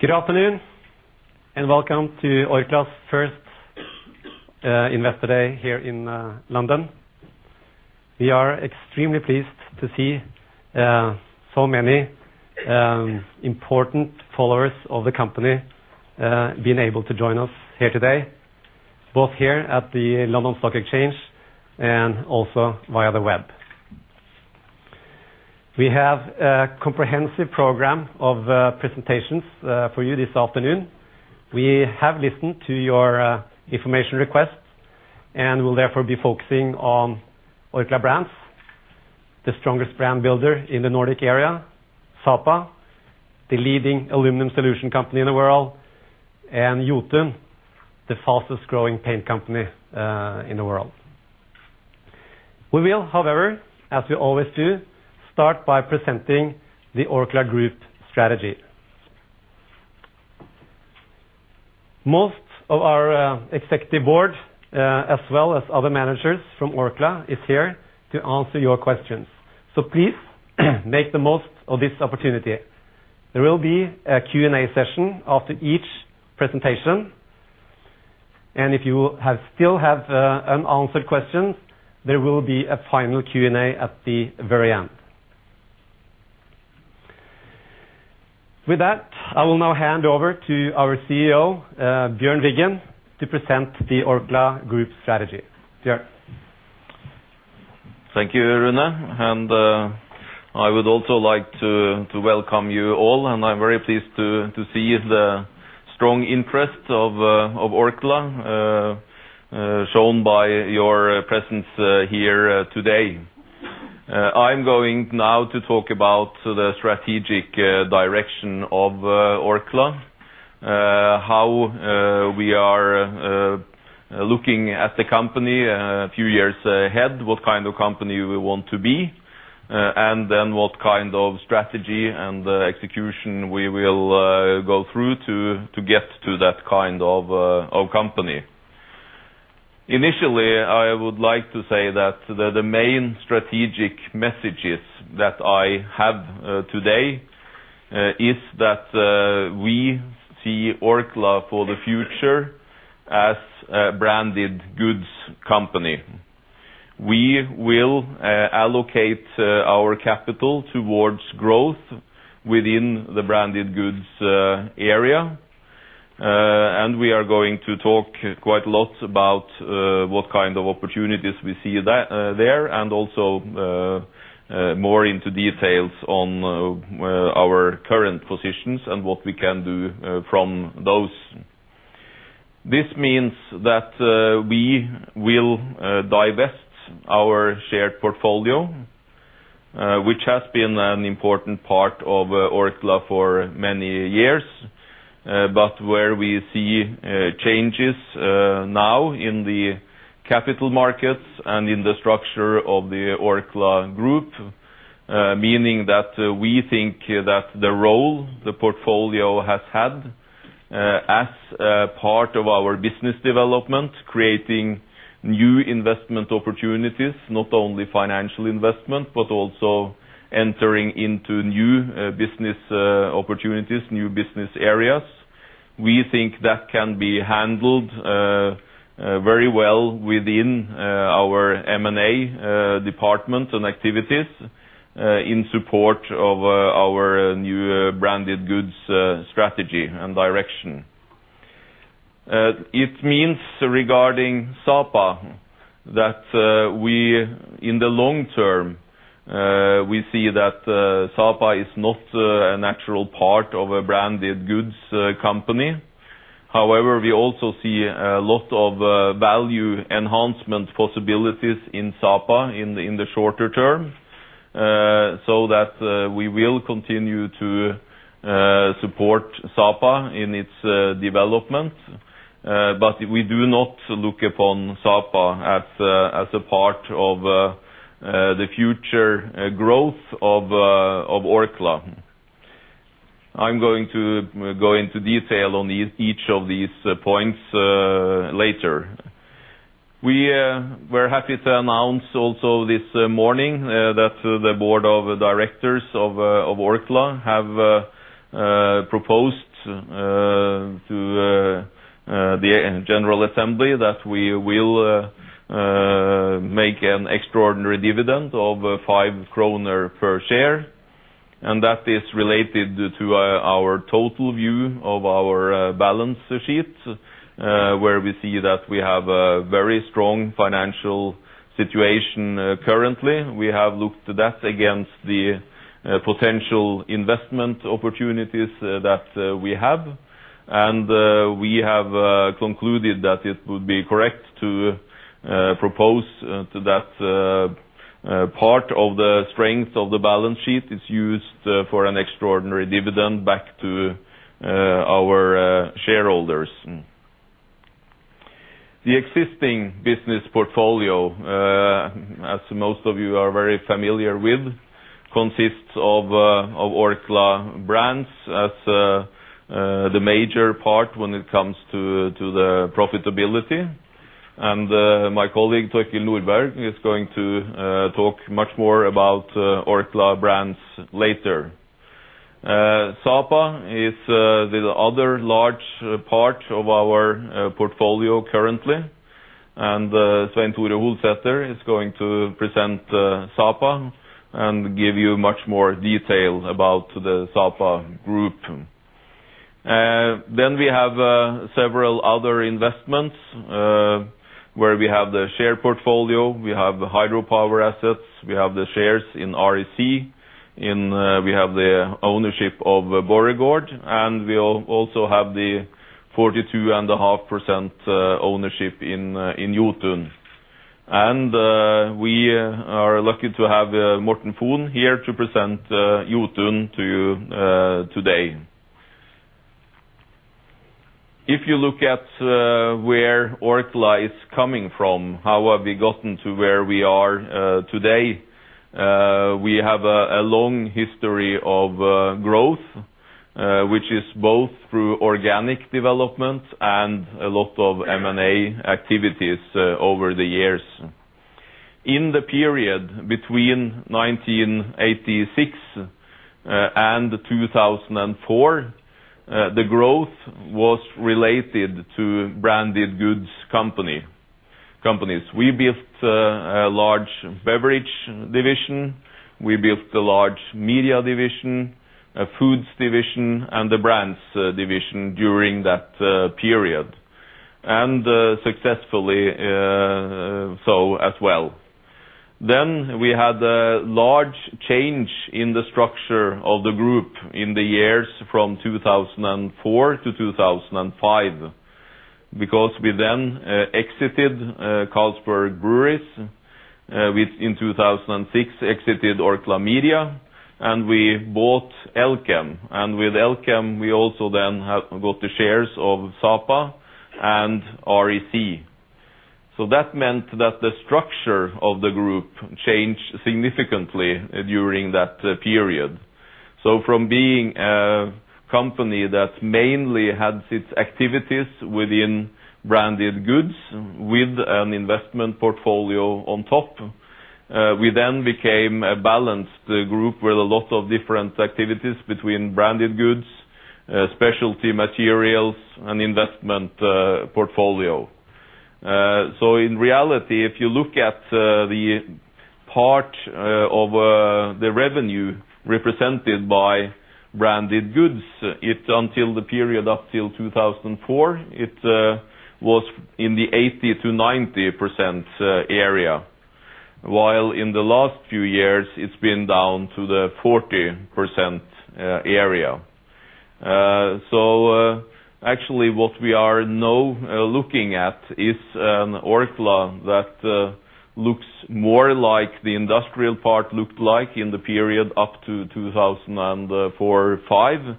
Good afternoon, and welcome to Orkla's first Investor Day here in London. We are extremely pleased to see so many important followers of the company being able to join us here today, both here at the London Stock Exchange and also via the web. We have a comprehensive program of presentations for you this afternoon. We have listened to your information requests, and will therefore be focusing on Orkla Brands, the strongest brand builder in the Nordic area, Sapa, the leading aluminum solution company in the world, and Jotun, the fastest-growing paint company in the world. We will, however, as we always do, start by presenting the Orkla Group strategy. Most of our executive board, as well as other managers from Orkla, is here to answer your questions, so please make the most of this opportunity. There will be a Q&A session after each presentation, if you still have unanswered questions, there will be a final Q&A at the very end. With that, I will now hand over to our CEO, Bjørn M. Wiggen, to present the Orkla Group strategy. Bjørn? Thank you, Rune, and I would also like to welcome you all, and I'm very pleased to see the strong interest of Orkla shown by your presence here today. I'm going now to talk about the strategic direction of Orkla. How we are looking at the company a few years ahead, what kind of company we want to be, and then what kind of strategy and execution we will go through to get to that kind of company. Initially, I would like to say that the main strategic messages that I have today is that we see Orkla for the future as a branded goods company. We will allocate our capital towards growth within the branded goods area, and we are going to talk quite a lot about what kind of opportunities we see that there, and also more into details on our current positions and what we can do from those. This means that we will divest our shared portfolio, which has been an important part of Orkla for many years, but where we see changes now in the capital markets and in the structure of the Orkla group. Meaning that we think that the role the portfolio has had as a part of our business development, creating new investment opportunities, not only financial investment, but also entering into new business opportunities, new business areas, we think that can be handled very well within our M&A department and activities in support of our new branded goods strategy and direction. It means regarding Sapa, that we, in the long term, we see that Sapa is not a natural part of a branded goods company. However, we also see a lot of value enhancement possibilities in Sapa in the shorter term, so that we will continue to support Sapa in its development. We do not look upon Sapa as a part of the future growth of Orkla. I'm going to go into detail on each of these points later. We're happy to announce also this morning that the board of directors of Orkla have proposed to the general assembly that we will make an extraordinary dividend of 5 kroner per share, and that is related to our total view of our balance sheet, where we see that we have a very strong financial situation currently. We have looked that against the potential investment opportunities that we have, and we have concluded that it would be correct to propose to that part of the strength of the balance sheet is used for an extraordinary dividend back to our shareholders. The existing business portfolio, as most of you are very familiar with, consists of Orkla Brands as the major part when it comes to the profitability. My colleague, Torkild Nordberg, is going to talk much more about Orkla Brands later. Sapa is the other large part of our portfolio currently, and Svein Tore Holsether is going to present Sapa and give you much more detail about the Sapa group. Then we have several other investments where we have the share portfolio, we have the hydropower assets, we have the shares in REC, we have the ownership of Borregaard, and we also have the 42.5% ownership in Jotun. We are lucky to have Morten Fon here to present Jotun to you today. If you look at where Orkla is coming from, how have we gotten to where we are today? We have a long history of growth which is both through organic development and a lot of M&A activities over the years. In the period between 1986 and 2004, the growth was related to branded goods companies. We built a large beverage division, we built a large media division, a foods division, and a brands division during that period, and successfully so as well. We had a large change in the structure of the group in the years from 2004 to 2005, because we then exited Carlsberg breweries in 2006, exited Orkla Media, and we bought Elkem. With Elkem, we also then have got the shares of Sapa and REC. That meant that the structure of the group changed significantly during that period. From being a company that mainly had its activities within branded goods, with an investment portfolio on top, we then became a balanced group with a lot of different activities between branded goods, specialty materials, and investment portfolio. In reality, if you look at the part of the revenue represented by branded goods, it until the period up till 2004, it was in the 80%-90% area. While in the last few years, it's been down to the 40% area. Actually, what we are now looking at is an Orkla that looks more like the industrial part looked like in the period up to 2004/5,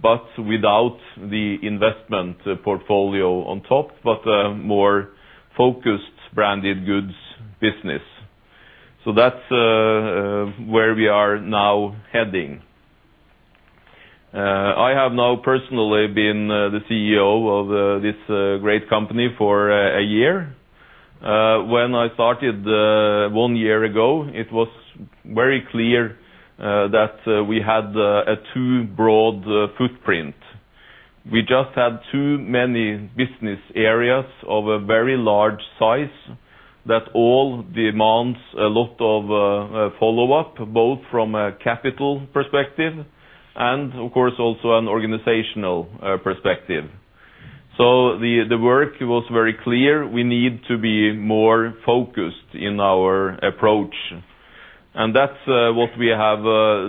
but without the investment portfolio on top, but a more focused branded goods business. That's where we are now heading. I have now personally been the CEO of this great company for a year. When I started 1 year ago, it was very clear that we had a too broad footprint. We just had too many business areas of a very large size, that all demands a lot of follow-up, both from a capital perspective and, of course, also an organizational perspective. The work was very clear. We need to be more focused in our approach, that's what we have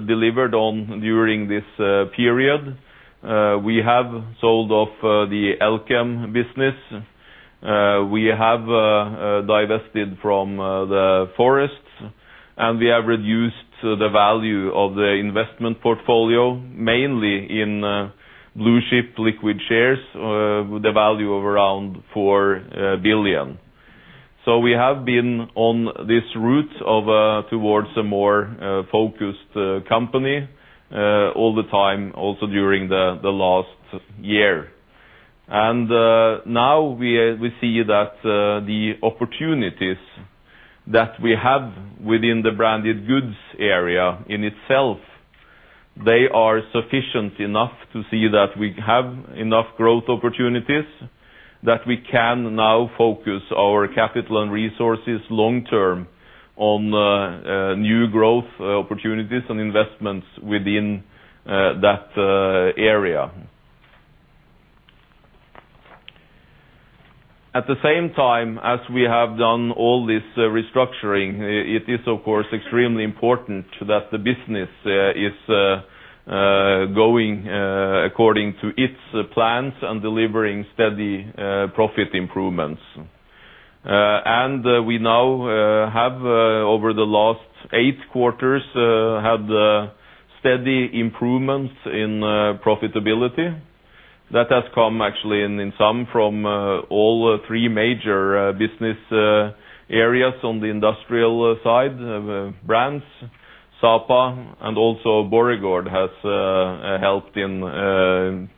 delivered on during this period. We have sold off the Elkem business, we have divested from the forests, we have reduced the value of the investment portfolio, mainly in blue chip liquid shares, with a value of around 4 billion. We have been on this route of towards a more focused company all the time, also during the last year. Now we see that the opportunities that we have within the branded goods area in itself, they are sufficient enough to see that we have enough growth opportunities, that we can now focus our capital and resources long term on new growth opportunities and investments within that area. At the same time, as we have done all this restructuring, it is, of course, extremely important that the business is going according to its plans and delivering steady profit improvements. And we now have over the last 8 quarters had steady improvements in profitability. That has come actually in some from all 3 major business areas on the industrial side, brands. Sapa and also Borregaard has helped in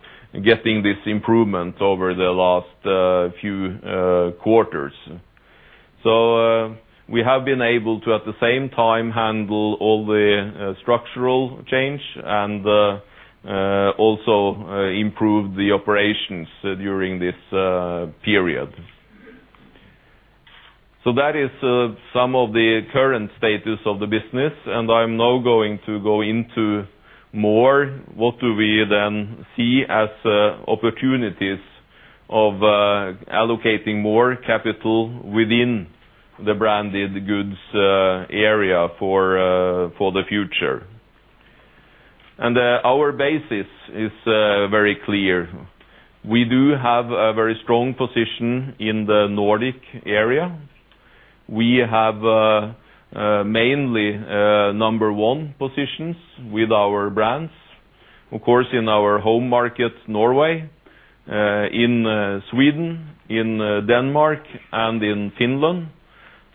getting this improvement over the last few quarters. We have been able to, at the same time, handle all the structural change and also improve the operations during this period. That is some of the current status of the business, and I'm now going to go into more, what do we then see as opportunities of allocating more capital within the branded goods area for for the future? Our basis is very clear. We do have a very strong position in the Nordic area. We have mainly number one positions with our brands, of course, in our home market, Norway, in Sweden, in Denmark, and in Finland.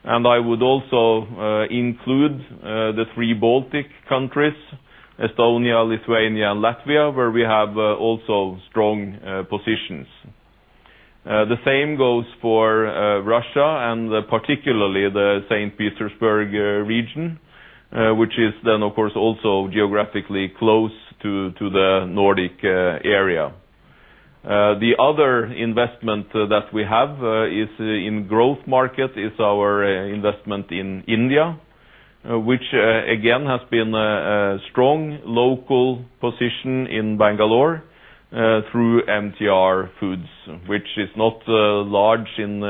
I would also include the three Baltic countries, Estonia, Lithuania, and Latvia, where we have also strong positions. The same goes for Russia, and particularly the St. Petersburg region, which is then, of course, also geographically close to the Nordic area. The other investment that we have is in growth market, is our investment in India, which again, has been a strong local position in Bangalore, through MTR Foods. Which is not large in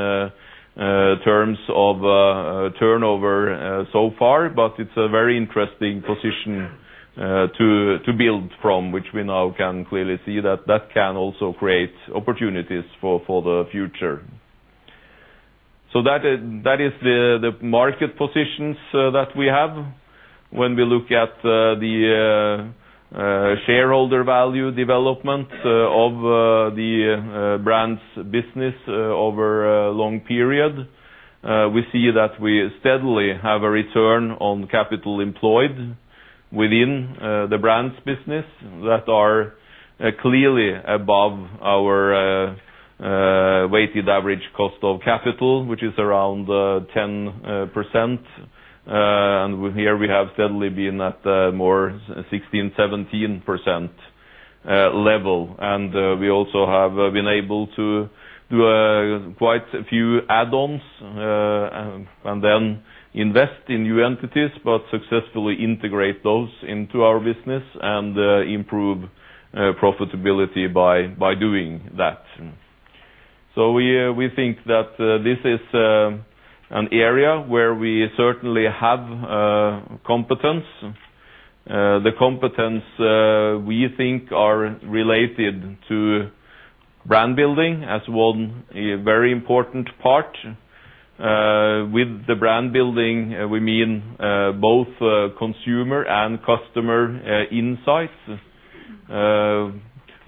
terms of turnover so far, but it's a very interesting position to build from, which we now can clearly see that that can also create opportunities for the future. That is the market positions that we have. When we look at the shareholder value development of the brands business over a long period, we see that we steadily have a return on capital employed within the brands business that are clearly above our weighted average cost of capital, which is around 10%. Here we have steadily been at more 16%-17% level. We also have been able to do quite a few add-ons and then invest in new entities, but successfully integrate those into our business, and improve profitability by doing that. We think that this is an area where we certainly have competence. The competence we think are related to brand building as one, a very important part. With the brand building, we mean, both, consumer and customer, insights.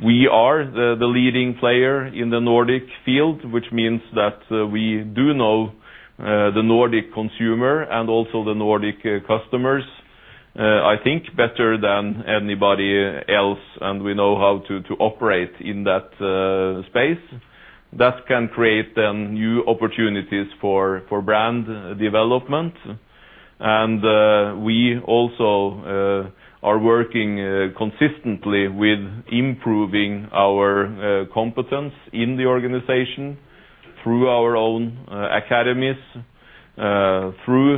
We are the leading player in the Nordic field, which means that, we do know, the Nordic consumer and also the Nordic customers, I think, better than anybody else, and we know how to operate in that space. That can create then new opportunities for brand development. We also are working consistently with improving our competence in the organization through our own academies, through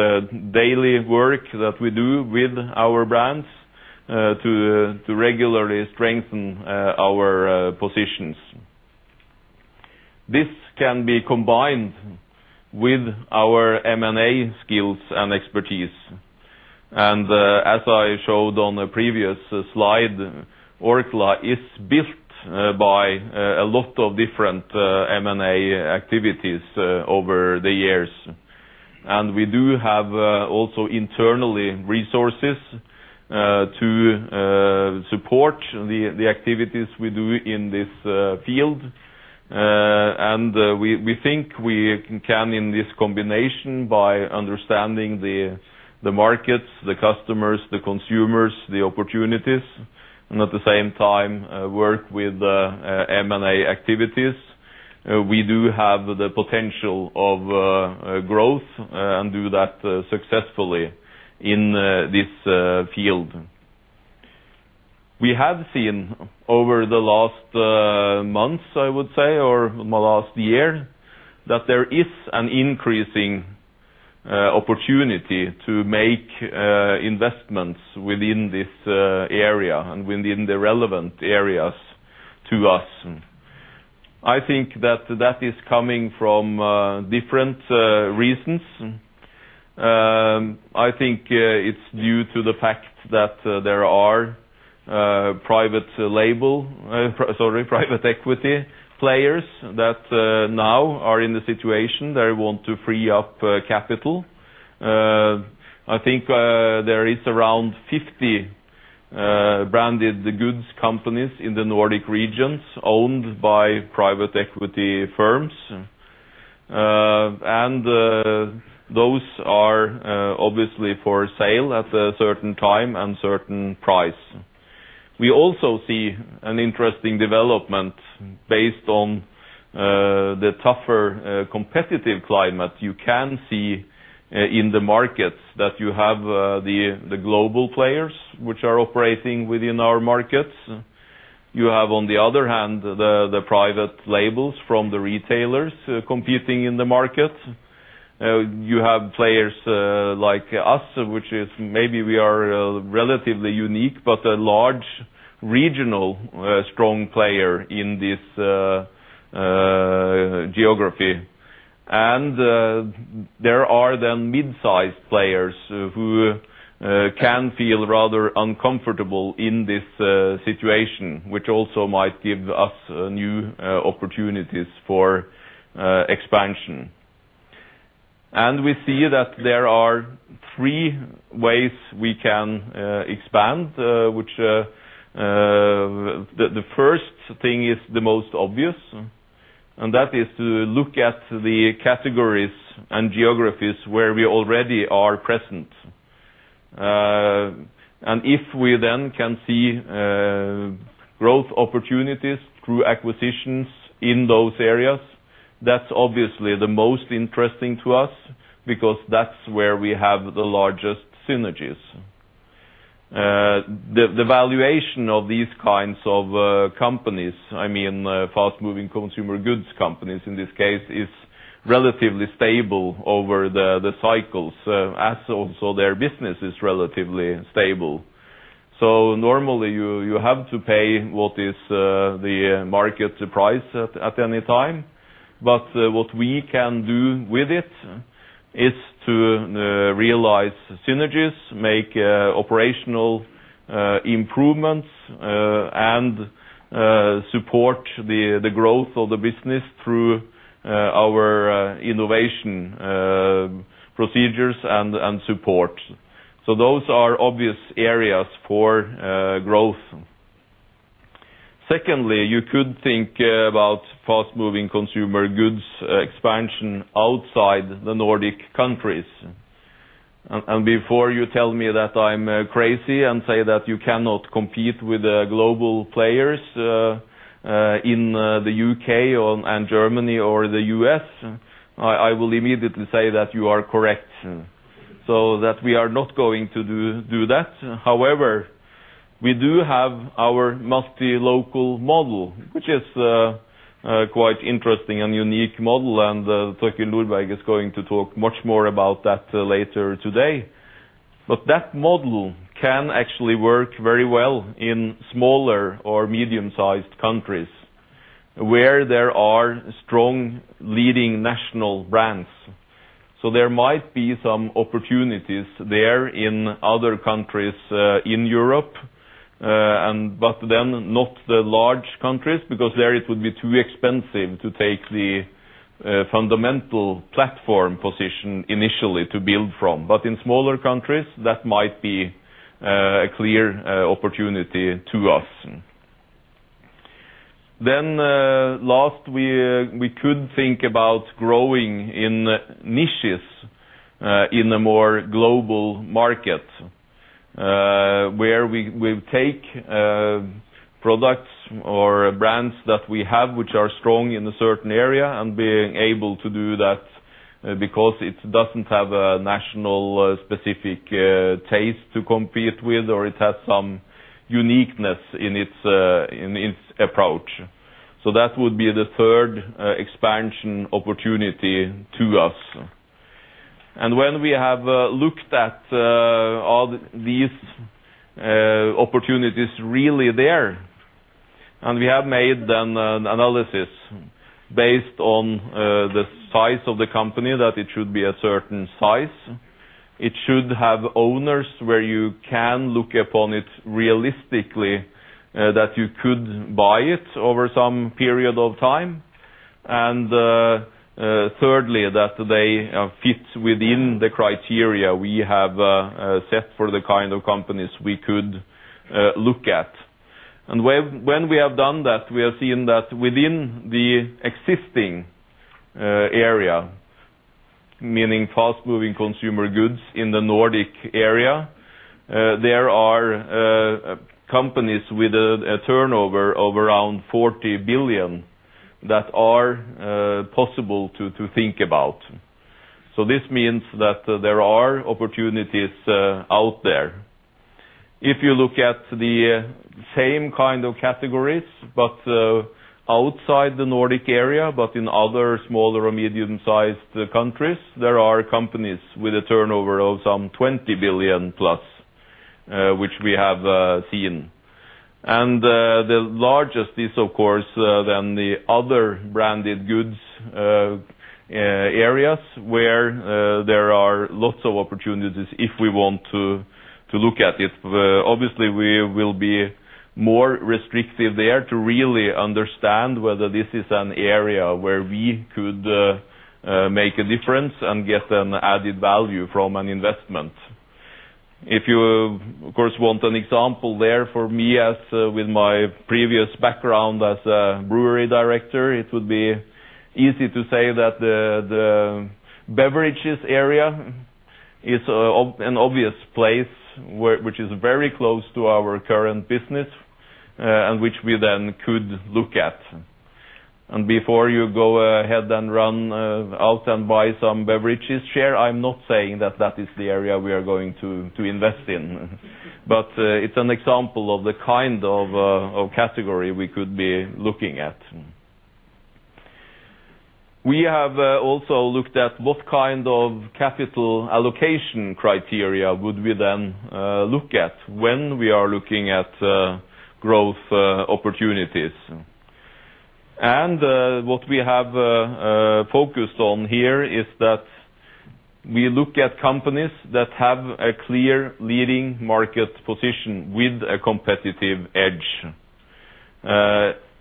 the daily work that we do with our brands, to regularly strengthen our positions. This can be combined with our M&A skills and expertise. As I showed on the previous slide, Orkla is built by a lot of different M&A activities over the years. We do have also internally, resources to support the activities we do in this field. We think we can, in this combination, by understanding the markets, the customers, the consumers, the opportunities, and at the same time, work with M&A activities. We do have the potential of growth and do that successfully in this field. We have seen over the last months, I would say, or last year, that there is an increasing opportunity to make investments within this area and within the relevant areas to us. I think that that is coming from different reasons. I think it's due to the fact that there are private label, sorry, private equity players that now are in the situation they want to free up capital. I think there is around 50 branded goods companies in the Nordic regions owned by private equity firms. Those are obviously for sale at a certain time and certain price. We also see an interesting development based on the tougher competitive climate. You can see in the markets that you have the global players, which are operating within our markets. You have, on the other hand, the private labels from the retailers competing in the market. You have players like us, which is maybe we are relatively unique, but a large regional strong player in this geography. There are then mid-sized players who can feel rather uncomfortable in this situation, which also might give us new opportunities for expansion. We see that there are three ways we can expand, which the first thing is the most obvious, and that is to look at the categories and geographies where we already are present. If we then can see growth opportunities through acquisitions in those areas, that's obviously the most interesting to us, because that's where we have the largest synergies. The valuation of these kinds of companies, I mean, fast-moving consumer goods companies, in this case, is relatively stable over the cycles, as also their business is relatively stable. Normally, you have to pay what is the market price at any time. What we can do with it is to realize synergies, make operational improvements, and support the growth of the business through our innovation procedures and support. Those are obvious areas for growth. Secondly, you could think about fast-moving consumer goods expansion outside the Nordic countries. Before you tell me that I'm crazy and say that you cannot compete with the global players in the U.K. or, and Germany or the U.S., I will immediately say that you are correct, so that we are not going to do that. However, we do have our multi-local model, which is a quite interesting and unique model, and Torkild Nordberg is going to talk much more about that later today. That model can actually work very well in smaller or medium-sized countries, where there are strong leading national brands. So there might be some opportunities there in other countries in Europe, not the large countries, because there it would be too expensive to take the fundamental platform position initially to build from. In smaller countries, that might be a clear opportunity to us. Last, we could think about growing in niches, in a more global market, where we take products or brands that we have, which are strong in a certain area, and being able to do that, because it doesn't have a national specific taste to compete with, or it has some uniqueness in its approach. That would be the third expansion opportunity to us. When we have looked at all these opportunities really there, and we have made an analysis based on the size of the company, that it should be a certain size. It should have owners where you can look upon it realistically, that you could buy it over some period of time. Thirdly, that they fit within the criteria we have set for the kind of companies we could look at. When we have done that, we have seen that within the existing area, meaning fast-moving consumer goods in the Nordic area, there are companies with a turnover of around 40 billion that are possible to think about. This means that there are opportunities out there. If you look at the same kind of categories, but outside the Nordic area, but in other smaller or medium-sized countries, there are companies with a turnover of some 20 billion plus, which we have seen. The largest is, of course, then the other branded goods areas, where there are lots of opportunities if we want to look at it. Obviously, we will be more restrictive there to really understand whether this is an area where we could make a difference and get an added value from an investment. If you, of course, want an example there for me, as with my previous background as a brewery director, it would be easy to say that the beverages area is an obvious place which is very close to our current business and which we then could look at. Before you go ahead and run out and buy some beverages share, I'm not saying that that is the area we are going to invest in. It's an example of the kind of category we could be looking at. We have also looked at what kind of capital allocation criteria would we look at when we are looking at growth opportunities? What we have focused on here is that we look at companies that have a clear leading market position with a competitive edge.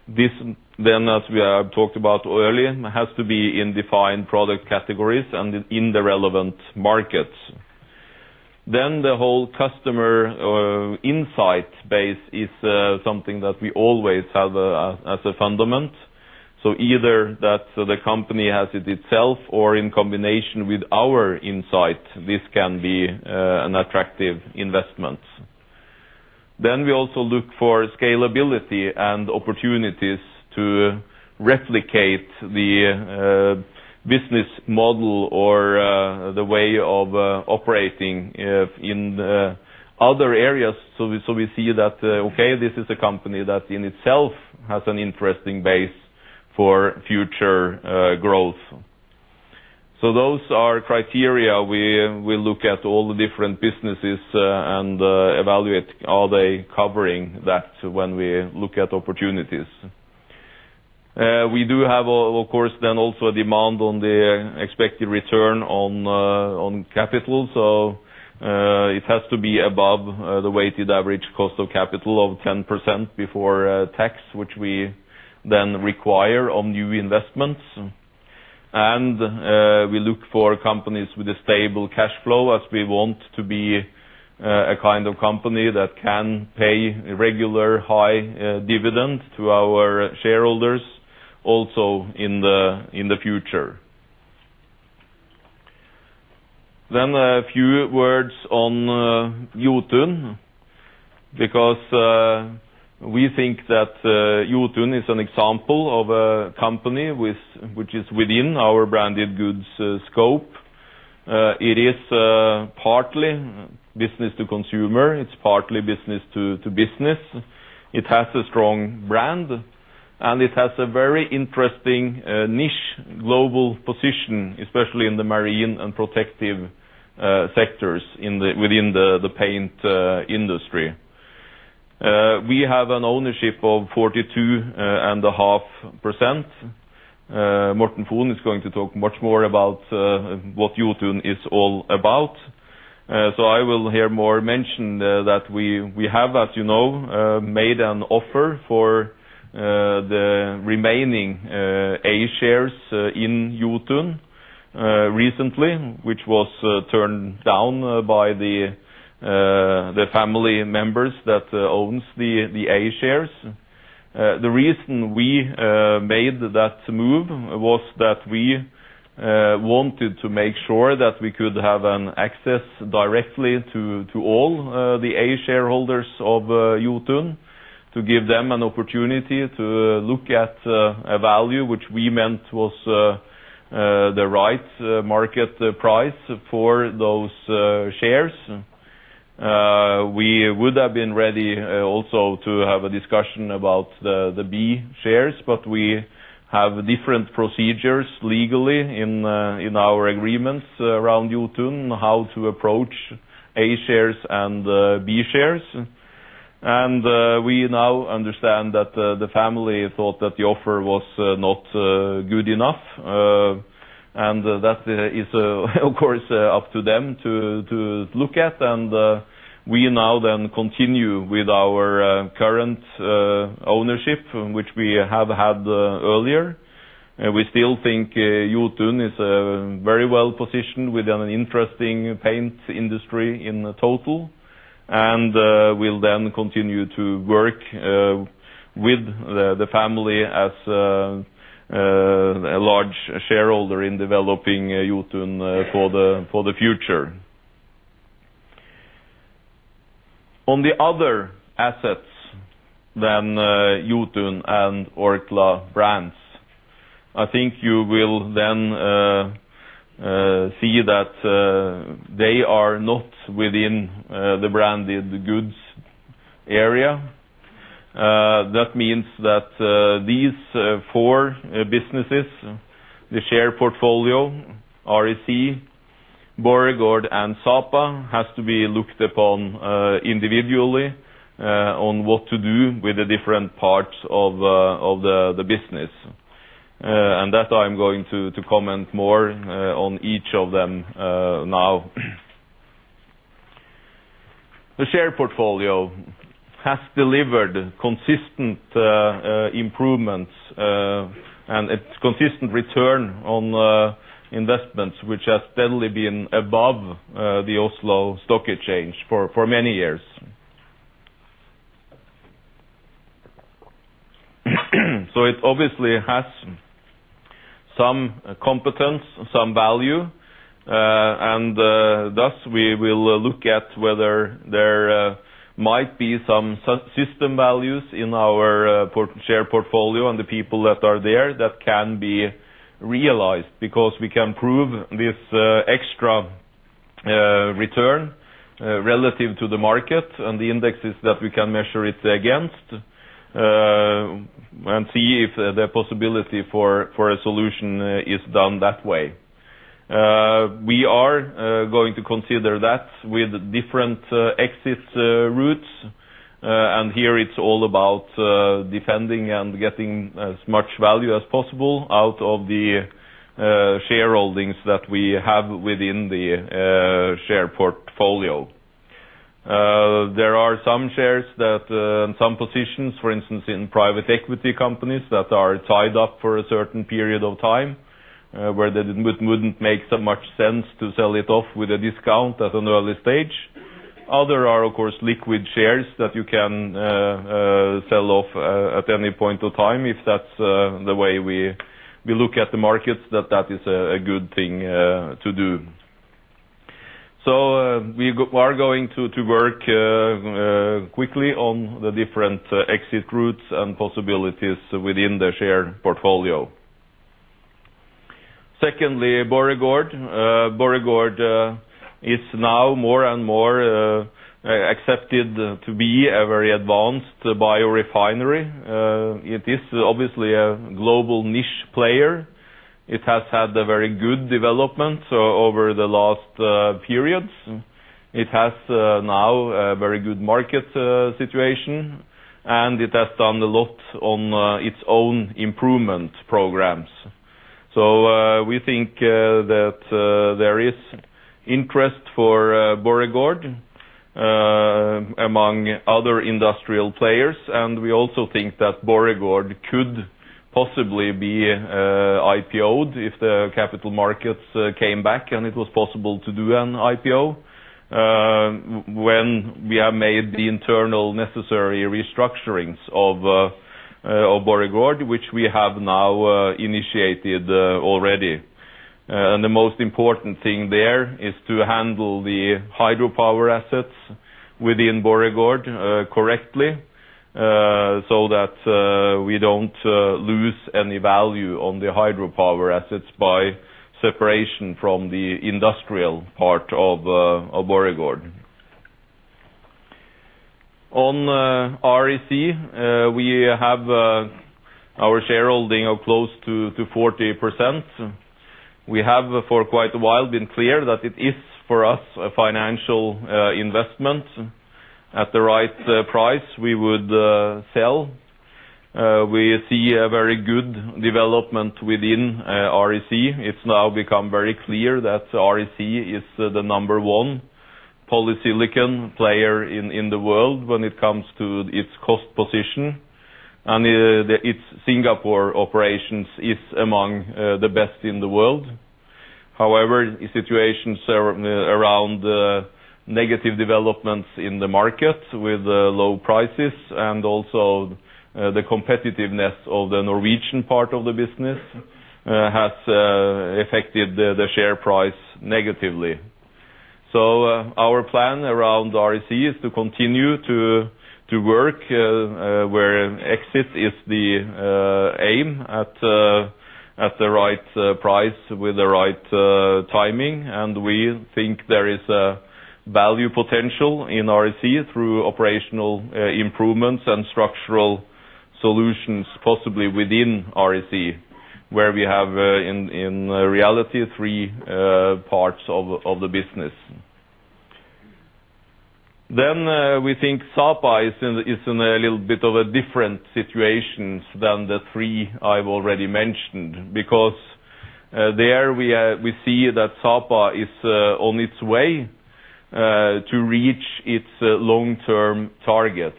This, as we have talked about earlier, has to be in defined product categories and in the relevant markets. The whole customer insight base is something that we always have as a fundament. Either that the company has it itself, or in combination with our insight, this can be an attractive investment. We also look for scalability and opportunities to replicate the business model or the way of operating if in other areas. We see that this is a company that in itself has an interesting base for future growth. Those are criteria. We look at all the different businesses and evaluate, are they covering that when we look at opportunities? We do have, of course, then also a demand on the expected return on capital. It has to be above the weighted average cost of capital of 10% before tax, which we then require on new investments. We look for companies with a stable cash flow, as we want to be a kind of company that can pay a regular high dividend to our shareholders, also in the future. A few words on Jotun, because we think that Jotun is an example of a company which is within our branded goods scope. It is partly business to consumer, it's partly business to business. It has a strong brand, and it has a very interesting niche global position, especially in the marine and protective sectors within the paint industry. We have an ownership of 42.5%. Morten Fon is going to talk much more about what Jotun is all about. I will hear more mention that we have, as you know, made an offer for the remaining A shares in Jotun recently, which was turned down by the family members that owns the A shares. The reason we made that move was that we wanted to make sure that we could have an access directly to all the A shareholders of Jotun, to give them an opportunity to look at a value, which we meant was the right market price for those shares. We would have been ready also to have a discussion about the B shares, but we have different procedures legally in our agreements around Jotun, how to approach A shares and B shares. We now understand that the family thought that the offer was not good enough. That is, of course, up to them to look at. We now then continue with our current ownership, which we have had earlier. We still think Jotun is very well positioned with an interesting paint industry in total. We'll then continue to work with the family as a large shareholder in developing Jotun for the future. On the other assets than Jotun and Orkla Brands, I think you will then see that they are not within the branded goods area. That means that these four businesses, the share portfolio, REC, Borregaard and Sapa, has to be looked upon individually on what to do with the different parts of the business. That I'm going to comment more on each of them now. The share portfolio has delivered consistent improvements and its consistent return on investments, which has steadily been above the Oslo Stock Exchange for many years. It obviously has some competence, some value, and thus, we will look at whether there might be some system values in our share portfolio and the people that are there that can be realized. We can prove this extra return relative to the market and the indexes that we can measure it against and see if the possibility for a solution is done that way. We are going to consider that with different exit routes. Here it's all about defending and getting as much value as possible out of the shareholdings that we have within the share portfolio. Some positions, for instance, in private equity companies that are tied up for a certain period of time, where it wouldn't make so much sense to sell it off with a discount at an early stage. Other are, of course, liquid shares that you can sell off at any point of time, if that's the way we look at the markets, that that is a good thing to do. We are going to work quickly on the different exit routes and possibilities within the share portfolio. Secondly, Borregaard. Borregaard is now more and more accepted to be a very advanced biorefinery. It is obviously a global niche player. It has had a very good development, so over the last periods. It has now a very good market situation, and it has done a lot on its own improvement programs. We think that there is interest for Borregaard among other industrial players, and we also think that Borregaard could possibly be IPO'd if the capital markets came back, and it was possible to do an IPO. When we have made the internal necessary restructurings of Borregaard, which we have now initiated already. The most important thing there is to handle the hydropower assets within Borregaard correctly so that we don't lose any value on the hydropower assets by separation from the industrial part of Borregaard. On REC, we have our shareholding of close to 40%. We have for quite a while been clear that it is, for us, a financial investment. At the right price, we would sell. We see a very good development within REC. It's now become very clear that REC is the number one polysilicon player in the world when it comes to its cost position, and its Singapore operations is among the best in the world. However, the situations around the negative developments in the market with low prices and also the competitiveness of the Norwegian part of the business has affected the share price negatively. Our plan around REC is to continue to work where an exit is the aim at the right price with the right timing. We think there is a value potential in REC through operational improvements and structural solutions, possibly within REC, where we have in reality 3 parts of the business. We think Sapa is in a little bit of a different situations than the three I've already mentioned. There we see that Sapa is on its way to reach its long-term targets,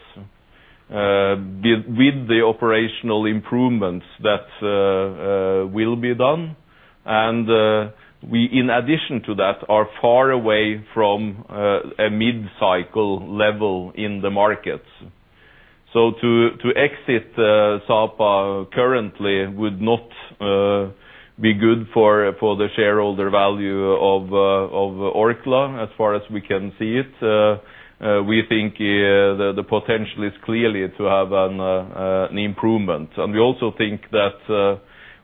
with the operational improvements that will be done. We, in addition to that, are far away from a mid-cycle level in the markets. To exit Sapa currently would not be good for the shareholder value of Orkla, as far as we can see it. We think the potential is clearly to have an improvement. We also think that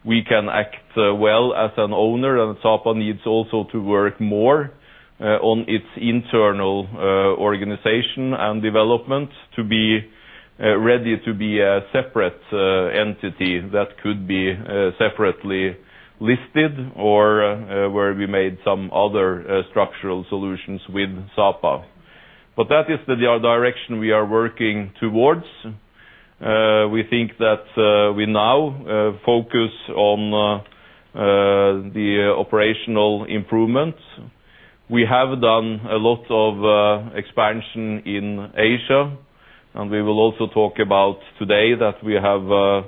we can act well as an owner, and Sapa needs also to work more on its internal organization and development to be ready to be a separate entity that could be separately listed or where we made some other structural solutions with Sapa. That is the direction we are working towards. We think that we now focus on the operational improvements. We have done a lot of expansion in Asia, and we will also talk about today that we have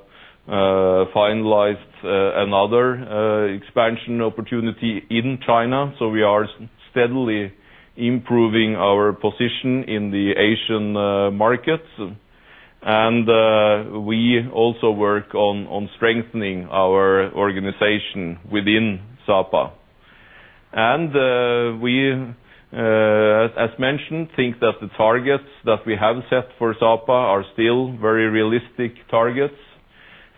finalized another expansion opportunity in China. We are steadily improving our position in the Asian markets. We also work on strengthening our organization within Sapa. We, as mentioned, think that the targets that we have set for Sapa are still very realistic targets.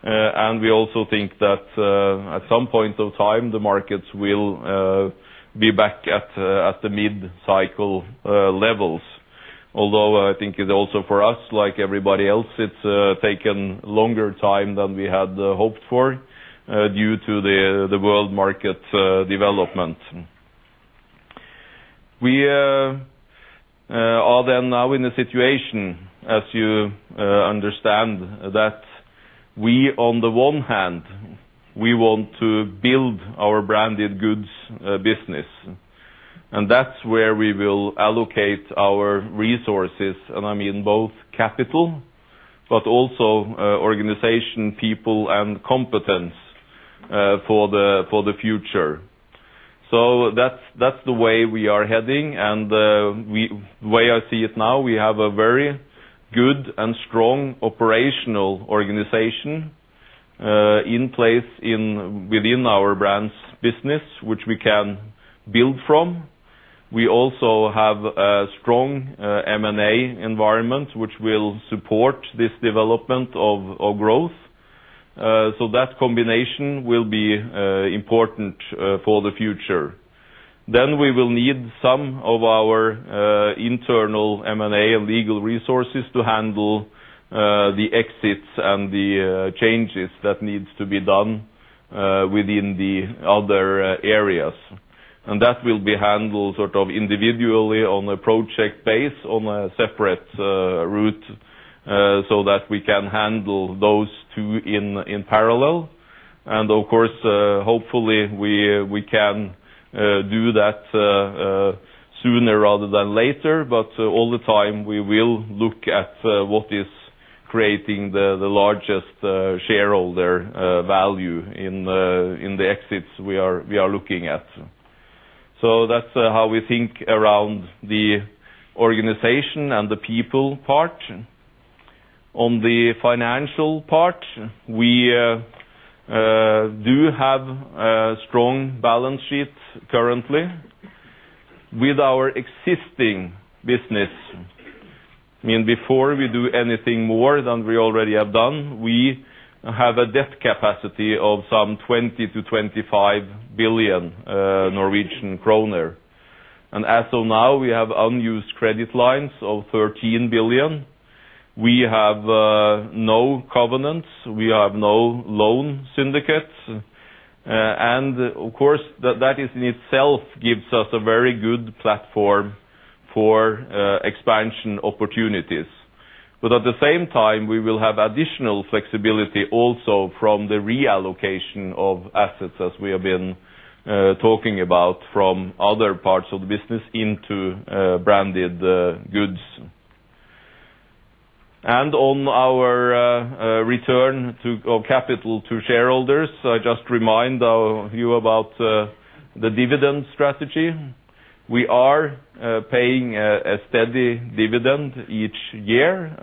We also think that, at some point of time, the markets will be back at the mid-cycle levels. Although I think it also for us, like everybody else, it's taken longer time than we had hoped for due to the world market development. We are then now in a situation, as you understand, that we, on the one hand, we want to build our branded goods business, and that's where we will allocate our resources, and I mean both capital, but also organization, people, and competence for the future. That's, that's the way we are heading, and the way I see it now, we have a very good and strong operational organization in place in within our brands business, which we can build from. We also have a strong M&A environment, which will support this development of growth. That combination will be important for the future. We will need some of our internal M&A and legal resources to handle the exits and the changes that needs to be done within the other areas. That will be handled sort of individually on a project base, on a separate route, so that we can handle those two in parallel. Of course, hopefully we can do that sooner rather than later. All the time, we will look at what is creating the largest shareholder value in the exits we are looking at. That's how we think around the organization and the people part. On the financial part, we do have a strong balance sheet currently with our existing business. I mean, before we do anything more than we already have done, we have a debt capacity of some 20 billion-25 billion Norwegian kroner. As of now, we have unused credit lines of 13 billion. We have no covenants. We have no loan syndicates. Of course, that in itself gives us a very good platform for expansion opportunities. At the same time, we will have additional flexibility also from the reallocation of assets, as we have been talking about from other parts of the business into branded goods. On our return of capital to shareholders, I just remind you about the dividend strategy. We are paying a steady dividend each year.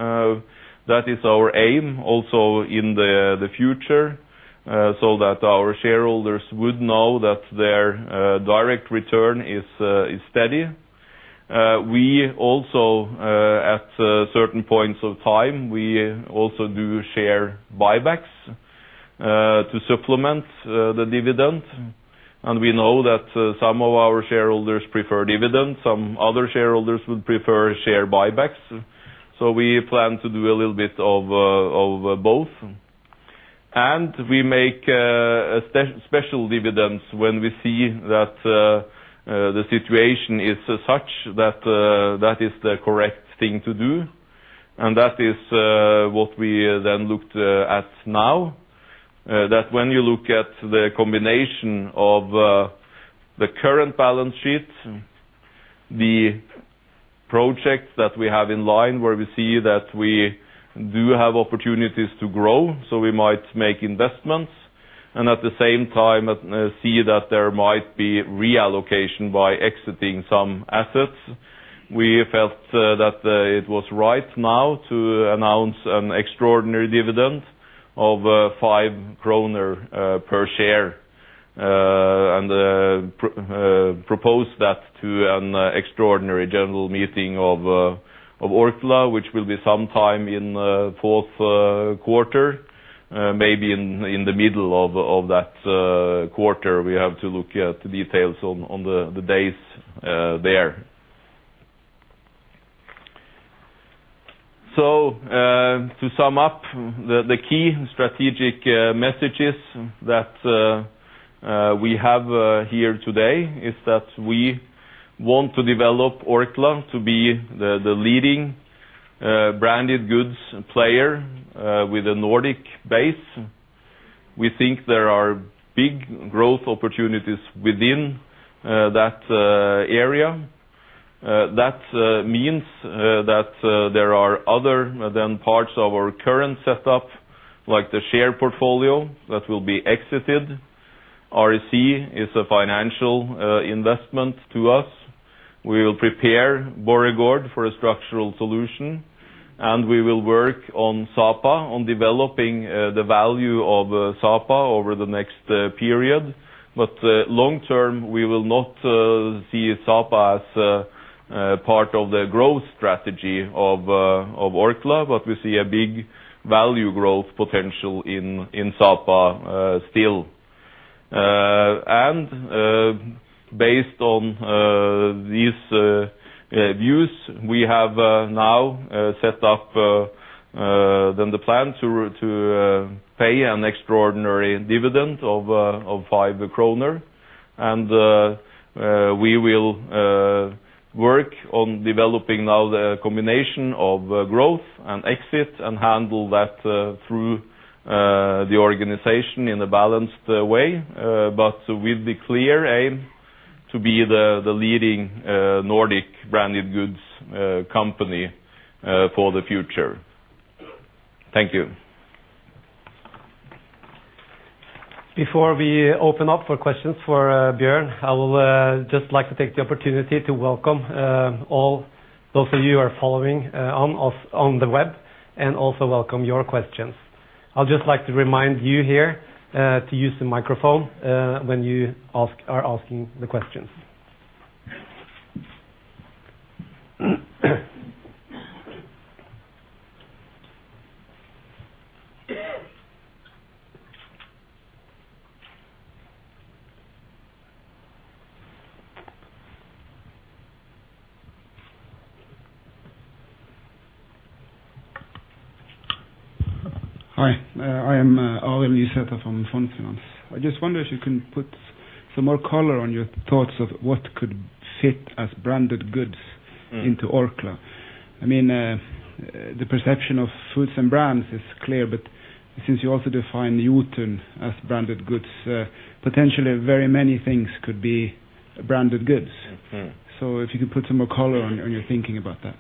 That is our aim also in the future, so that our shareholders would know that their direct return is steady. We also, at certain points of time, we also do share buybacks to supplement the dividend. We know that some of our shareholders prefer dividends, some other shareholders would prefer share buybacks. We plan to do a little bit of both. We make special dividends when we see that the situation is such that that is the correct thing to do. That is what we then looked at now that when you look at the combination of the current balance sheet, the projects that we have in line, where we see that we do have opportunities to grow, so we might make investments, and at the same time, see that there might be reallocation by exiting some assets. We felt that it was right now to announce an extraordinary dividend of 5 kroner per share and propose that to an extraordinary general meeting of Orkla, which will be sometime in fourth quarter, maybe in the middle of that quarter. We have to look at the details on the days there. To sum up, the key strategic messages that we have here today is that we want to develop Orkla to be the leading branded goods player with a Nordic base. We think there are big growth opportunities within that area. That means that there are other than parts of our current setup, like the share portfolio, that will be exited. REC is a financial investment to us. We will prepare Borregaard for a structural solution, and we will work on Sapa, on developing the value of Sapa over the next period. Long term, we will not see Sapa as part of the growth strategy of Orkla, but we see a big value growth potential in Sapa, still. Based on these views, we have now set up then the plan to pay an extraordinary dividend of 5 kroner. We will work on developing now the combination of growth and exit, and handle that through the organization in a balanced way, but with the clear aim to be the leading Nordic branded goods company for the future. Thank you. Before we open up for questions for Bjørn, I will just like to take the opportunity to welcome all those of you who are following on the web, and also welcome your questions. I'd just like to remind you here to use the microphone when you are asking the questions. Hi, I am Ari Lisetta from Fund Finance. I just wonder if you can put some more color on your thoughts of what could fit as branded goods into Orkla. I mean, the perception of foods and brands is clear, but since you also define Jotun as branded goods, potentially very many things could be branded goods. Mm-hmm. If you could put some more color on your, on your thinking about that.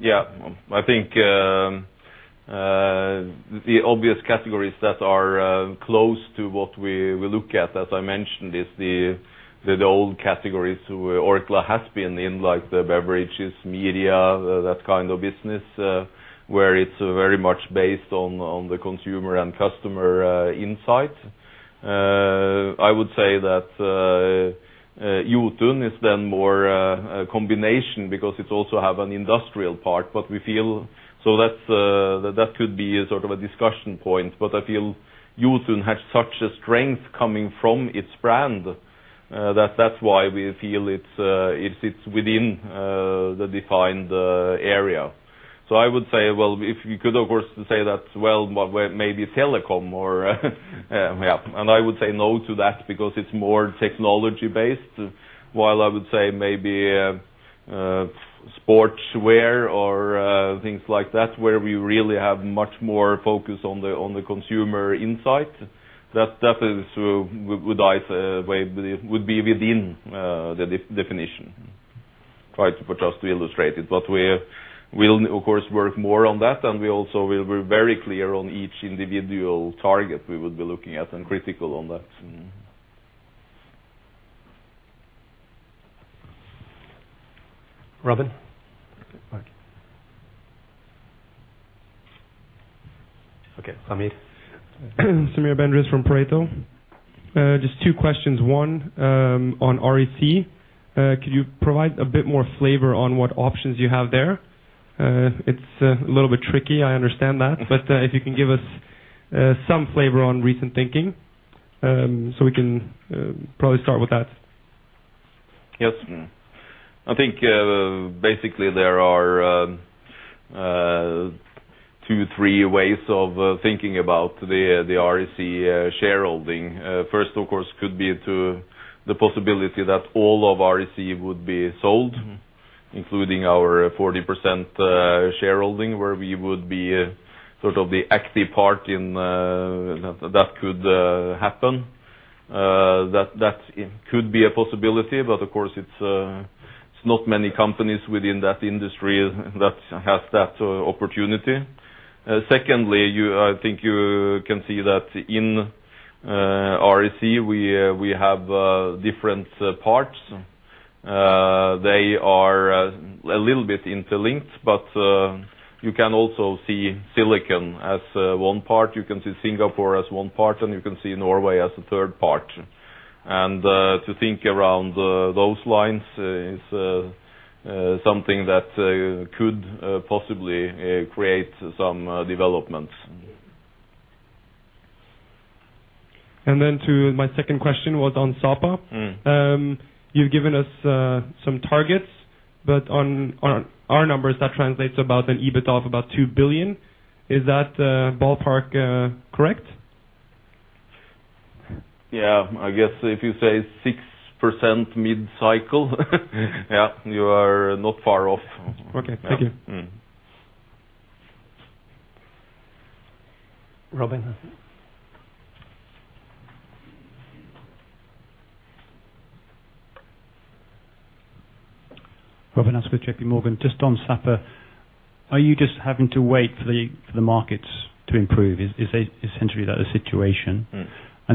Yeah. I think the obvious categories that are close to what we look at, as I mentioned, is the old categories where Orkla has been in, like the beverages, media, that kind of business, where it's very much based on the consumer and customer insight. I would say that Jotun is then more a combination, because it also have an industrial part. That's, that could be a sort of a discussion point. I feel Jotun has such a strength coming from its brand, that that's why we feel it's within the defined area. I would say, well, if you could, of course, say that, well, maybe telecom or yeah, and I would say no to that, because it's more technology-based. While I would say maybe, sportswear or, things like that, where we really have much more focus on the, on the consumer insight, that is, would I way, would be within, the definition. Try to, just to illustrate it. We'll of course, work more on that, and we also will be very clear on each individual target we would be looking at, and critical on that. Mm-hmm. Robin? Okay, Samir. Samir Bendriss from Pareto. Just 2 questions. One, on REC. Could you provide a bit more flavor on what options you have there? It's a little bit tricky, I understand that. If you can give us some flavor on recent thinking, we can probably start with that. Yes. I think, basically, there are 2, 3 ways of thinking about the REC shareholding. First, of course, could be to the possibility that all of REC would be sold. including our 40% shareholding, where we would be sort of the active part in. That could happen. That could be a possibility, but of course, it's not many companies within that industry that has that opportunity. Secondly, I think you can see that in REC, we have different parts. They are a little bit interlinked, but you can also see Silicon as one part, you can see Singapore as one part, and you can see Norway as a third part. To think around those lines is something that could possibly create some developments. To my second question was on Sapa. You've given us some targets, but on our numbers, that translates to about an EBIT of about 2 billion. Is that ballpark correct? Yeah, I guess if you say 6% mid-cycle, yeah, you are not far off. Okay. Thank you. Robin? Robert Askew, JP Morgan. Just on Sapa, are you just having to wait for the, for the markets to improve? Is essentially that the situation?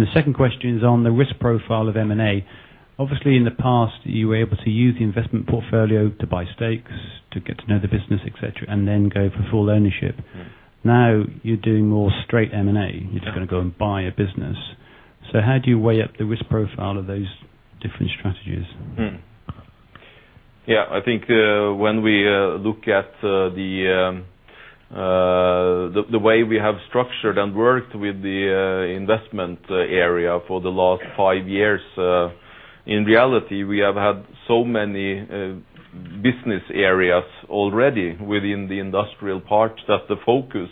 The second question is on the risk profile of M&A. Obviously, in the past, you were able to use the investment portfolio to buy stakes, to get to know the business, et cetera, and then go for full ownership. Now, you're doing more straight M&A- Yeah. you're just going to go and buy a business. How do you weigh up the risk profile of those different strategies? I think, when we look at the way we have structured and worked with the investment area for the last five years, in reality, we have had so many business areas already within the industrial part, that the focus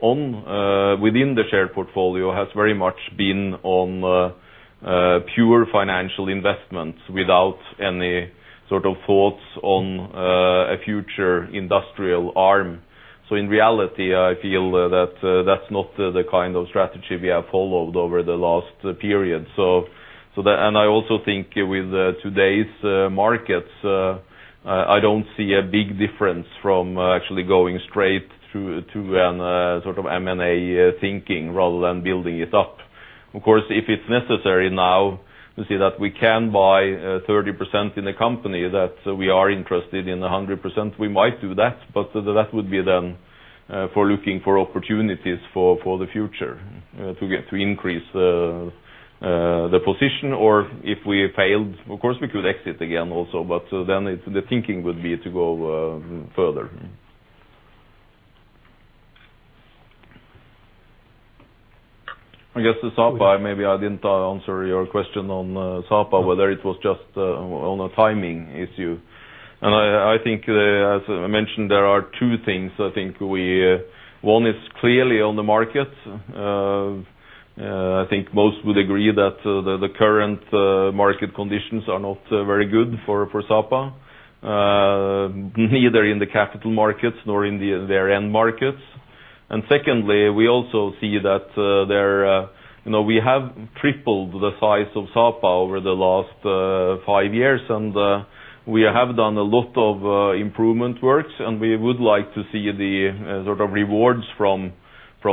on within the share portfolio has very much been on pure financial investments without any sort of thoughts on a future industrial arm. In reality, I feel that that's not the kind of strategy we have followed over the last period. I also think with today's markets, I don't see a big difference from actually going straight to sort of M&A thinking, rather than building it up. Of course, if it's necessary now to see that we can buy, 30% in a company, that we are interested in 100%, we might do that. That would be then, for looking for opportunities for the future, to increase the position, or if we failed, of course, we could exit again also, but then the thinking would be to go further. I guess the Sapa. Maybe I didn't answer your question on Sapa, whether it was just on a timing issue. I think, as I mentioned, there are two things I think we. One is clearly on the market. I think most would agree that the current market conditions are not very good for Sapa, neither in the capital markets nor in their end markets. Secondly, we also see that there. You know, we have tripled the size of Sapa over the last five years, and we have done a lot of improvement works, and we would like to see the sort of rewards from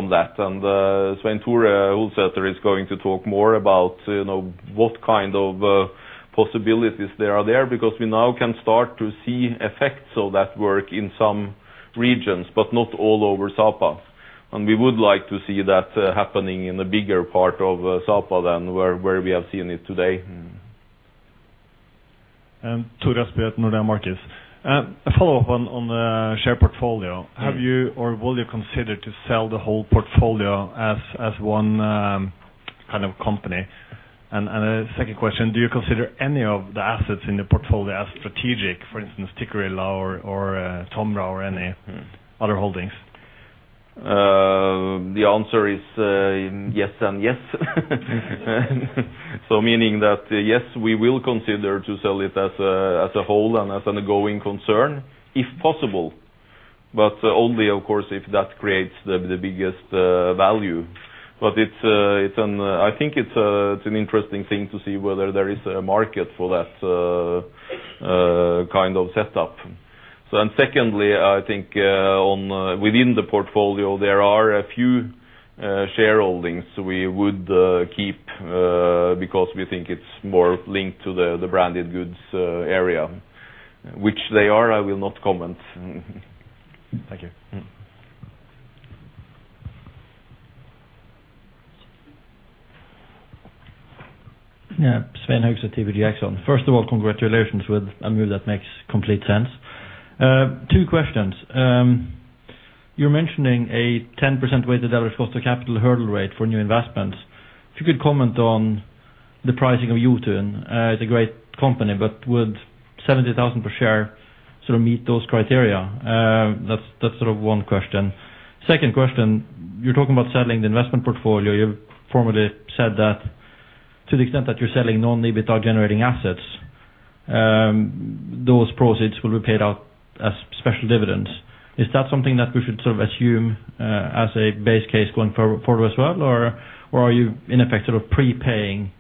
that. Svein Tore Holsether is going to talk more about, you know, what kind of possibilities there are there, because we now can start to see effects of that work in some regions, but not all over Sapa. We would like to see that happening in a bigger part of Sapa than where we have seen it today. Tore Aspheim, Nordea Markets. A follow-up on the share portfolio. Yeah. Have you or will you consider to sell the whole portfolio as one kind of company? A second question, do you consider any of the assets in the portfolio as strategic, for instance, Tikkurila or Tomra? other holdings? The answer is, yes and yes. Meaning that, yes, we will consider to sell it as a whole and as an ongoing concern, if possible, but only, of course, if that creates the biggest value. It's an interesting thing to see whether there is a market for that kind of setup. Secondly, I think on... Within the portfolio, there are a few shareholdings we would keep because we think it's more linked to the branded goods area. Which they are, I will not comment. Thank you. Svein Høgset, DBD EXO. First of all, congratulations with a move that makes complete sense. Two questions: You're mentioning a 10% weighted average cost to capital hurdle rate for new investments. If you could comment on the pricing of Jotun. It's a great company, but would 70,000 per share sort of meet those criteria? That's sort of one question. Second question, you're talking about selling the investment portfolio. You've formerly said that to the extent that you're selling non-EBITDA generating assets, those proceeds will be paid out as special dividends. Is that something that we should sort of assume as a base case going forward as well? Are you, in effect, sort of prepaying,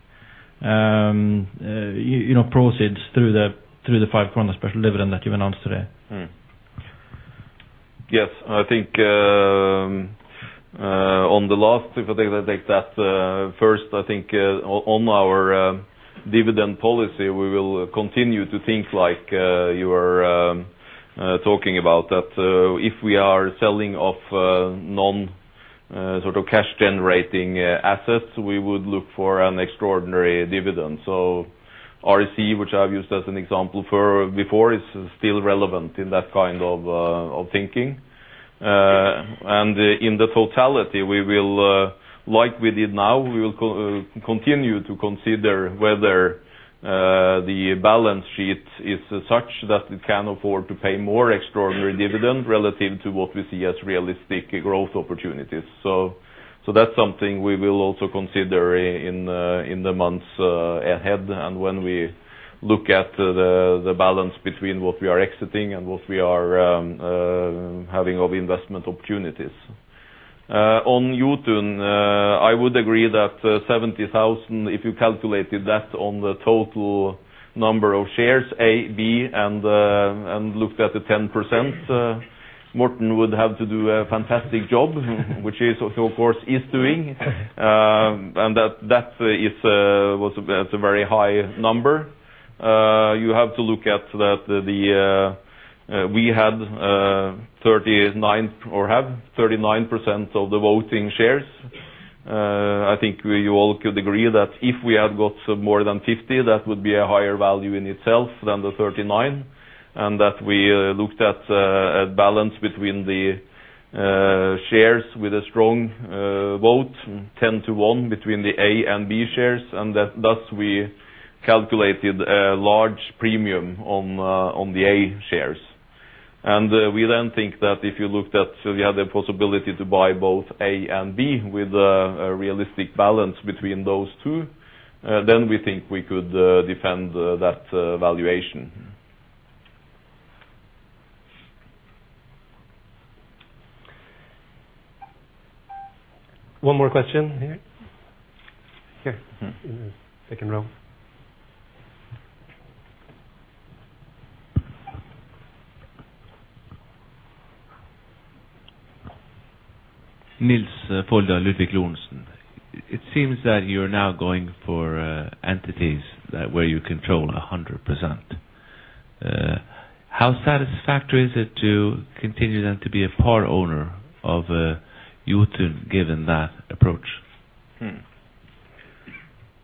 you know, proceeds through the, through the 5 corner special dividend that you announced today? Yes, I think on the last, if I take that first, I think on our dividend policy, we will continue to think like you are talking about. If we are selling off non sort of cash-generating assets, we would look for an extraordinary dividend. RC, which I've used as an example before, is still relevant in that kind of thinking. In the totality, we will, like we did now, we will continue to consider whether the balance sheet is such that it can afford to pay more extraordinary dividend relative to what we see as realistic growth opportunities. That's something we will also consider in the months ahead, and when we look at the balance between what we are exiting and what we are having of investment opportunities. On Jotun, I would agree that 70,000, if you calculated that on the total number of shares, A, B, and looked at the 10%, Morten would have to do a fantastic job, which he is, of course, is doing. And that is a very high number. You have to look at that the we had 39% or have 39% of the voting shares. I think we all could agree that if we had got more than 50, that would be a higher value in itself than the 39, and that we looked at a balance between the shares with a strong vote, 10 to 1 between the A and B shares, and that thus, we calculated a large premium on the A shares. We then think that if you looked at the other possibility to buy both A and B with a realistic balance between those two, then we think we could defend that valuation. One more question here? Here, second row. Nils Folda Ludvig Lorentzen. It seems that you are now going for entities that where you control 100%. How satisfactory is it to continue then to be a part owner of Jotun, given that approach?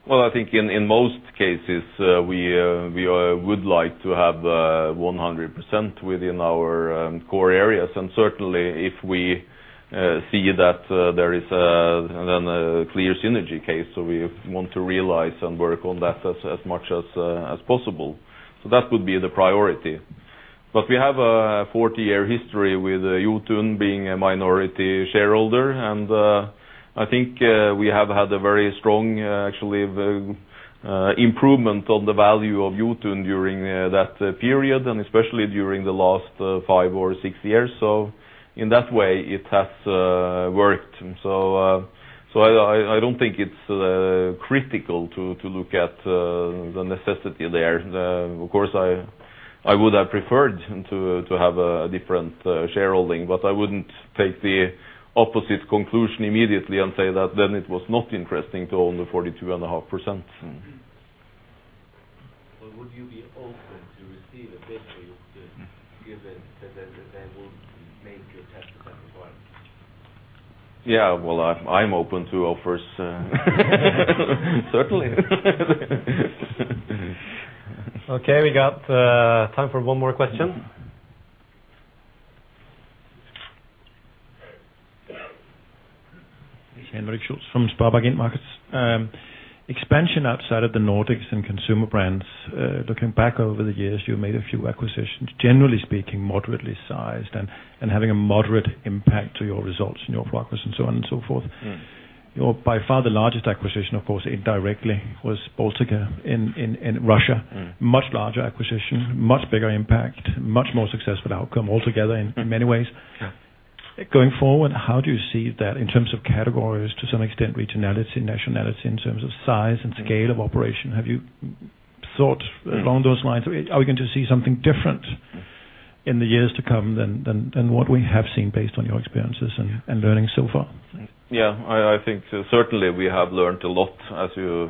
I think in most cases, we would like to have 100% within our core areas, and certainly if we see that there is a then a clear synergy case, we want to realize and work on that as much as possible. That would be the priority. We have a 40-year history with Jotun being a minority shareholder, and I think we have had a very strong, actually, improvement on the value of Jotun during that period, and especially during the last 5 or 6 years. In that way, it has worked. I don't think it's critical to look at the necessity there. Of course, I would have preferred to have a different shareholding, but I wouldn't take the opposite conclusion immediately and say that then it was not interesting to own the 42.5%. Would you be open to receive a bid for Jotun, given that they will make your test requirement? Well, I'm open to offers. Certainly. Okay, we got time for one more question. Henrik Schultz from SpareBank 1 Markets. Expansion outside of the Nordics and consumer brands, looking back over the years, you made a few acquisitions, generally speaking, moderately sized, and having a moderate impact to your results and your focus and so on and so forth. Your by far, the largest acquisition, of course, indirectly, was Baltika in, in Russia. Much larger acquisition, much bigger impact, much more successful outcome altogether. in many ways. Yeah. Going forward, how do you see that in terms of categories, to some extent, regionality, nationality, in terms of size and scale of operation? Have you thought along those lines? Are we going to see something different? in the years to come than what we have seen based on your experiences and learning so far? Yeah, I think certainly we have learned a lot, as you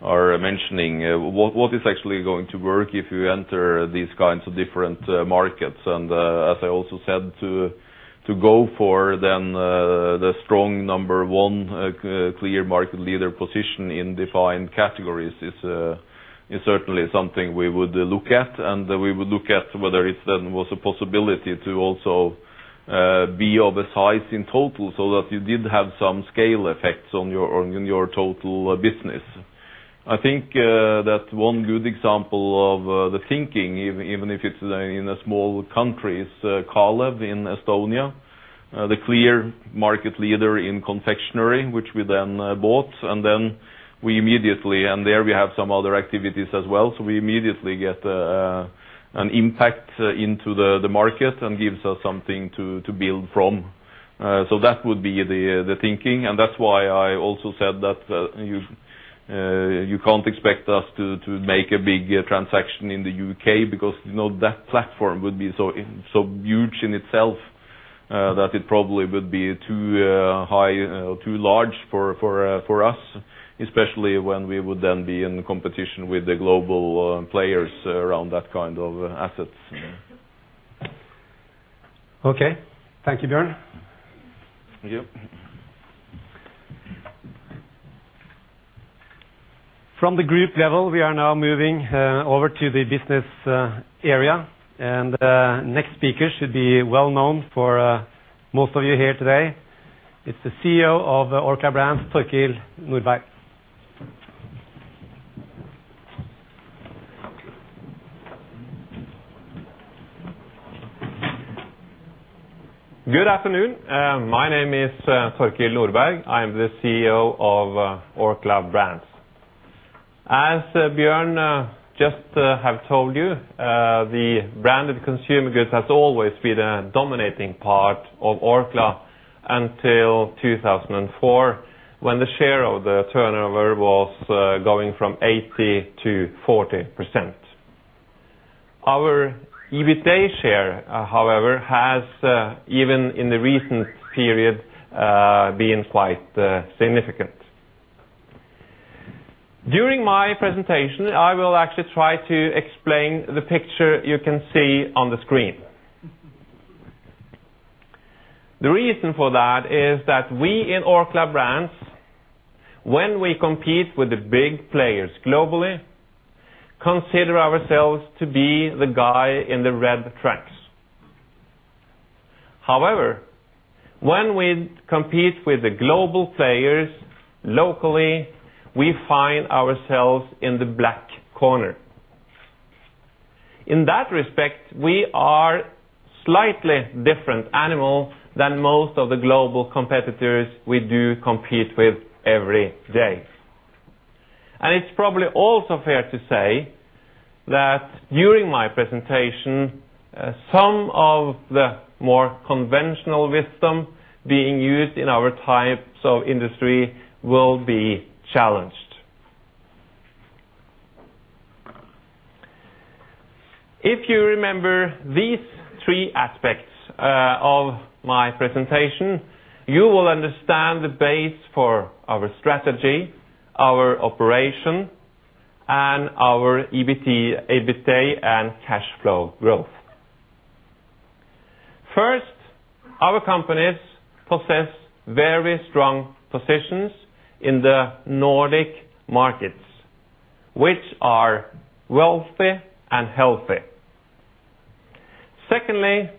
are mentioning. What is actually going to work if you enter these kinds of different markets? As I also said, to go for then the strong number one, clear market leader position in defined categories is certainly something we would look at, and we would look at whether it then was a possibility to also be of a size in total, so that you did have some scale effects on your total business. I think that one good example of the thinking, even if it's in a small country, is Kalev in Estonia, the clear market leader in confectionery, which we then bought, and then we immediately... There, we have some other activities as well, so we immediately get an impact into the market and gives us something to build from. That would be the thinking, and that's why I also said that you can't expect us to make a big transaction in the U.K., because, you know, that platform would be so huge in itself, that it probably would be too high, too large for us, especially when we would then be in competition with the global players around that kind of assets. Okay. Thank you, Bjørn. Thank you. From the group level, we are now moving over to the business area. The next speaker should be well known for most of you here today. It's the CEO of Orkla Brands, Torkild Nordberg. Good afternoon. My name is Torkild Nordberg. I am the CEO of Orkla Brands. As Bjørn just have told you, the branded consumer goods has always been a dominating part of Orkla until 2004, when the share of the turnover was going from 80%-40%. Our EBITA share, however, has even in the recent period been quite significant. During my presentation, I will actually try to explain the picture you can see on the screen. The reason for that is that we in Orkla Brands, when we compete with the big players globally, consider ourselves to be the guy in the red tracks. When we compete with the global players locally, we find ourselves in the black corner. In that respect, we are slightly different animal than most of the global competitors we do compete with every day. It's probably also fair to say that during my presentation, some of the more conventional wisdom being used in our types of industry will be challenged. If you remember these three aspects of my presentation, you will understand the base for our strategy, our operation, and our EBT, EBITA, and cash flow growth. First, our companies possess very strong positions in the Nordic markets, which are wealthy and healthy. Secondly,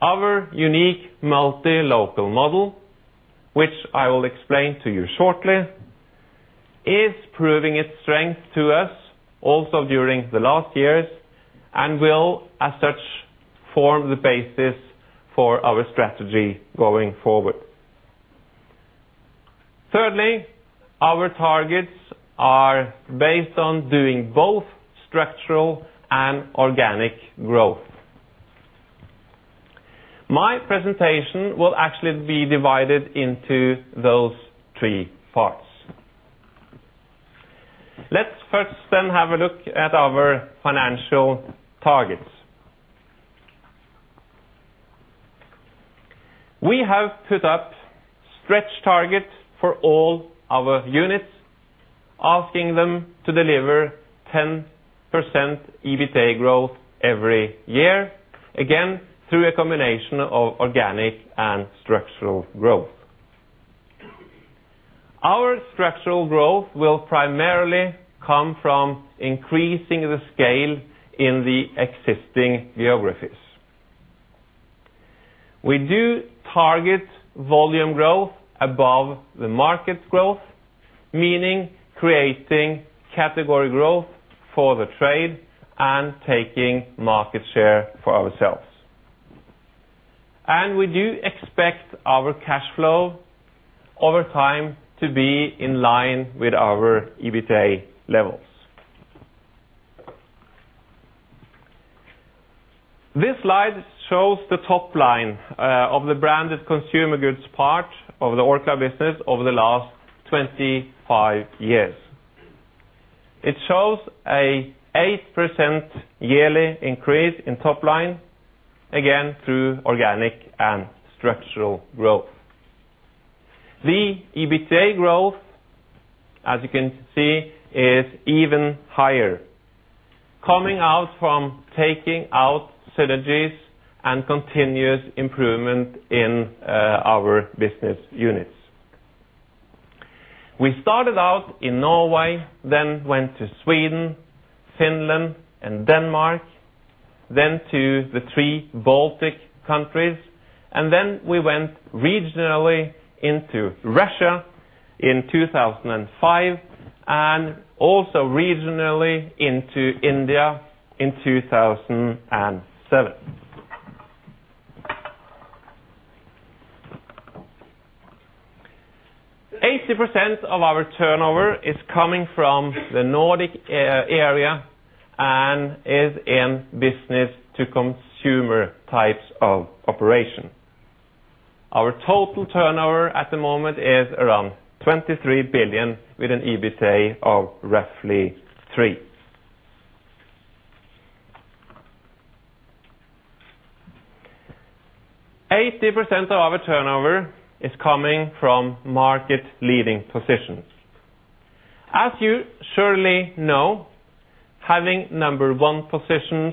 our unique multi-local model, which I will explain to you shortly, is proving its strength to us also during the last years, and will, as such, form the basis for our strategy going forward. Thirdly, our targets are based on doing both structural and organic growth. My presentation will actually be divided into those three parts. Let's first then have a look at our financial targets. We have put up stretch targets for all our units, asking them to deliver 10% EBITA growth every year, again, through a combination of organic and structural growth. Our structural growth will primarily come from increasing the scale in the existing geographies. We do target volume growth above the market growth, meaning creating category growth for the trade and taking market share for ourselves. We do expect our cash flow over time to be in line with our EBITA levels. This slide shows the top line of the branded consumer goods part of the Orkla business over the last 25 years. It shows a 8% yearly increase in top line, again, through organic and structural growth. The EBITA growth, as you can see, is even higher, coming out from taking out synergies and continuous improvement in our business units. We started out in Norway, then went to Sweden, Finland, and Denmark, then to the three Baltic countries, and then we went regionally into Russia in 2005, and also regionally into India in 2007. 80% of our turnover is coming from the Nordic area, and is in business to consumer types of operation. Our total turnover at the moment is around 23 billion, with an EBITA of roughly 3 billion. 80% of our turnover is coming from market-leading positions. As you surely know, having number one positions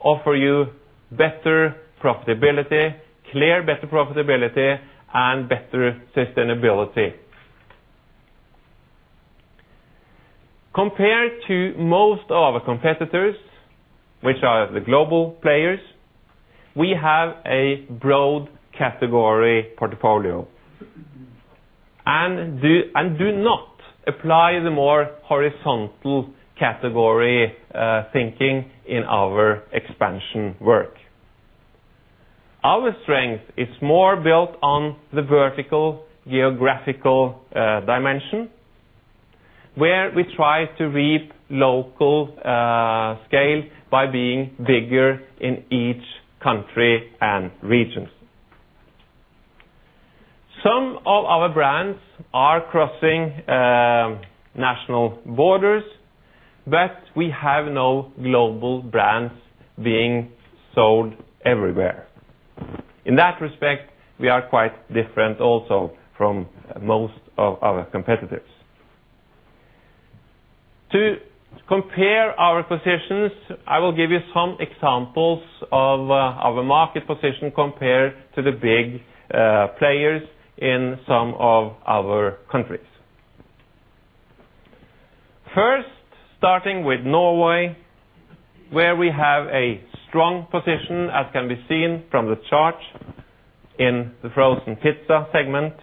offer you better profitability, clear better profitability, and better sustainability. Compared to most of our competitors, which are the global players, we have a broad category portfolio, do not apply the more horizontal category thinking in our expansion work. Our strength is more built on the vertical geographical dimension, where we try to reap local scale by being bigger in each country and regions. Some of our brands are crossing national borders, we have no global brands being sold everywhere. In that respect, we are quite different also from most of our competitors. To compare our positions, I will give you some examples of our market position compared to the big players in some of our countries. First, starting with Norway, where we have a strong position, as can be seen from the chart in the frozen pizza segment,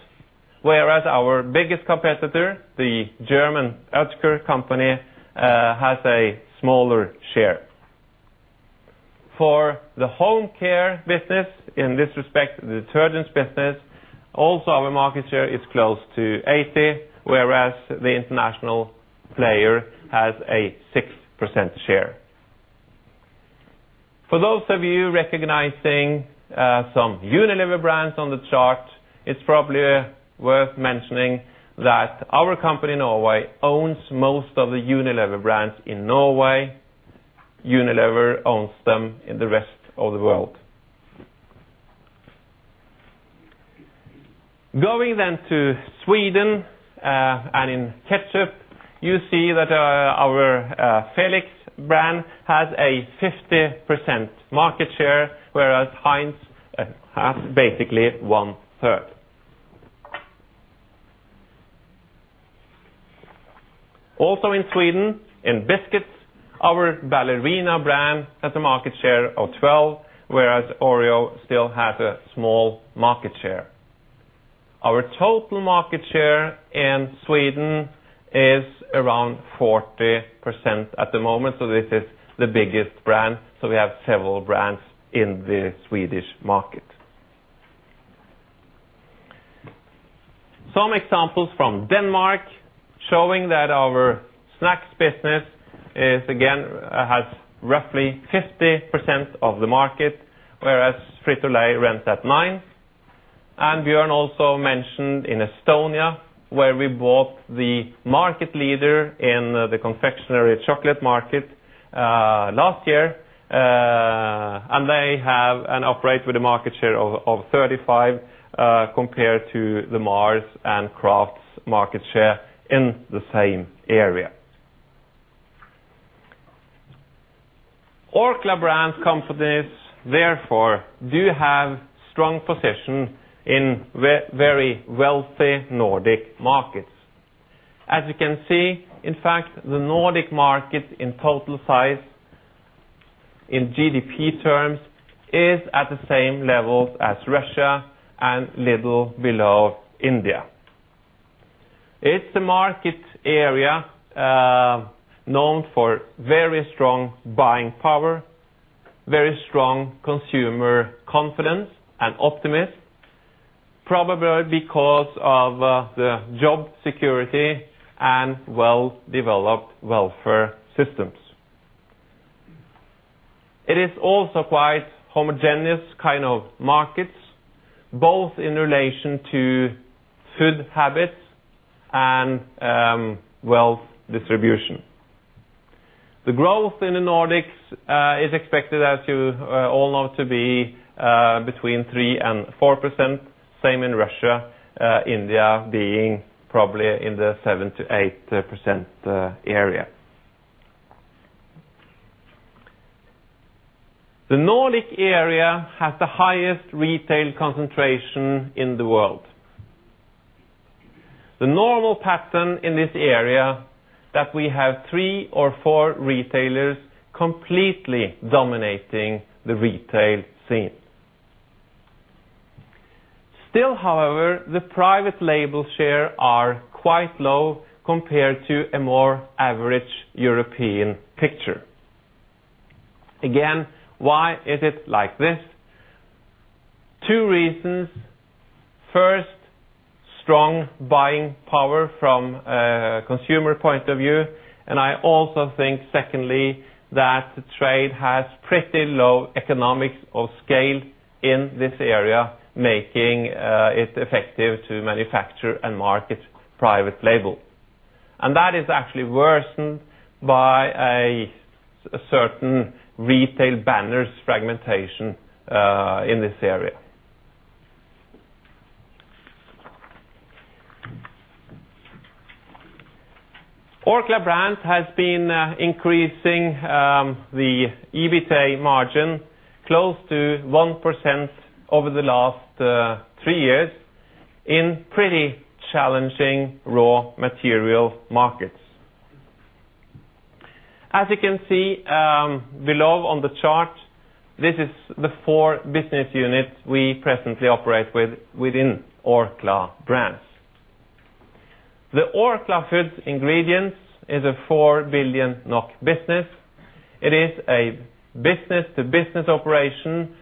whereas our biggest competitor, the German Dr. Oetker, has a smaller share. For the home care business, in this respect, the detergents business, our market share is close to 80, whereas the international player has a 6% share. For those of you recognizing some Unilever brands on the chart, it's probably worth mentioning that our company in Norway owns most of the Unilever brands in Norway. Unilever owns them in the rest of the world. Going to Sweden, in ketchup, you see that our Felix brand has a 50% market share, whereas Heinz has basically 1/3. In Sweden, in biscuits, our Ballerina brand has a market share of 12, whereas Oreo still has a small market share. Our total market share in Sweden is around 40% at the moment, this is the biggest brand, we have several brands in the Swedish market. Some examples from Denmark, showing that our snacks business is, again, has roughly 50% of the market, whereas Frito-Lay runs at 9. Bjørn also mentioned in Estonia, where we bought the market leader in the confectionary chocolate market last year, and they have and operate with a market share of 35, compared to the Mars and Kraft's market share in the same area. Orkla Brands companies, therefore, do have strong position in very wealthy Nordic markets. You can see, in fact, the Nordic market in total size, in GDP terms, is at the same level as Russia and little below India. It's a market area known for very strong buying power, very strong consumer confidence and optimism, probably because of the job security and well-developed welfare systems. It is also quite homogeneous kind of markets, both in relation to food habits and wealth distribution. The growth in the Nordics is expected, as you all know, to be between 3% and 4%, same in Russia, India being probably in the 7% to 8% area. The Nordic area has the highest retail concentration in the world. The normal pattern in this area, that we have 3 or 4 retailers completely dominating the retail scene. Still, however, the private label share are quite low compared to a more average European picture. Again, why is it like this? Two reasons. First, strong buying power from a consumer point of view, I also think, secondly, that the trade has pretty low economics of scale in this area, making it effective to manufacture and market private label. That is actually worsened by a certain retail banners fragmentation in this area. Orkla Brands has been increasing the EBITA margin close to 1% over the last 3 years in pretty challenging raw material markets. As you can see below on the chart, this is the 4 business units we presently operate with within Orkla Brands. The Orkla Foods Ingredients is a 4 billion NOK business. It is a business-to-business operation,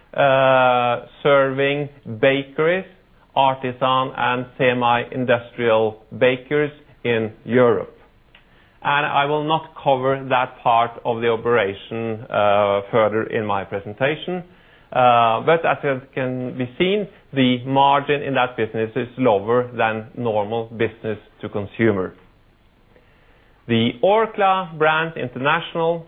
serving bakeries, artisan, and semi-industrial bakeries in Europe. I will not cover that part of the operation further in my presentation, but as it can be seen, the margin in that business is lower than normal business to consumer. The Orkla Brands International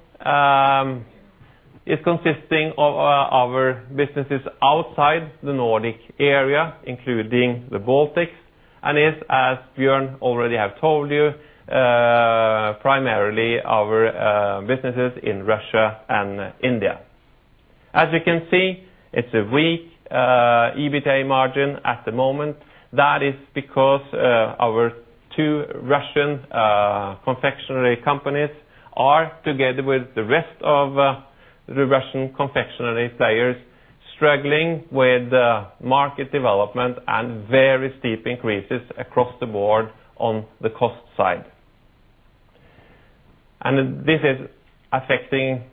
is consisting of our businesses outside the Nordic area, including the Baltics, and is, as Bjørn already have told you, primarily our businesses in Russia and India. As you can see, it's a weak EBITDA margin at the moment. That is because our two Russian confectionery companies are, together with the rest of the Russian confectionery players, struggling with the market development and very steep increases across the board on the cost side. This is affecting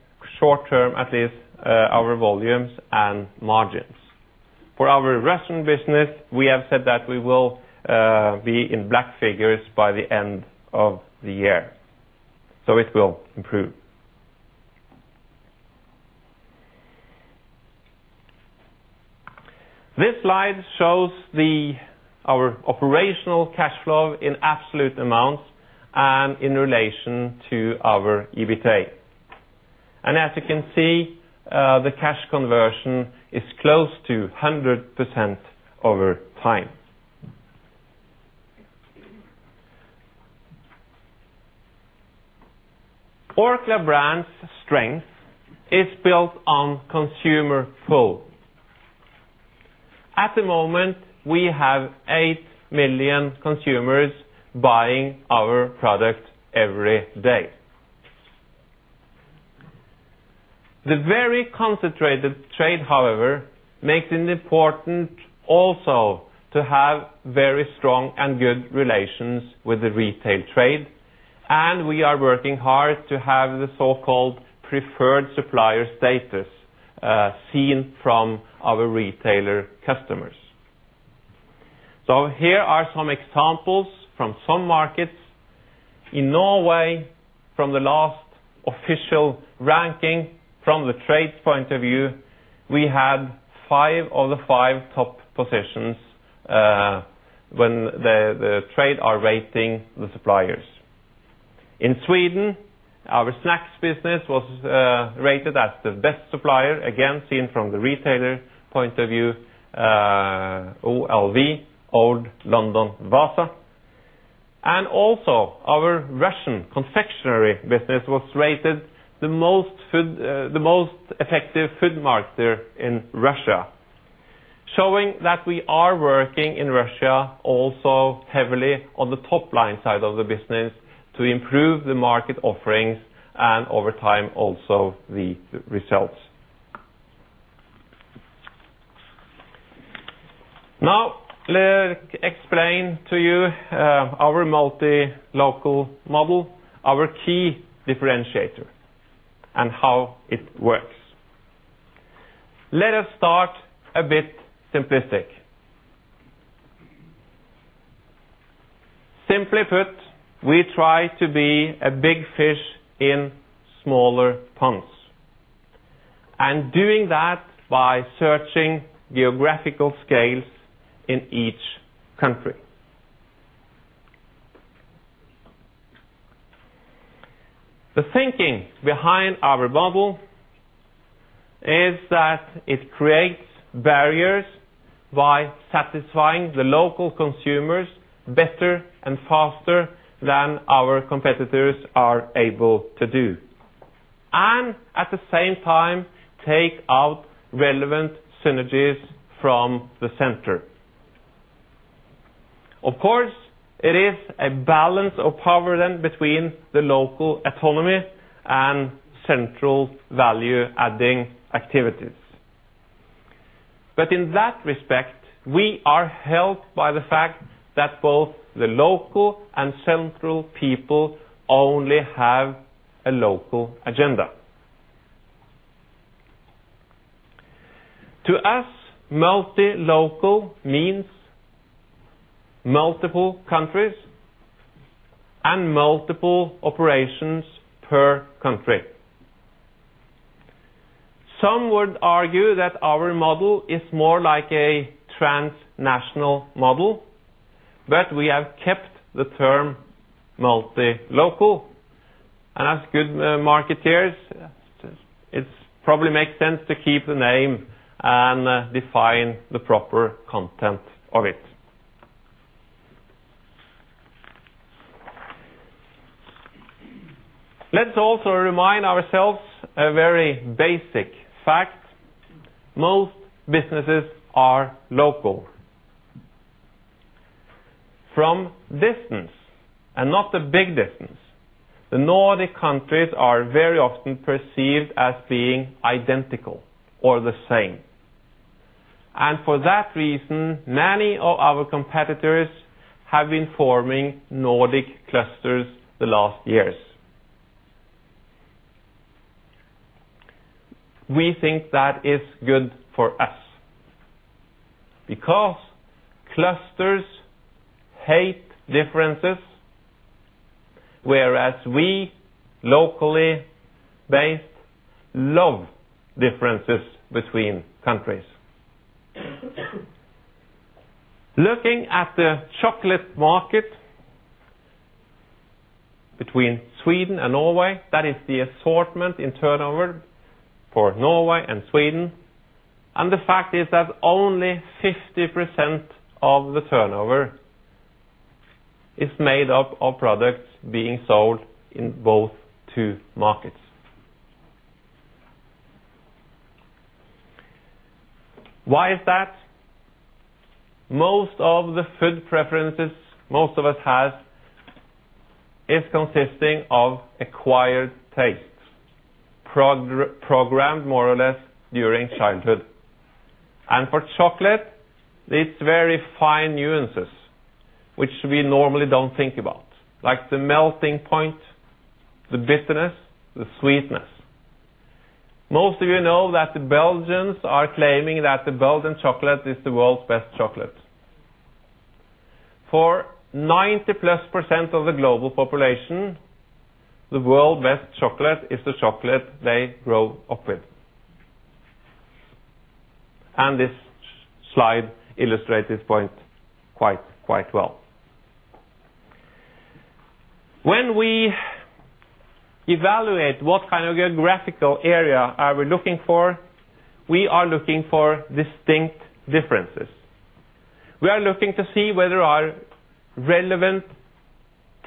short term, at least, our volumes and margins. For our Russian business, we have said that we will be in black figures by the end of the year, so it will improve. This slide shows our operational cash flow in absolute amounts and in relation to our EBITDA. As you can see, the cash conversion is close to 100% over time. Orkla Brands' strength is built on consumer pull. At the moment, we have 8 million consumers buying our product every day. The very concentrated trade, however, makes it important also to have very strong and good relations with the retail trade, and we are working hard to have the so-called preferred supplier status, seen from our retailer customers. Here are some examples from some markets. In Norway, from the last official ranking, from the trade point of view, we had five of the five top positions, when the trade are rating the suppliers. In Sweden, our snacks business was rated as the best supplier, again, seen from the retailer point of view, OLW, Old London Wasa. Also our Russian confectionery business was rated the most effective food marketer in Russia, showing that we are working in Russia also heavily on the top-line side of the business to improve the market offerings, and over time, also the results. Let explain to you our multi-local model, our key differentiator, and how it works. Let us start a bit simplistic. Simply put, we try to be a big fish in smaller ponds, and doing that by searching geographical scales in each country. The thinking behind our model is that it creates barriers by satisfying the local consumers better and faster than our competitors are able to do, and at the same time, take out relevant synergies from the center. Of course, it is a balance of power then between the local autonomy and central value-adding activities. In that respect, we are helped by the fact that both the local and central people only have a local agenda. To us, multi-local means multiple countries and multiple operations per country. Some would argue that our model is more like a transnational model, but we have kept the term multi-local. As good marketeers, it's probably make sense to keep the name and define the proper content of it. Let's also remind ourselves a very basic fact: most businesses are local. From distance, and not a big distance, the Nordic countries are very often perceived as being identical or the same. For that reason, many of our competitors have been forming Nordic clusters the last years. We think that is good for us, because clusters hate differences, whereas we, locally based, love differences between countries. Looking at the chocolate market between Sweden and Norway, that is the assortment in turnover for Norway and Sweden, the fact is that only 50% of the turnover is made up of products being sold in both two markets. Why is that? Most of the food preferences, most of us has, is consisting of acquired tastes, programmed more or less during childhood. For chocolate, it's very fine nuances, which we normally don't think about, like the melting point, the bitterness, the sweetness. Most of you know that the Belgians are claiming that the Belgian chocolate is the world's best chocolate. For 90-plus % of the global population, the world's best chocolate is the chocolate they grow up with. This slide illustrates this point quite well. When we evaluate what kind of geographical area are we looking for, we are looking for distinct differences. We are looking to see whether our relevant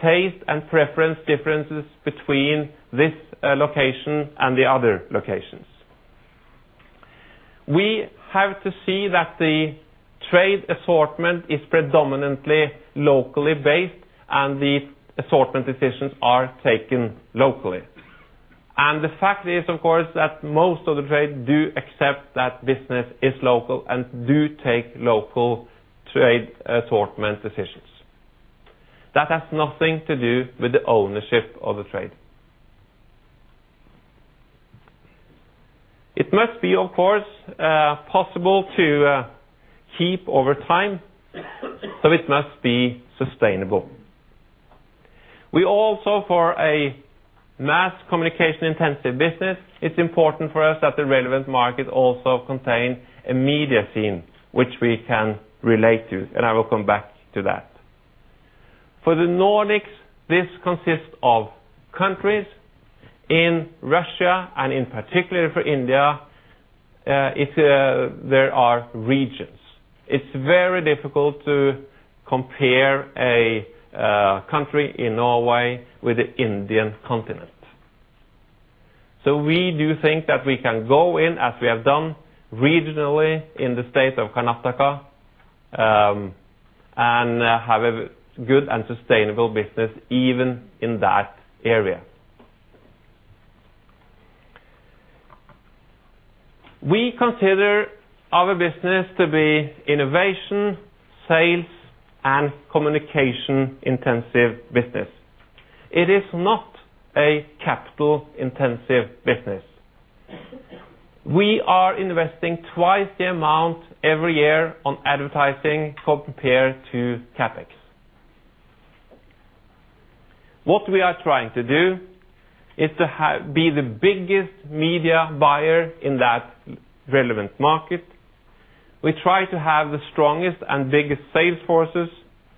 taste and preference differences between this location and the other locations. We have to see that the trade assortment is predominantly locally based, and the assortment decisions are taken locally. The fact is, of course, that most of the trade do accept that business is local and do take local trade assortment decisions. That has nothing to do with the ownership of the trade. It must be, of course, possible to keep over time. It must be sustainable. We also, for a mass communication intensive business, it's important for us that the relevant market also contain a media scene, which we can relate to. I will come back to that. For the Nordics, this consists of countries. In Russia, in particular for India, there are regions. It's very difficult to compare a country in Norway with the Indian continent. We do think that we can go in, as we have done, regionally in the state of Karnataka, and have a good and sustainable business even in that area. We consider our business to be innovation, sales, and communication-intensive business. It is not a capital-intensive business. We are investing twice the amount every year on advertising compared to CapEx. What we are trying to do is to be the biggest media buyer in that relevant market. We try to have the strongest and biggest sales forces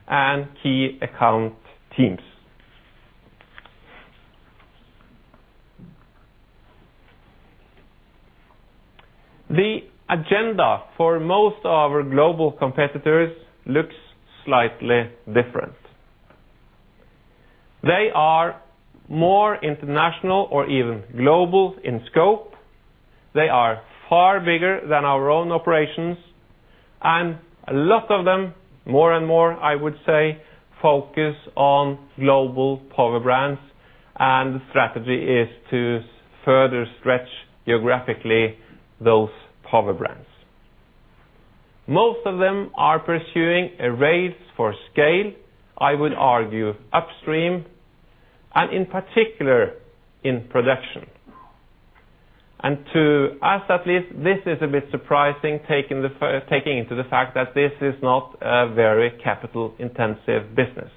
and key account teams. The agenda for most of our global competitors looks slightly different. They are more international or even global in scope. They are far bigger than our own operations, and a lot of them, more and more, I would say, focus on global power brands, and the strategy is to further stretch geographically those power brands. Most of them are pursuing a race for scale, I would argue, upstream, and in particular in production. To us, at least, this is a bit surprising, taking into the fact that this is not a very capital-intensive business.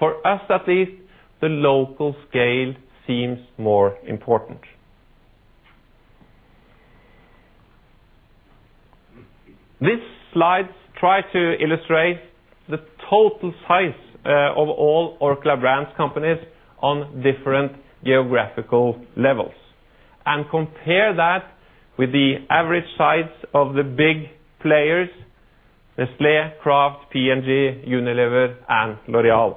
For us, at least, the local scale seems more important. This slide try to illustrate the total size of all Orkla Brands companies on different geographical levels, and compare that with the average size of the big players, Nestlé, Kraft, P&G, Unilever, and L'Oréal.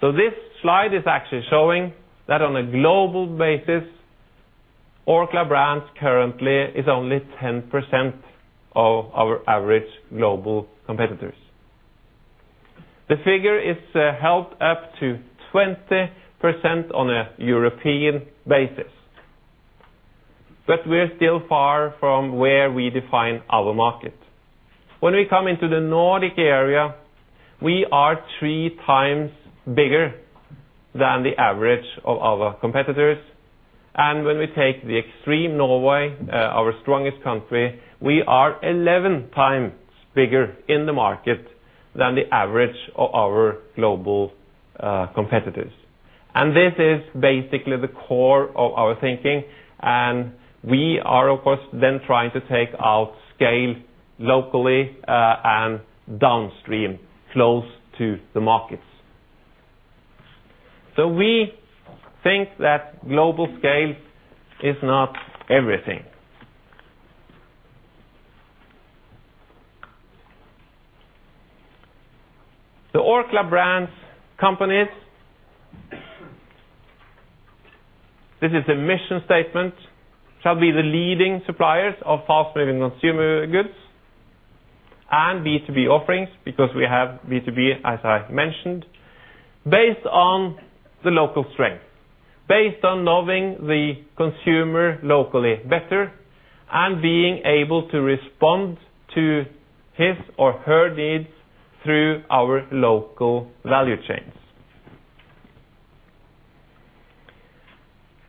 This slide is actually showing that on a global basis, Orkla Brands currently is only 10% of our average global competitors. The figure is held up to 20% on a European basis. We're still far from where we define our market. When we come into the Nordic area, we are 3 times bigger than the average of our competitors, and when we take the extreme Norway, our strongest country, we are 11 times bigger in the market than the average of our global competitors. This is basically the core of our thinking, and we are, of course, then trying to take our scale locally, and downstream, close to the markets. We think that global scale is not everything. The Orkla Brands companies, this is the mission statement, shall be the leading suppliers of fast-moving consumer goods and B2B offerings, because we have B2B, as I mentioned, based on the local strength, based on knowing the consumer locally better, and being able to respond to his or her needs through our local value chains.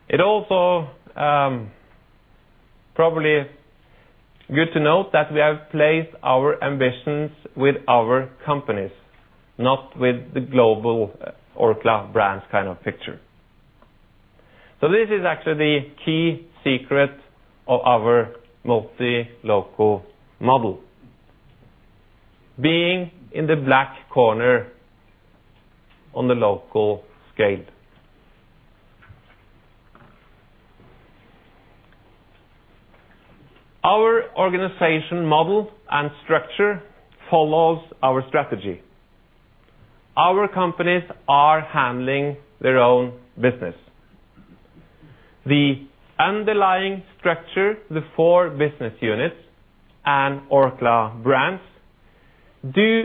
It also, probably good to note that we have placed our ambitions with our companies, not with the global Orkla Brands kind of picture. This is actually the key secret of our multi-local model, being in the black corner on the local scale. Our organization model and structure follows our strategy. Our companies are handling their own business. The underlying structure, the four business units and Orkla Brands, do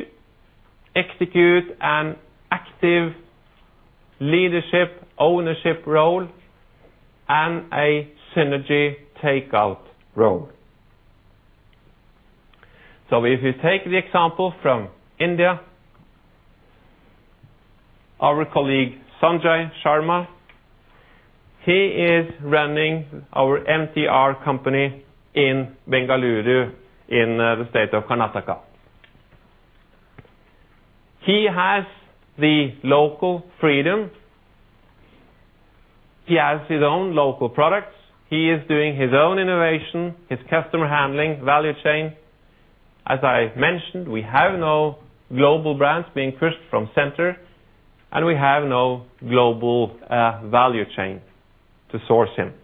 execute an active leadership, ownership role, and a synergy takeout role. If you take the example from India, our colleague, Sanjay Sharma, he is running our MTR company in Bengaluru, in the state of Karnataka. He has the local freedom, he has his own local products, he is doing his own innovation, his customer handling, value chain. As I mentioned, we have no global brands being pushed from center, and we have no global value chain to source him.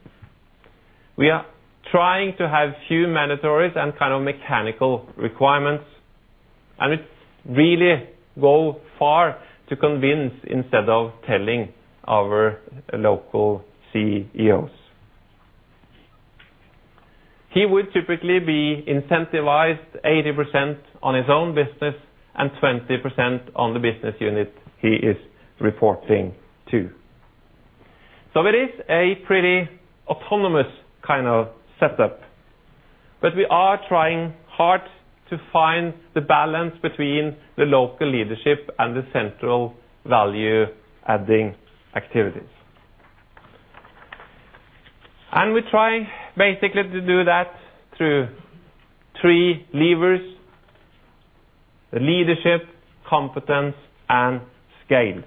We are trying to have few mandatories and kind of mechanical requirements, and it's really go far to convince instead of telling our local CEOs. He would typically be incentivized 80% on his own business and 20% on the business unit he is reporting to. It is a pretty autonomous kind of setup, but we are trying hard to find the balance between the local leadership and the central value-adding activities. We try basically to do that through 3 levers: the leadership, competence, and scale,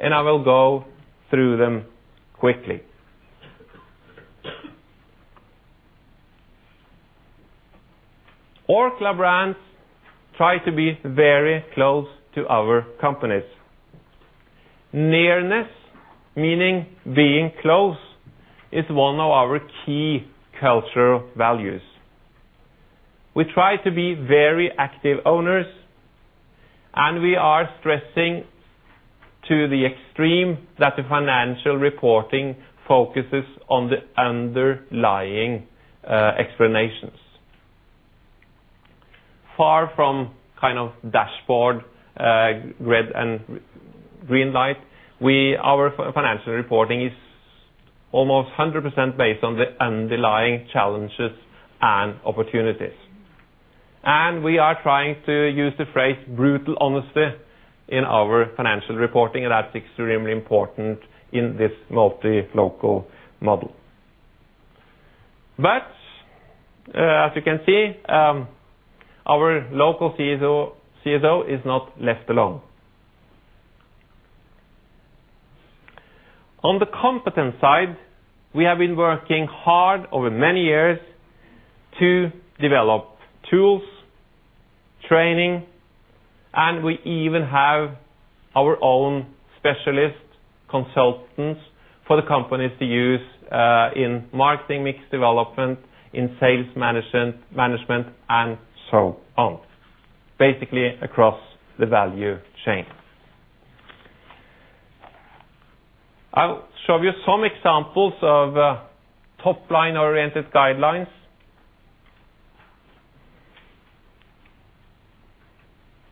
and I will go through them quickly. Orkla Brands try to be very close to our companies. Nearness, meaning being close, is one of our key cultural values. We try to be very active owners, and we are stressing to the extreme that the financial reporting focuses on the underlying explanations. Far from kind of dashboard, red and green light, our financial reporting is almost 100% based on the underlying challenges and opportunities. We are trying to use the phrase, brutal honesty, in our financial reporting, and that's extremely important in this multi-local model. As you can see, our local CEO is not left alone. On the competent side, we have been working hard over many years to develop tools, training, and we even have our own specialist consultants for the companies to use in marketing, mix development, in sales management, and so on. Basically, across the value chain. I'll show you some examples of top-line-oriented guidelines.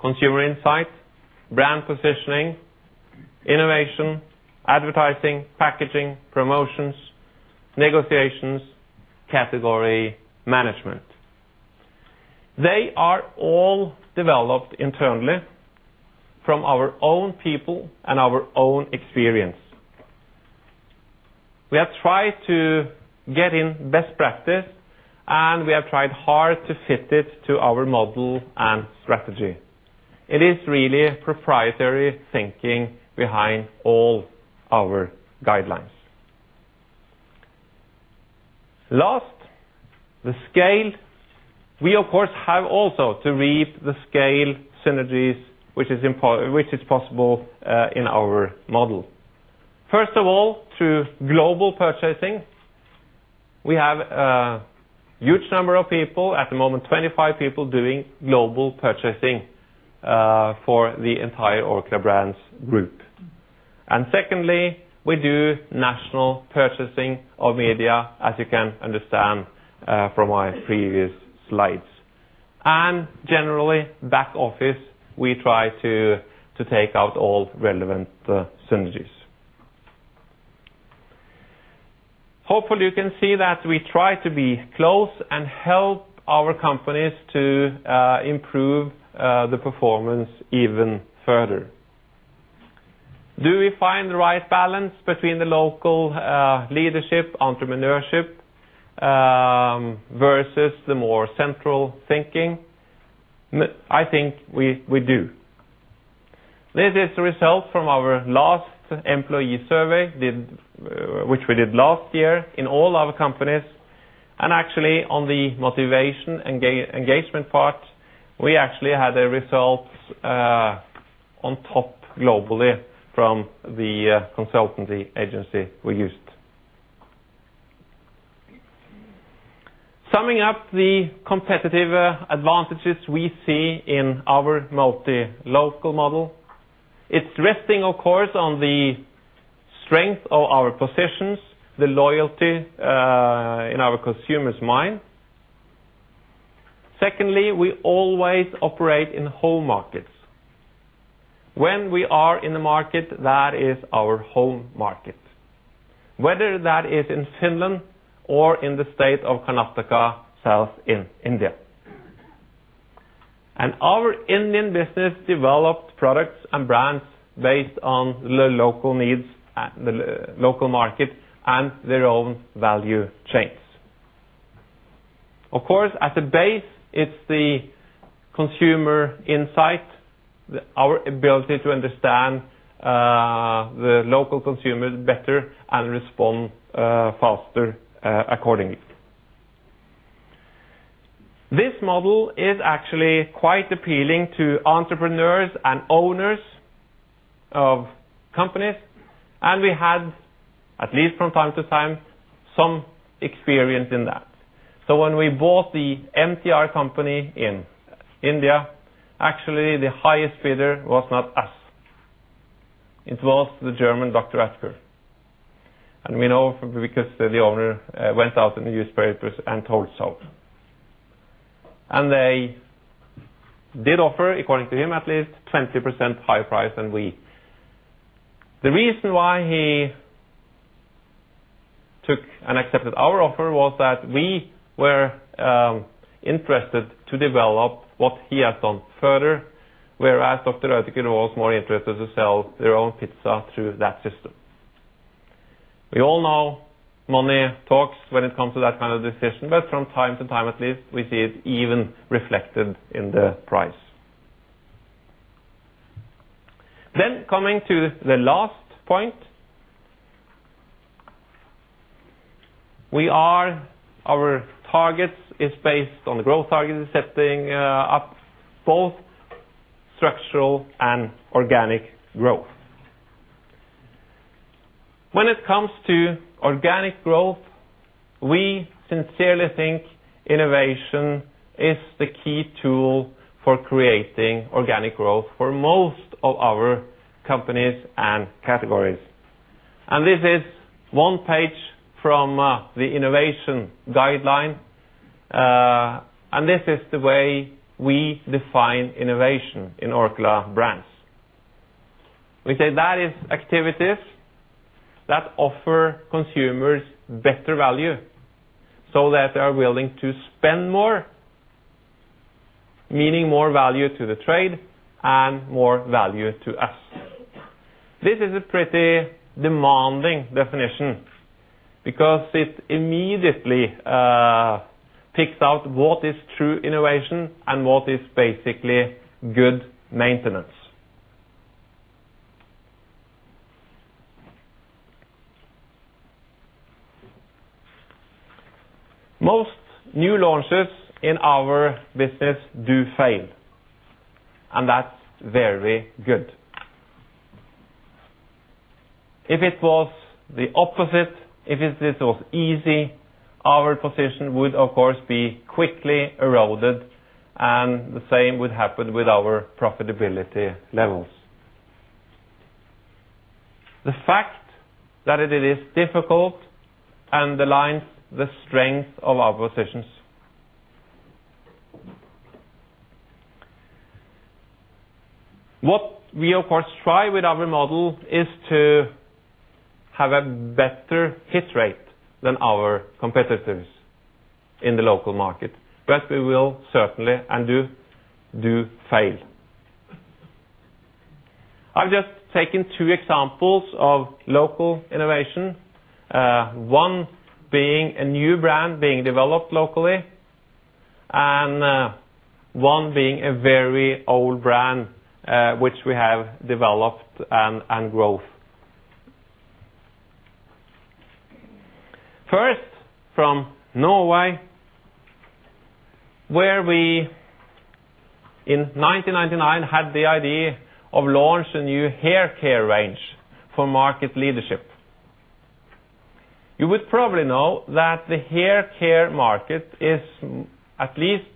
Consumer insight, brand positioning, innovation, advertising, packaging, promotions, negotiations, category management. They are all developed internally from our own people and our own experience. We have tried to get in best practice, and we have tried hard to fit it to our model and strategy. It is really proprietary thinking behind all our guidelines. Last, the scale. We, of course, have also to reap the scale synergies, which is possible in our model. First of all, through global purchasing, we have a huge number of people, at the moment, 25 people, doing global purchasing, for the entire Orkla Brands group. Secondly, we do national purchasing of media, as you can understand, from my previous slides. Generally, back office, we try to take out all relevant synergies. Hopefully, you can see that we try to be close and help our companies to improve the performance even further. Do we find the right balance between the local leadership, entrepreneurship, versus the more central thinking? I think we do. This is the result from our last employee survey, which we did last year in all our companies, and actually, on the motivation and engagement part, we actually had a result on top globally from the consultancy agency we used. Summing up the competitive advantages we see in our multi-local model, it's resting, of course, on the strength of our positions, the loyalty, in our consumer's mind. Secondly, we always operate in home markets. When we are in the market, that is our home market, whether that is in Finland or in the state of Karnataka, south in India. Our Indian business developed products and brands based on the local needs and the local market and their own value chains. Of course, at the base, it's the consumer insight, our ability to understand the local consumers better and respond faster accordingly. This model is actually quite appealing to entrepreneurs and owners of companies, and we had, at least from time to time, some experience in that. When we bought the MTR company in India, actually, the highest bidder was not us. It was the German, Dr. Oetker. We know because the owner went out in the newspapers and told so. They did offer, according to him, at least 20% higher price than we. The reason why he took and accepted our offer was that we were interested to develop what he had done further, whereas Dr. Oetker was more interested to sell their own pizza through that system. We all know money talks when it comes to that kind of decision. From time to time, at least, we see it even reflected in the price. Coming to the last point, our targets is based on the growth target, setting up both structural and organic growth. When it comes to organic growth, we sincerely think innovation is the key tool for creating organic growth for most of our companies and categories. This is one page from the innovation guideline, this is the way we define innovation in Orkla Brands. We say that is activities that offer consumers better value, so that they are willing to spend more, meaning more value to the trade and more value to us. This is a pretty demanding definition because it immediately picks out what is true innovation and what is basically good maintenance. Most new launches in our business do fail, that's very good. If it was the opposite, if it is was easy, our position would, of course, be quickly eroded, the same would happen with our profitability levels. The fact that it is difficult underlines the strength of our positions. What we, of course, try with our model is to have a better hit rate than our competitors in the local market, but we will certainly, and do fail. I've just taken two examples of local innovation, one being a new brand being developed locally, and one being a very old brand, which we have developed and growth. First, from Norway, where we, in 1999, had the idea of launch a new hair care range for market leadership. You would probably know that the hair care market is at least,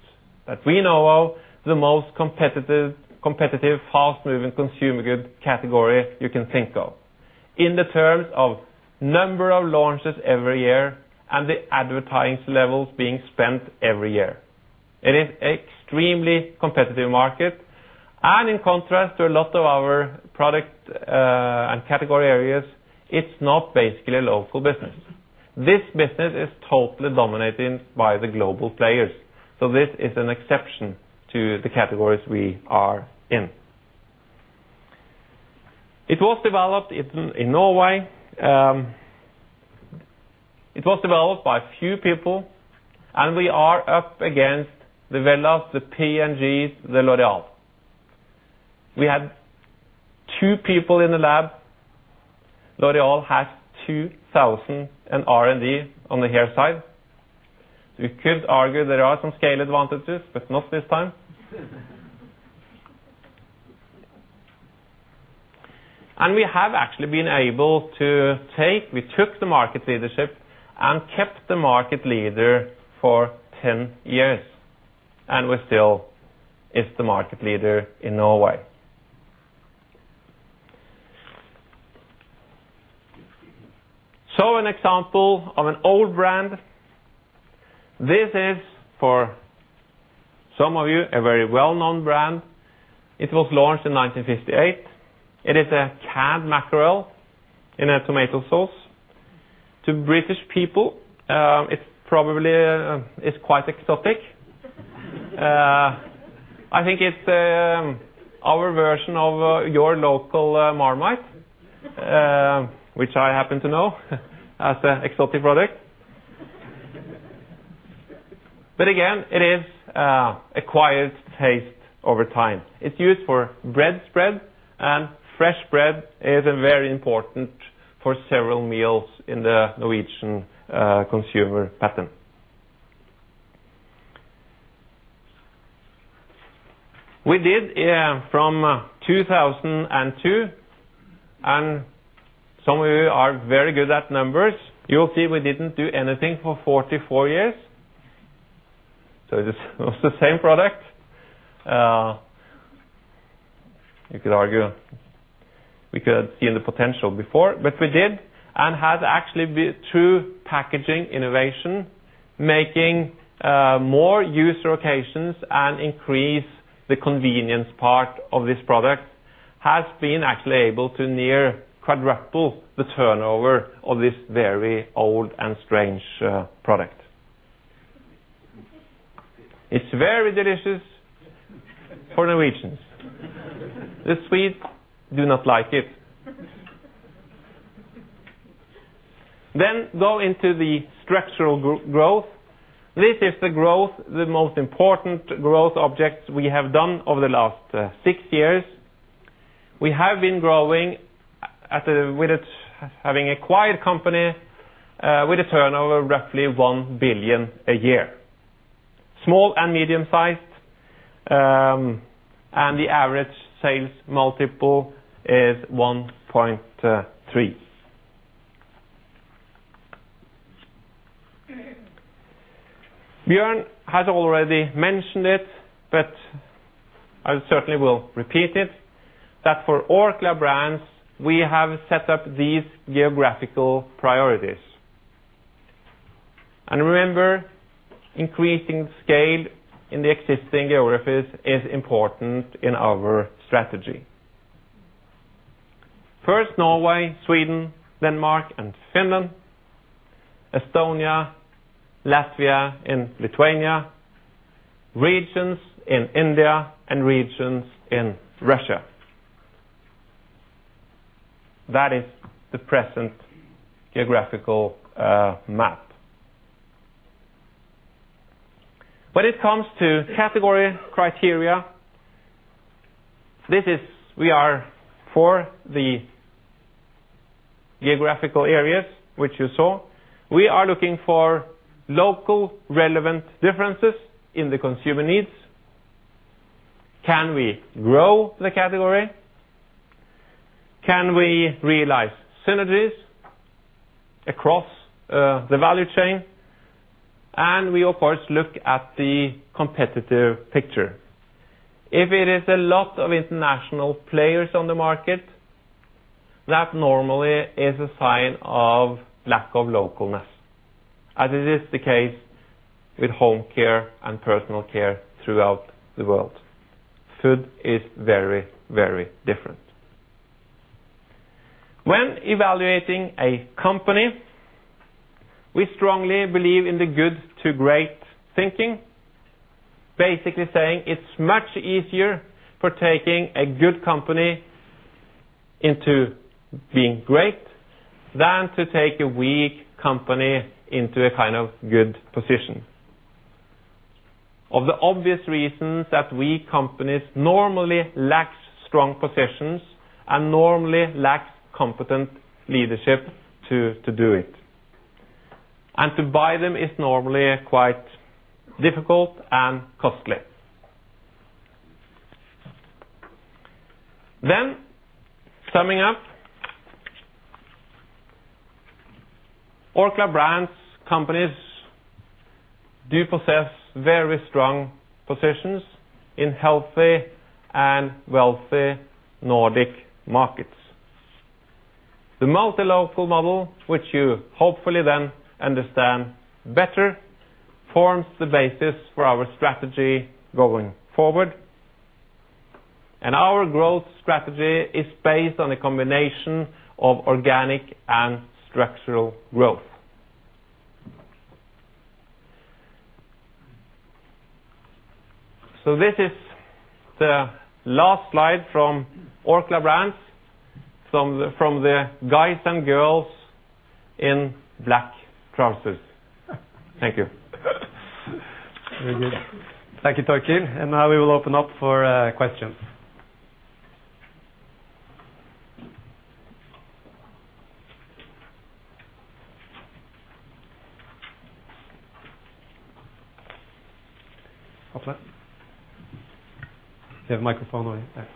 that we know of, the most competitive, fast-moving consumer goods category you can think of, in the terms of number of launches every year and the advertising levels being spent every year. It is extremely competitive market. In contrast to a lot of our product and category areas, it's not basically a local business. This business is totally dominated by the global players, this is an exception to the categories we are in. It was developed in Norway. It was developed by two people, we are up against the Wella, the P&Gs, the L'Oréal. We had two people in the lab, L'Oréal had 2,000 in R&D on the hair side. You could argue there are some scale advantages, not this time. We have actually been able to take we took the market leadership and kept the market leader for 10 years, and we're still is the market leader in Norway. An example of an old brand. This is, for some of you, a very well-known brand. It was launched in 1958. It is a canned mackerel in a tomato sauce. To British people, it probably is quite exotic. I think it's our version of your local Marmite, which I happen to know as an exotic product. Again, it is acquired taste over time. It's used for bread spread, and fresh bread is very important for several meals in the Norwegian consumer pattern. We did, from 2002, and some of you are very good at numbers. You'll see we didn't do anything for 44 years, so this was the same product. You could argue we could have seen the potential before, but we did, and has actually been through packaging innovation, making more use locations and increase the convenience part of this product, has been actually able to near quadruple the turnover of this very old and strange product. It's very delicious for Norwegians. The Swedes do not like it. Go into the structural growth. This is the growth, the most important growth objects we have done over the last 6 years. We have been growing with it, having acquired company with a turnover of roughly 1 billion a year. Small and medium-sized, and the average sales multiple is 1.3. Bjørn has already mentioned it, but I certainly will repeat it, that for Orkla Brands, we have set up these geographical priorities. Remember, increasing scale in the existing geographies is important in our strategy. First, Norway, Sweden, Denmark, and Finland, Estonia, Latvia, and Lithuania, regions in India, and regions in Russia. That is the present geographical map. When it comes to category criteria, we are for the geographical areas, which you saw. We are looking for local relevant differences in the consumer needs. Can we grow the category? Can we realize synergies across the value chain? We of course, look at the competitive picture. If it is a lot of international players on the market, that normally is a sign of lack of localness, as it is the case with home care and personal care throughout the world. Food is very, very different. When evaluating a company, we strongly believe in the good to great thinking, basically saying it's much easier for taking a good company into being great, than to take a weak company into a kind of good position. Of the obvious reasons that weak companies normally lacks strong positions, and normally lacks competent leadership to do it. To buy them is normally quite difficult and costly. Summing up, Orkla Brands companies do possess very strong positions in healthy and wealthy Nordic markets. The multi-local model, which you hopefully then understand better, forms the basis for our strategy going forward, and our growth strategy is based on a combination of organic and structural growth. This is the last slide from Orkla Brands, from the guys and girls in black trousers. Thank you. Very good. Thank you, Torkild. Now we will open up for questions. Hafslay, you have a microphone over there.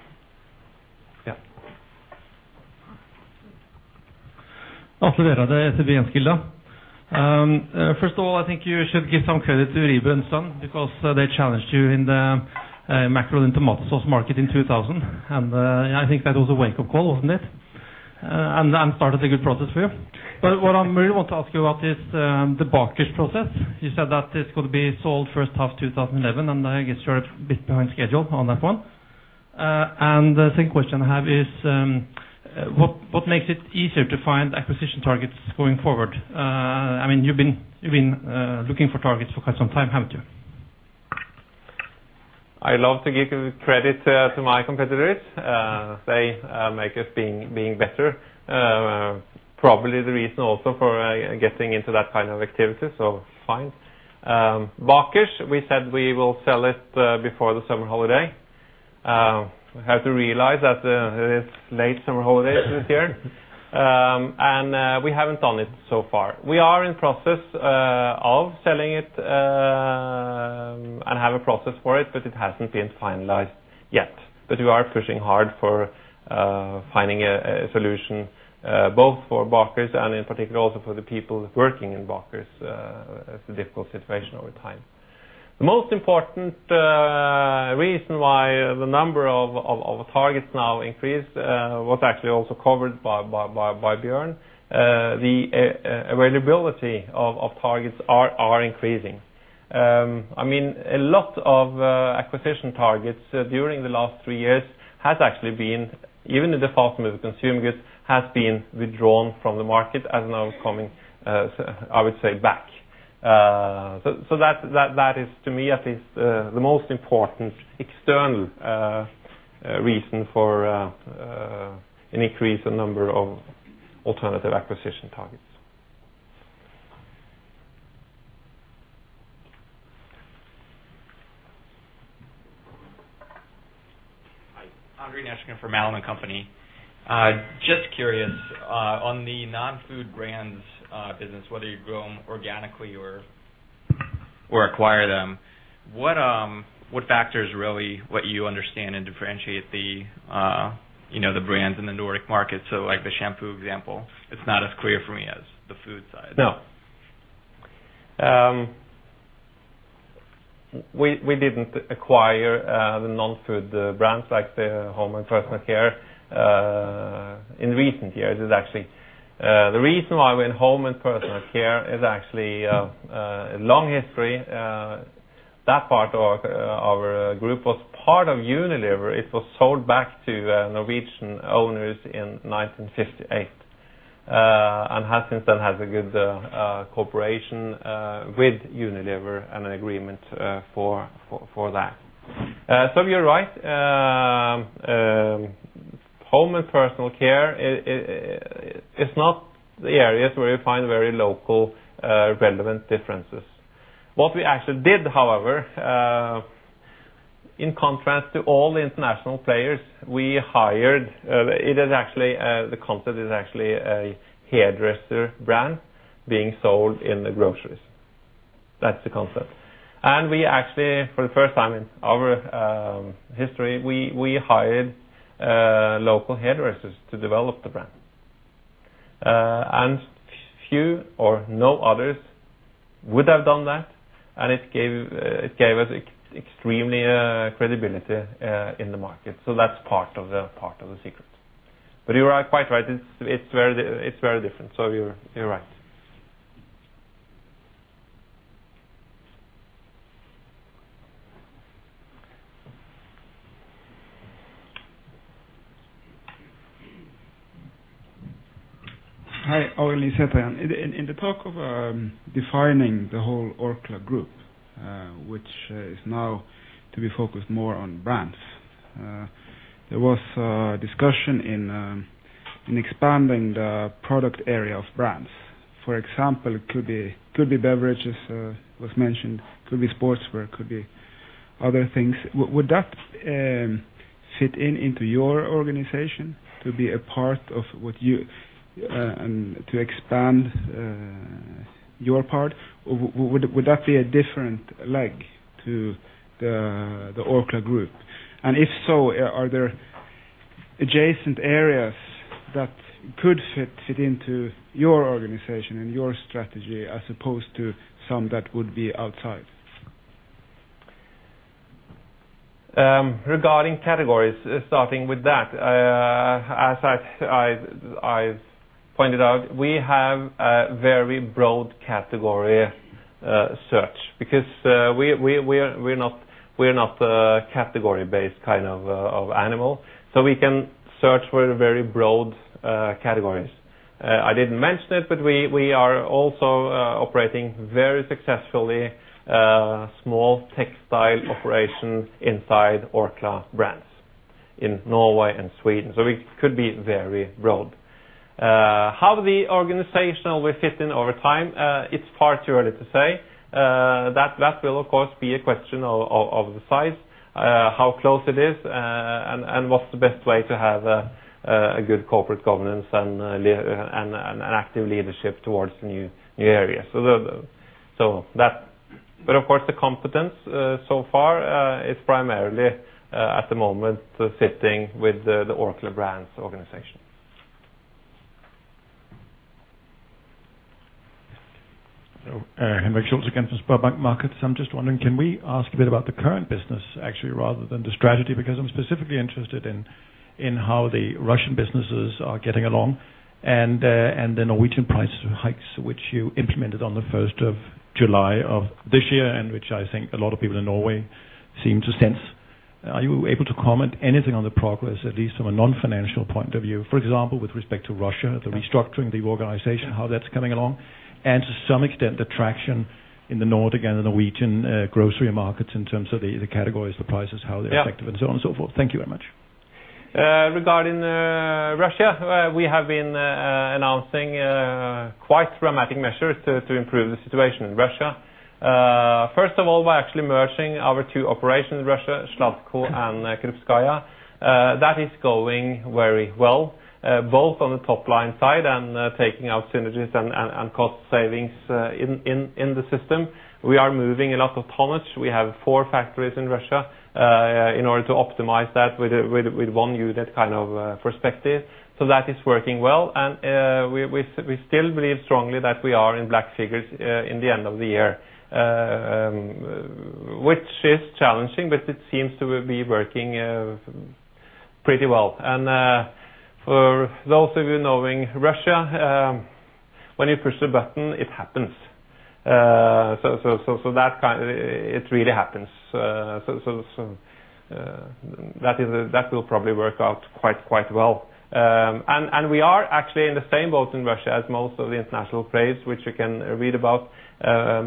Yeah. Asle Røyrås, DNB. First of all, I think you should give some credit to Rieber & Søn, because they challenged you in the macro and tomato sauce market in 2000, and I think that was a wake-up call, wasn't it? What I really want to ask you about is the Bakish process. You said that this could be sold first half 2011, and I guess you're a bit behind schedule on that one. The second question I have is, what makes it easier to find acquisition targets going forward? You've been looking for targets for quite some time, haven't you? I love to give credit to my competitors. They make us being better. Probably the reason also for getting into that kind of activity, so fine. Bakish, we said we will sell it before the summer holiday. We have to realize that it's late summer holidays this year, and we haven't done it so far. We are in process of selling it and have a process for it, but it hasn't been finalized yet. We are pushing hard for finding a solution both for Bakish and in particular, also for the people working in Bakish. It's a difficult situation over time. The most important reason why the number of targets now increase was actually also covered by Bjørn. The availability of targets are increasing. I mean, a lot of acquisition targets during the last three years has actually been, even the department of consumer goods, has been withdrawn from the market, now coming, I would say back. That is, to me at least, the most important external reason for an increase in number of alternative acquisition targets. Hi, André Masi from Mallin Company. just curious, on the non-food brands, business, whether you grow them organically or acquire them, what factors really, what you understand and differentiate the, you know, the brands in the Nordic market? Like the shampoo example, it's not as clear for me as the food side. We didn't acquire the non-food brands like the home and personal care in recent years. It is actually, the reason why we're in home and personal care is actually a long history that part of our group was part of Unilever. It was sold back to Norwegian owners in 1958 and has since then, has a good cooperation with Unilever and an agreement for that. You're right, home and personal care is not the areas where you find very local, relevant differences. What we actually did, however, in contrast to all the international players, we hired, it is actually, the concept is actually a hairdresser brand being sold in the groceries. That's the concept. We actually, for the first time in our history, we hired local hairdressers to develop the brand. Few or no others would have done that, and it gave us extremely credibility in the market. That's part of the secret. You are quite right, it's very different. You're right. Hi, Ole Liseth here. In the talk of defining the whole Orkla group, which is now to be focused more on brands, there was a discussion in expanding the product area of brands. For example, it could be beverages, was mentioned, could be sportswear, could be other things. Would that fit into your organization to be a part of what you and to expand your part? Or would that be a different leg to the Orkla group? If so, are there adjacent areas that could fit into your organization and your strategy, as opposed to some that would be outside? Regarding categories, starting with that, as I've pointed out, we have a very broad category search because we're not a category-based kind of animal, so we can search for very broad categories. I didn't mention it, but we are also operating very successfully small textile operation inside Orkla Brands in Norway and Sweden, so we could be very broad. How the organizational will fit in over time, it's far too early to say. That will, of course, be a question of the size, how close it is, and what's the best way to have a good corporate governance and an active leadership towards new areas. Of course, the competence so far is primarily at the moment, sitting with the Orkla Brands organization. Henrik Schultz again from SpareBank 1 Markets. I'm just wondering, can we ask a bit about the current business, actually, rather than the strategy? Because I'm specifically interested in how the Russian businesses are getting along, and the Norwegian price hikes, which you implemented on the 1st of July of this year, and which I think a lot of people in Norway seem to sense. Are you able to comment anything on the progress, at least from a non-financial point of view, for example, with respect to Russia, the restructuring, the organization, how that's coming along, and to some extent, the traction in the Nordic and the Norwegian grocery markets in terms of the categories, the prices, how they're affected, and so on and so forth? Thank you very much. Regarding Russia, we have been announcing quite dramatic measures to improve the situation in Russia. First of all, by actually merging our 2 operations in Russia, SladCo and Krupskaya. That is going very well, both on the top line side and taking out synergies and cost savings in the system. We are moving a lot of tonnage. We have 4 factories in Russia, in order to optimize that with a 1 unit kind of perspective. That is working well, we still believe strongly that we are in black figures in the end of the year, which is challenging, but it seems to be working pretty well. For those of you knowing Russia, when you push a button, it happens. It really happens. That will probably work out quite well. We are actually in the same boat in Russia as most of the international players, which you can read about.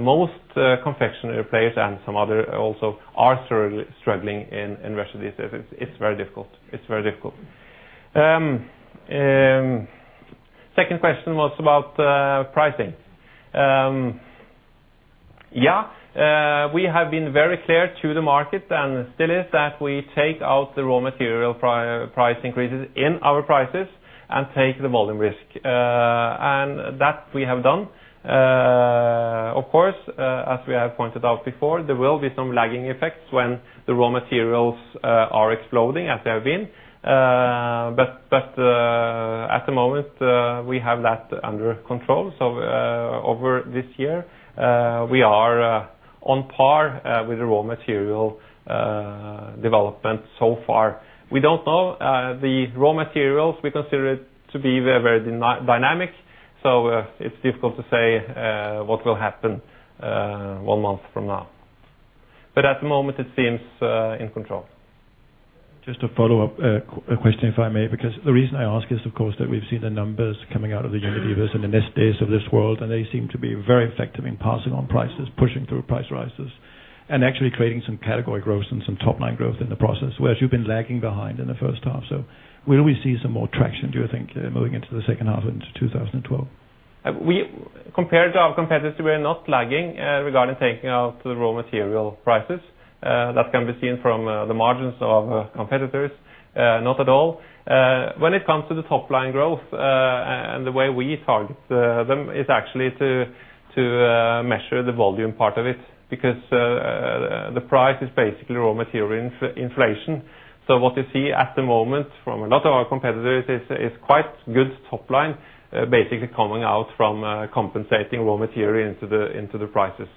Most confectionery players and some other also are struggling in Russia. It's very difficult. It's very difficult. Second question was about pricing. Yeah, we have been very clear to the market, and still is, that we take out the raw material price increases in our prices and take the volume risk, and that we have done. Of course, as we have pointed out before, there will be some lagging effects when the raw materials are exploding as they have been, but at the moment, we have that under control. Over this year, we are on par with the raw material development so far. We don't know, the raw materials, we consider it to be very dynamic, so, it's difficult to say, what will happen, one month from now. At the moment, it seems, in control. Just a follow-up question, if I may, because the reason I ask is, of course, that we've seen the numbers coming out of the Unilever and the Nestlé of this world, and they seem to be very effective in passing on prices, pushing through price rises, and actually creating some category growth and some top-line growth in the process, whereas you've been lagging behind in the first half. Will we see some more traction, do you think, moving into the second half into 2012? Compared to our competitors, we are not lagging regarding taking out the raw material prices. That can be seen from the margins of competitors, not at all. When it comes to the top line growth, and the way we target them is actually to measure the volume part of it, because the price is basically raw material inflation. What you see at the moment from a lot of our competitors is quite good top line, basically coming out from compensating raw material into the prices.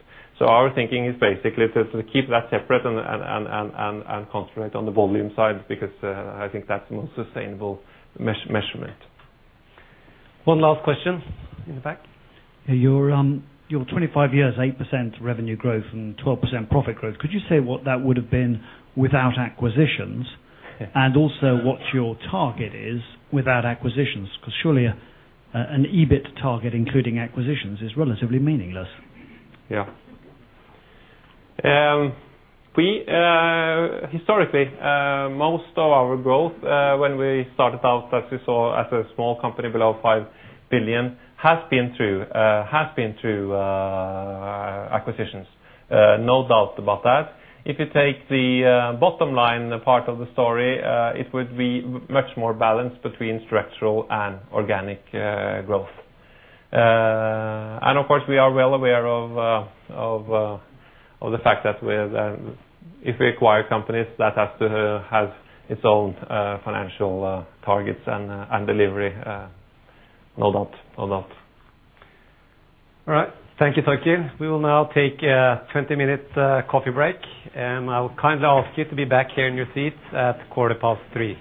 Our thinking is basically to keep that separate and concentrate on the volume side, because I think that's the most sustainable measurement. One last question in the back. Your, your 25 years, 8% revenue growth and 12% profit growth, could you say what that would have been without acquisitions? What your target is without acquisitions? Surely, an EBIT target, including acquisitions, is relatively meaningless. Yeah. We historically most of our growth, when we started out, as you saw, as a small company below 5 billion, has been through acquisitions. No doubt about that. If you take the bottom line part of the story, it would be much more balanced between structural and organic growth. Of course, we are well aware of the fact that we're if we acquire companies, that has to have its own financial targets and delivery, no doubt. No doubt. All right. Thank you, Torkild. We will now take a 20-minute coffee break, and I'll kindly ask you to be back here in your seats at quarter past three.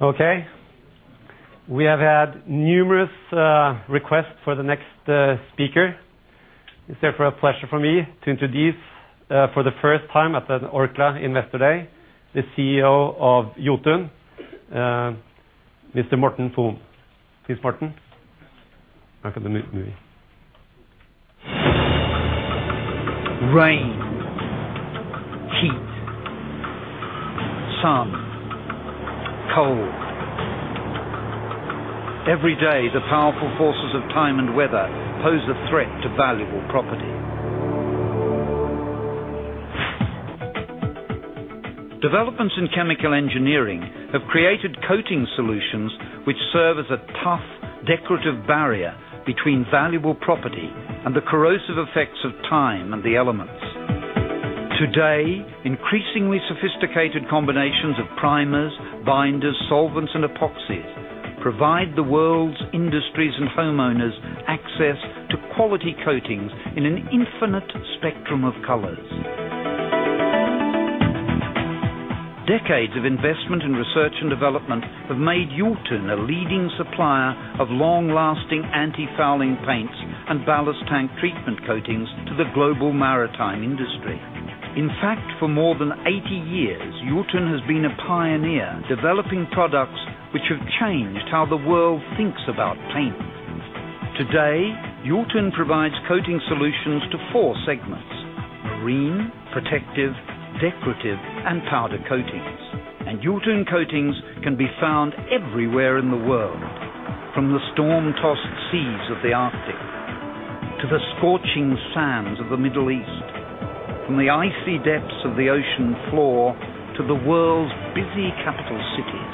Okay. We have had numerous requests for the next speaker. It's therefore a pleasure for me to introduce for the first time at the Orkla Investor Day, the CEO of Jotun, Mr. Morten Fon. Please, Morten. Back on the movie. Rain, heat, sun, cold. Every day, the powerful forces of time and weather pose a threat to valuable property. Developments in chemical engineering have created coating solutions which serve as a tough, decorative barrier between valuable property and the corrosive effects of time and the elements. Today, increasingly sophisticated combinations of primers, binders, solvents, and epoxies provide the world's industries and homeowners access to quality coatings in an infinite spectrum of colors. Decades of investment in research and development have made Jotun a leading supplier of long-lasting antifouling paints and ballast tank treatment coatings to the global maritime industry. In fact, for more than 80 years, Jotun has been a pioneer, developing products which have changed how the world thinks about paint. Today, Jotun provides coating solutions to four segments: marine, protective, decorative, and powder coatings. Jotun coatings can be found everywhere in the world, from the storm-tossed seas of the arctic to the scorching sands of the Middle East, from the icy depths of the ocean floor to the world's busy capital cities.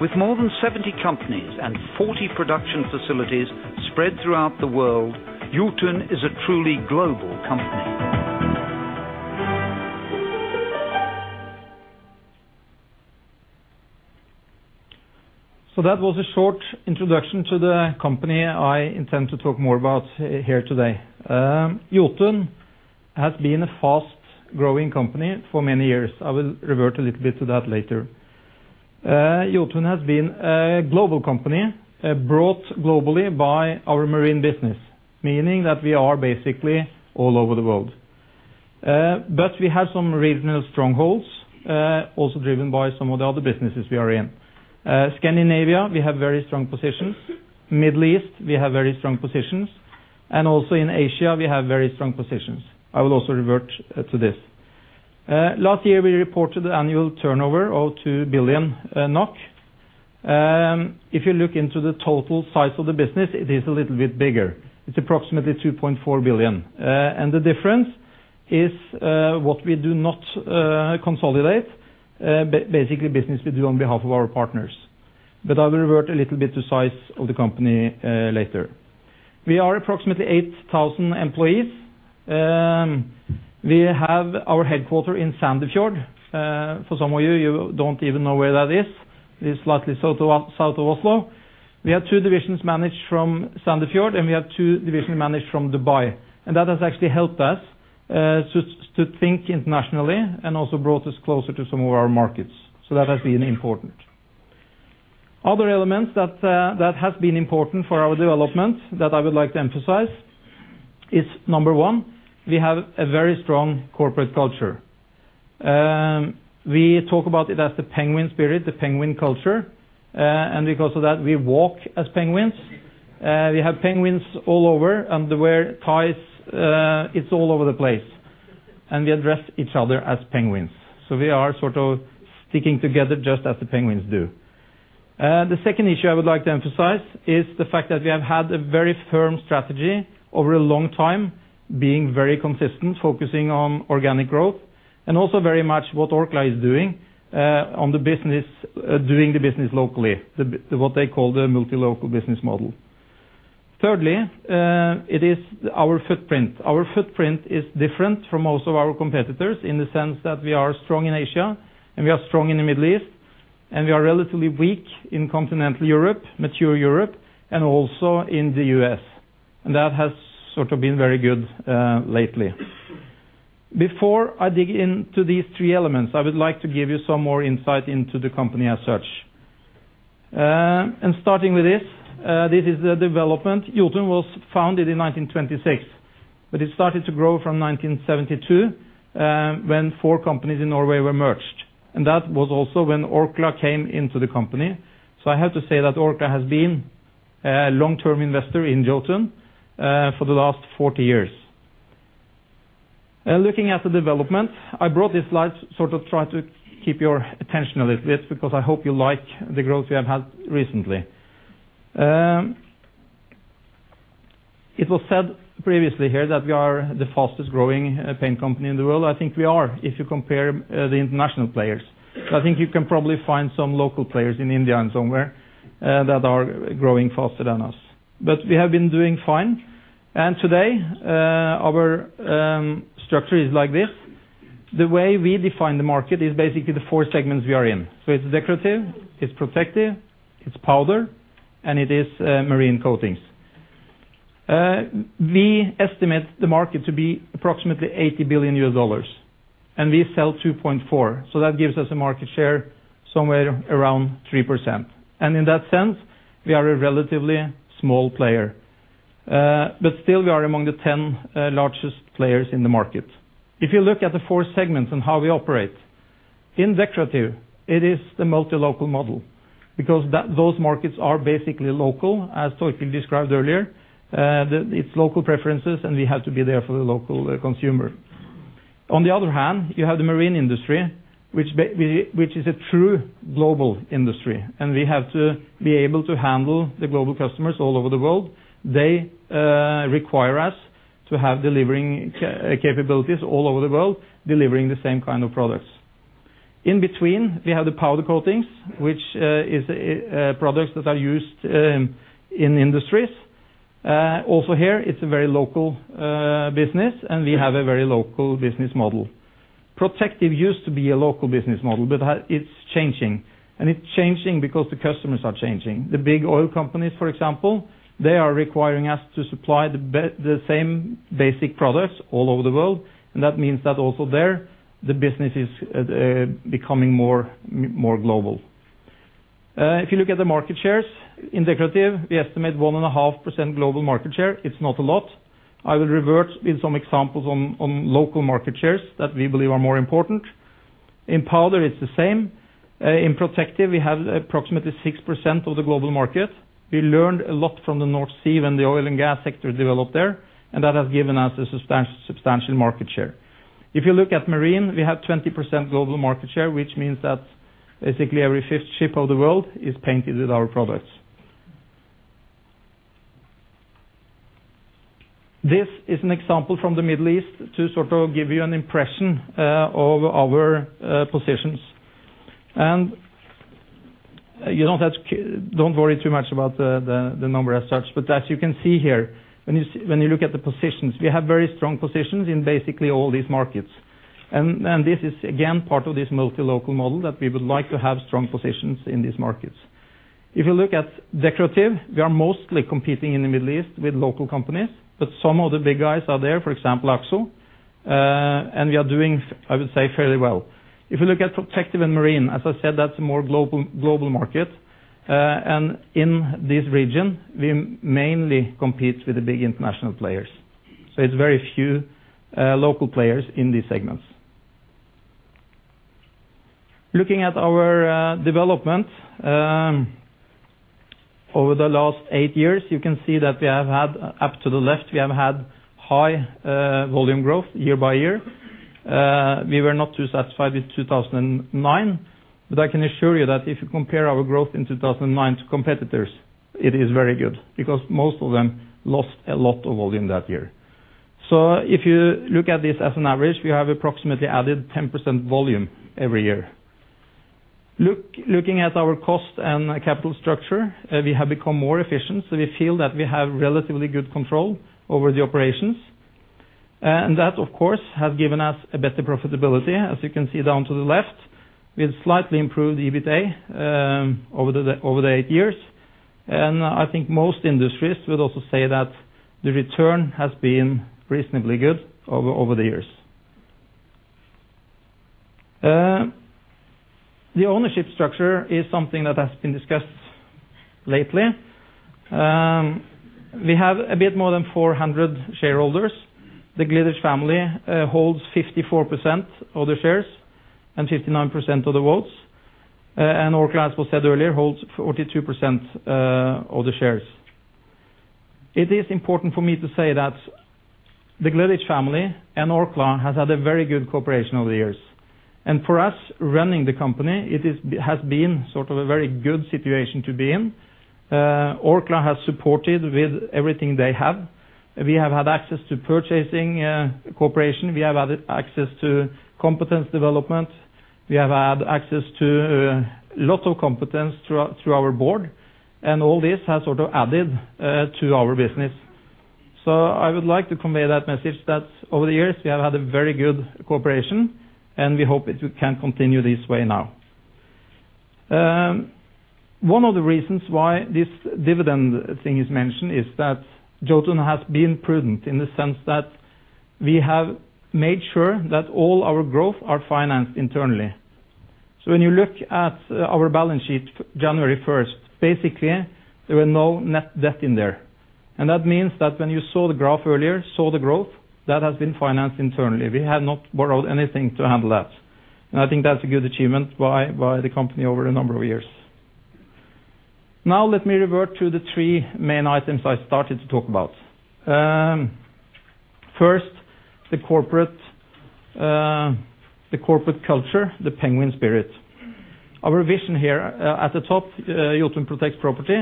With more than 70 companies and 40 production facilities spread throughout the world, Jotun is a truly global company. That was a short introduction to the company I intend to talk more about here today. Jotun has been a fast-growing company for many years. I will revert a little bit to that later. Jotun has been a global company, brought globally by our marine business, meaning that we are basically all over the world. We have some regional strongholds, also driven by some of the other businesses we are in. Scandinavia, we have very strong positions. Middle East, we have very strong positions, and also in Asia, we have very strong positions. I will also revert to this. Last year, we reported annual turnover of 2 billion NOK. If you look into the total size of the business, it is a little bit bigger. It's approximately 2.4 billion. The difference is what we do not consolidate, basically business we do on behalf of our partners. I will revert a little bit to size of the company later. We are approximately 8,000 employees. We have our headquarter in Sandefjord. For some of you don't even know where that is. It's slightly south of, south of Oslo. We have two divisions managed from Sandefjord, and we have two divisions managed from Dubai, and that has actually helped us to think internationally and also brought us closer to some of our markets. That has been important. Other elements that have been important for our development that I would like to emphasize is, number one, we have a very strong corporate culture. We talk about it as the Penguin Spirit, the penguin culture, and because of that, we walk as penguins. We have penguins all over, and wear ties. It's all over the place. We address each other as penguins. We are sort of sticking together just as the penguins do. The second issue I would like to emphasize is the fact that we have had a very firm strategy over a long time, being very consistent, focusing on organic growth, and also very much what Orkla is doing, on the business, doing the business locally, what they call the multi-local business model. Thirdly, it is our footprint. Our footprint is different from most of our competitors in the sense that we are strong in Asia, and we are strong in the Middle East, and we are relatively weak in continental Europe, mature Europe, and also in the U.S. That has sort of been very good lately. Before I dig into these three elements, I would like to give you some more insight into the company as such. Starting with this is the development. Jotun was founded in 1926, but it started to grow from 1972, when four companies in Norway were merged, and that was also when Orkla came into the company. I have to say that Orkla has been a long-term investor in Jotun for the last 40 years. Looking at the development, I brought these slides, sort of try to keep your attention a little bit, because I hope you like the growth we have had recently. It was said previously here that we are the fastest-growing paint company in the world. I think we are, if you compare the international players. I think you can probably find some local players in India and somewhere that are growing faster than us. We have been doing fine, and today, our structure is like this. The way we define the market is basically the four segments we are in. It's decorative, it's protective, it's powder, and it is marine coatings. We estimate the market to be approximately $80 billion, and we sell 2.4. That gives us a market share somewhere around 3%. In that sense, we are a relatively small player, but still we are among the 10 largest players in the market. If you look at the four segments and how we operate, in decorative, it is the multi-local model, because those markets are basically local, as Torkild Nordberg described earlier. It's local preferences, and we have to be there for the local consumer. On the other hand, you have the marine industry, which is a true global industry, and we have to be able to handle the global customers all over the world. They require us to have delivering capabilities all over the world, delivering the same kind of products. In between, we have the powder coatings, which is products that are used in industries. Also here, it's a very local business, and we have a very local business model. Protective used to be a local business model, but that it's changing, and it's changing because the customers are changing. The big oil companies, for example, they are requiring us to supply the same basic products all over the world, and that means that also there, the business is becoming more global. If you look at the market shares, in decorative, we estimate 1.5% global market share. It's not a lot. I will revert with some examples on local market shares that we believe are more important. In powder, it's the same. In protective, we have approximately 6% of the global market. We learned a lot from the North Sea when the oil and gas sector developed there, that has given us a substantial market share. If you look at marine, we have 20% global market share, which means that basically every fifth ship of the world is painted with our products. This is an example from the Middle East to sort of give you an impression of our positions. Don't worry too much about the number as such, but as you can see here, when you look at the positions, we have very strong positions in basically all these markets. This is, again, part of this multi-local model that we would like to have strong positions in these markets. If you look at decorative, we are mostly competing in the Middle East with local companies, but some of the big guys are there, for example, Akzo, and we are doing, I would say, fairly well. If you look at protective and marine, as I said, that's a more global market. In this region, we mainly compete with the big international players. It's very few local players in these segments. Looking at our development, over the last eight years, you can see that, up to the left, we have had high volume growth year by year. We were not too satisfied in 2009, but I can assure you that if you compare our growth in 2009 to competitors, it is very good, because most of them lost a lot of volume that year. If you look at this as an average, we have approximately added 10% volume every year. Looking at our cost and capital structure, we have become more efficient, so we feel that we have relatively good control over the operations. That, of course, has given us a better profitability. As you can see down to the left, we've slightly improved EBITA over the, over the 8 years. I think most industries would also say that the return has been reasonably good over the years. The ownership structure is something that has been discussed lately. We have a bit more than 400 shareholders. The Gleditsch family holds 54% of the shares and 59% of the votes. Orkla, as was said earlier, holds 42% of the shares. It is important for me to say that the Gleditsch family and Orkla has had a very good cooperation over the years. For us, running the company, it has been sort of a very good situation to be in. Orkla has supported with everything they have. We have had access to purchasing cooperation. We have had access to competence development. We have had access to lots of competence through our board, and all this has sort of added to our business. I would like to convey that message, that over the years, we have had a very good cooperation, and we hope it can continue this way now. One of the reasons why this dividend thing is mentioned is that Jotun has been prudent in the sense that we have made sure that all our growth are financed internally. When you look at our balance sheet, January first, basically, there were no net debt in there. That means that when you saw the graph earlier, saw the growth, that has been financed internally. We have not borrowed anything to handle that. I think that's a good achievement by the company over a number of years. Let me revert to the three main items I started to talk about. First, the corporate culture, the Penguin Spirit. Our vision here, at the top, Jotun Protects Property,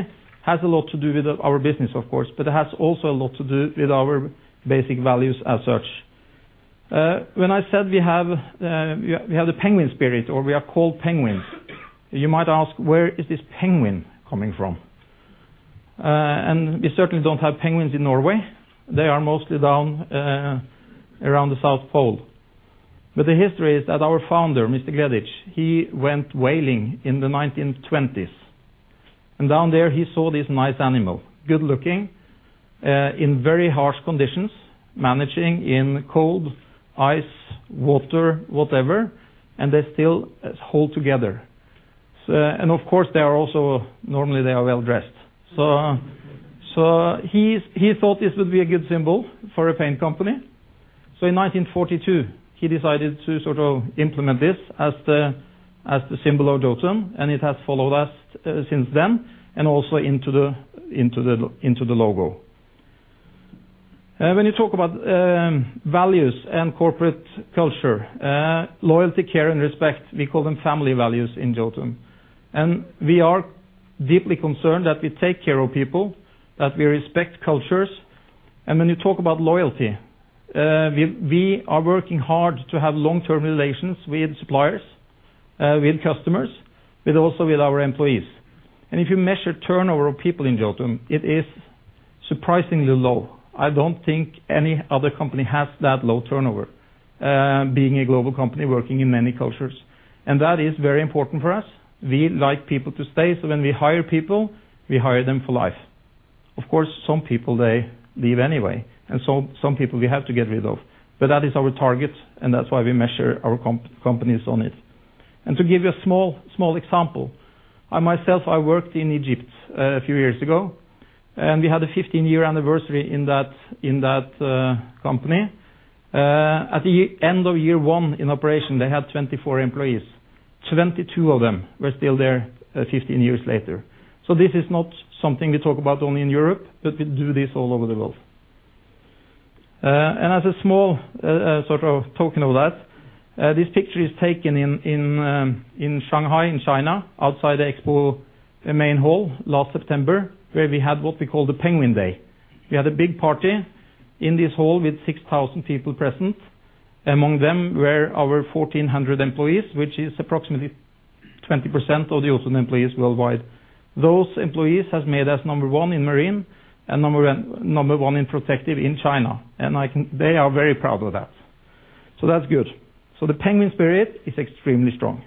has a lot to do with our business, of course, but it has also a lot to do with our basic values as such. When I said we have the Penguin Spirit, or we are called penguins, you might ask, where is this penguin coming from? We certainly don't have penguins in Norway. They are mostly down, around the South Pole. The history is that our founder, Mr. Gleditsch, he went whaling in the 1920s, and down there, he saw this nice animal, good looking, in very harsh conditions, managing in cold, ice, water, whatever, and they still hold together. Of course, normally, they are well-dressed. He thought this would be a good symbol for a paint company. In 1942, he decided to sort of implement this as the symbol of Jotun, and it has followed us since then, and also into the logo. When you talk about values and corporate culture, loyalty, care, and respect, we call them family values in Jotun. We are deeply concerned that we take care of people, that we respect cultures, and when you talk about loyalty, we are working hard to have long-term relations with suppliers, with customers, but also with our employees. If you measure turnover of people in Jotun, it is surprisingly low. I don't think any other company has that low turnover, being a global company working in many cultures. That is very important for us. We like people to stay, so when we hire people, we hire them for life. Of course, some people, they leave anyway, and so some people we have to get rid of, but that is our target, and that's why we measure our companies on it. To give you a small example, I myself, I worked in Egypt a few years ago, and we had a 15-year anniversary in that, in that company. At the end of year 1 in operation, they had 24 employees. 22 of them were still there, 15 years later. This is not something we talk about only in Europe, but we do this all over the world. As a small, sort of token of that, this picture is taken in Shanghai, in China, outside the Expo main hall last September, where we had what we call the Penguin Day. We had a big party in this hall with 6,000 people present. Among them were our 1,400 employees, which is approximately 20% of the Jotun employees worldwide. Those employees have made us number one in marine and number one in protective in China, and they are very proud of that. That's good. The Penguin Spirit is extremely strong.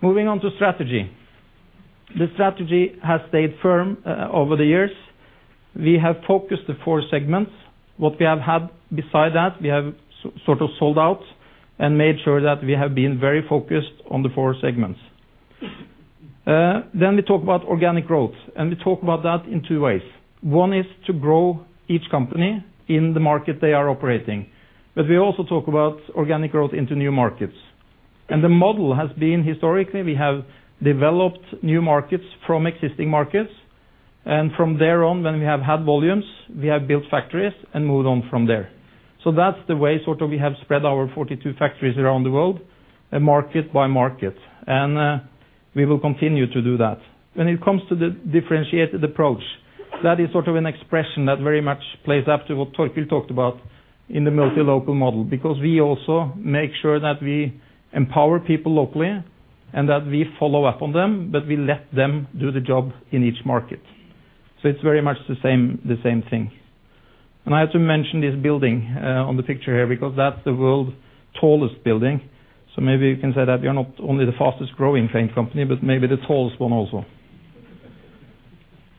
Moving on to strategy. The strategy has stayed firm over the years. We have focused the four segments. What we have had beside that, we have sort of sold out and made sure that we have been very focused on the four segments. Then we talk about organic growth, and we talk about that in two ways. One is to grow each company in the market they are operating, but we also talk about organic growth into new markets. The model has been, historically, we have developed new markets from existing markets, and from there on, when we have had volumes, we have built factories and moved on from there. That's the way sort of we have spread our 42 factories around the world, market by market. We will continue to do that. When it comes to the differentiated approach, that is sort of an expression that very much plays up to what Torkild talked about in the multi-local model, because we also make sure that we empower people locally and that we follow up on them, but we let them do the job in each market. It's very much the same thing. I have to mention this building on the picture here, because that's the world's tallest building. Maybe you can say that we are not only the fastest growing paint company, but maybe the tallest one also.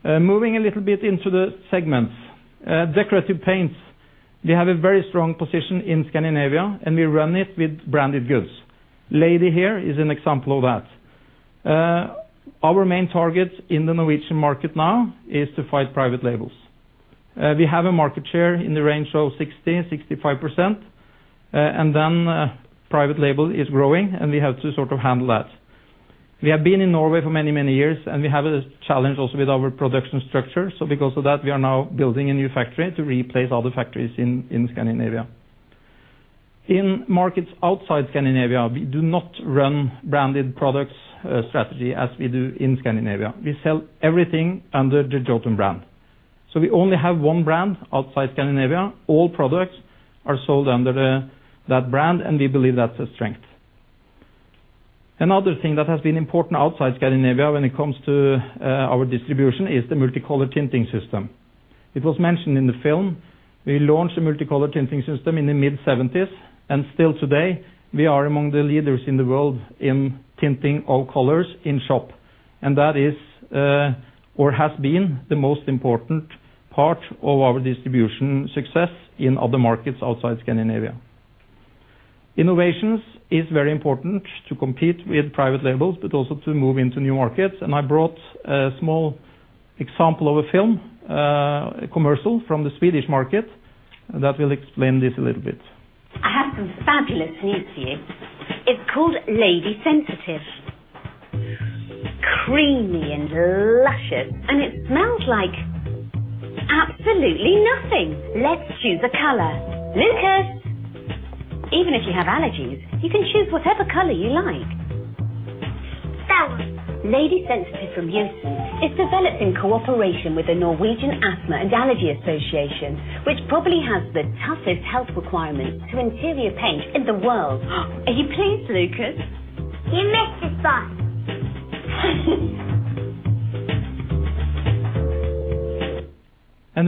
Moving a little bit into the segments. Decorative paints, we have a very strong position in Scandinavia, and we run it with branded goods. LADY here is an example of that. Our main target in the Norwegian market now is to fight private labels. We have a market share in the range of 60%-65%, private label is growing, and we have to sort of handle that. We have been in Norway for many, many years, and we have a challenge also with our production structure. Because of that, we are now building a new factory to replace all the factories in Scandinavia. In markets outside Scandinavia, we do not run branded products strategy as we do in Scandinavia. We sell everything under the Jotun brand. We only have one brand outside Scandinavia. All products are sold under that brand, and we believe that's a strength. Another thing that has been important outside Scandinavia when it comes to our distribution is the multicolor tinting system. It was mentioned in the film. We launched a multicolor tinting system in the mid-'70s, and still today, we are among the leaders in the world in tinting all colors in shop. That is, or has been the most important part of our distribution success in other markets outside Scandinavia. Innovations is very important to compete with private labels, but also to move into new markets. I brought a small example of a film, a commercial from the Swedish market, and that will explain this a little bit. I have some fabulous news for you. It's called Lady Sensitive. Creamy and luscious, and it smells like absolutely nothing. Let's choose a color. Lucas! Even if you have allergies, you can choose whatever color you like. That one. Lady Sensitive from Jotun is developed in cooperation with the Norwegian Asthma and Allergy Association, which probably has the toughest health requirements to interior paint in the world. Are you pleased, Lucas? You mixed it well.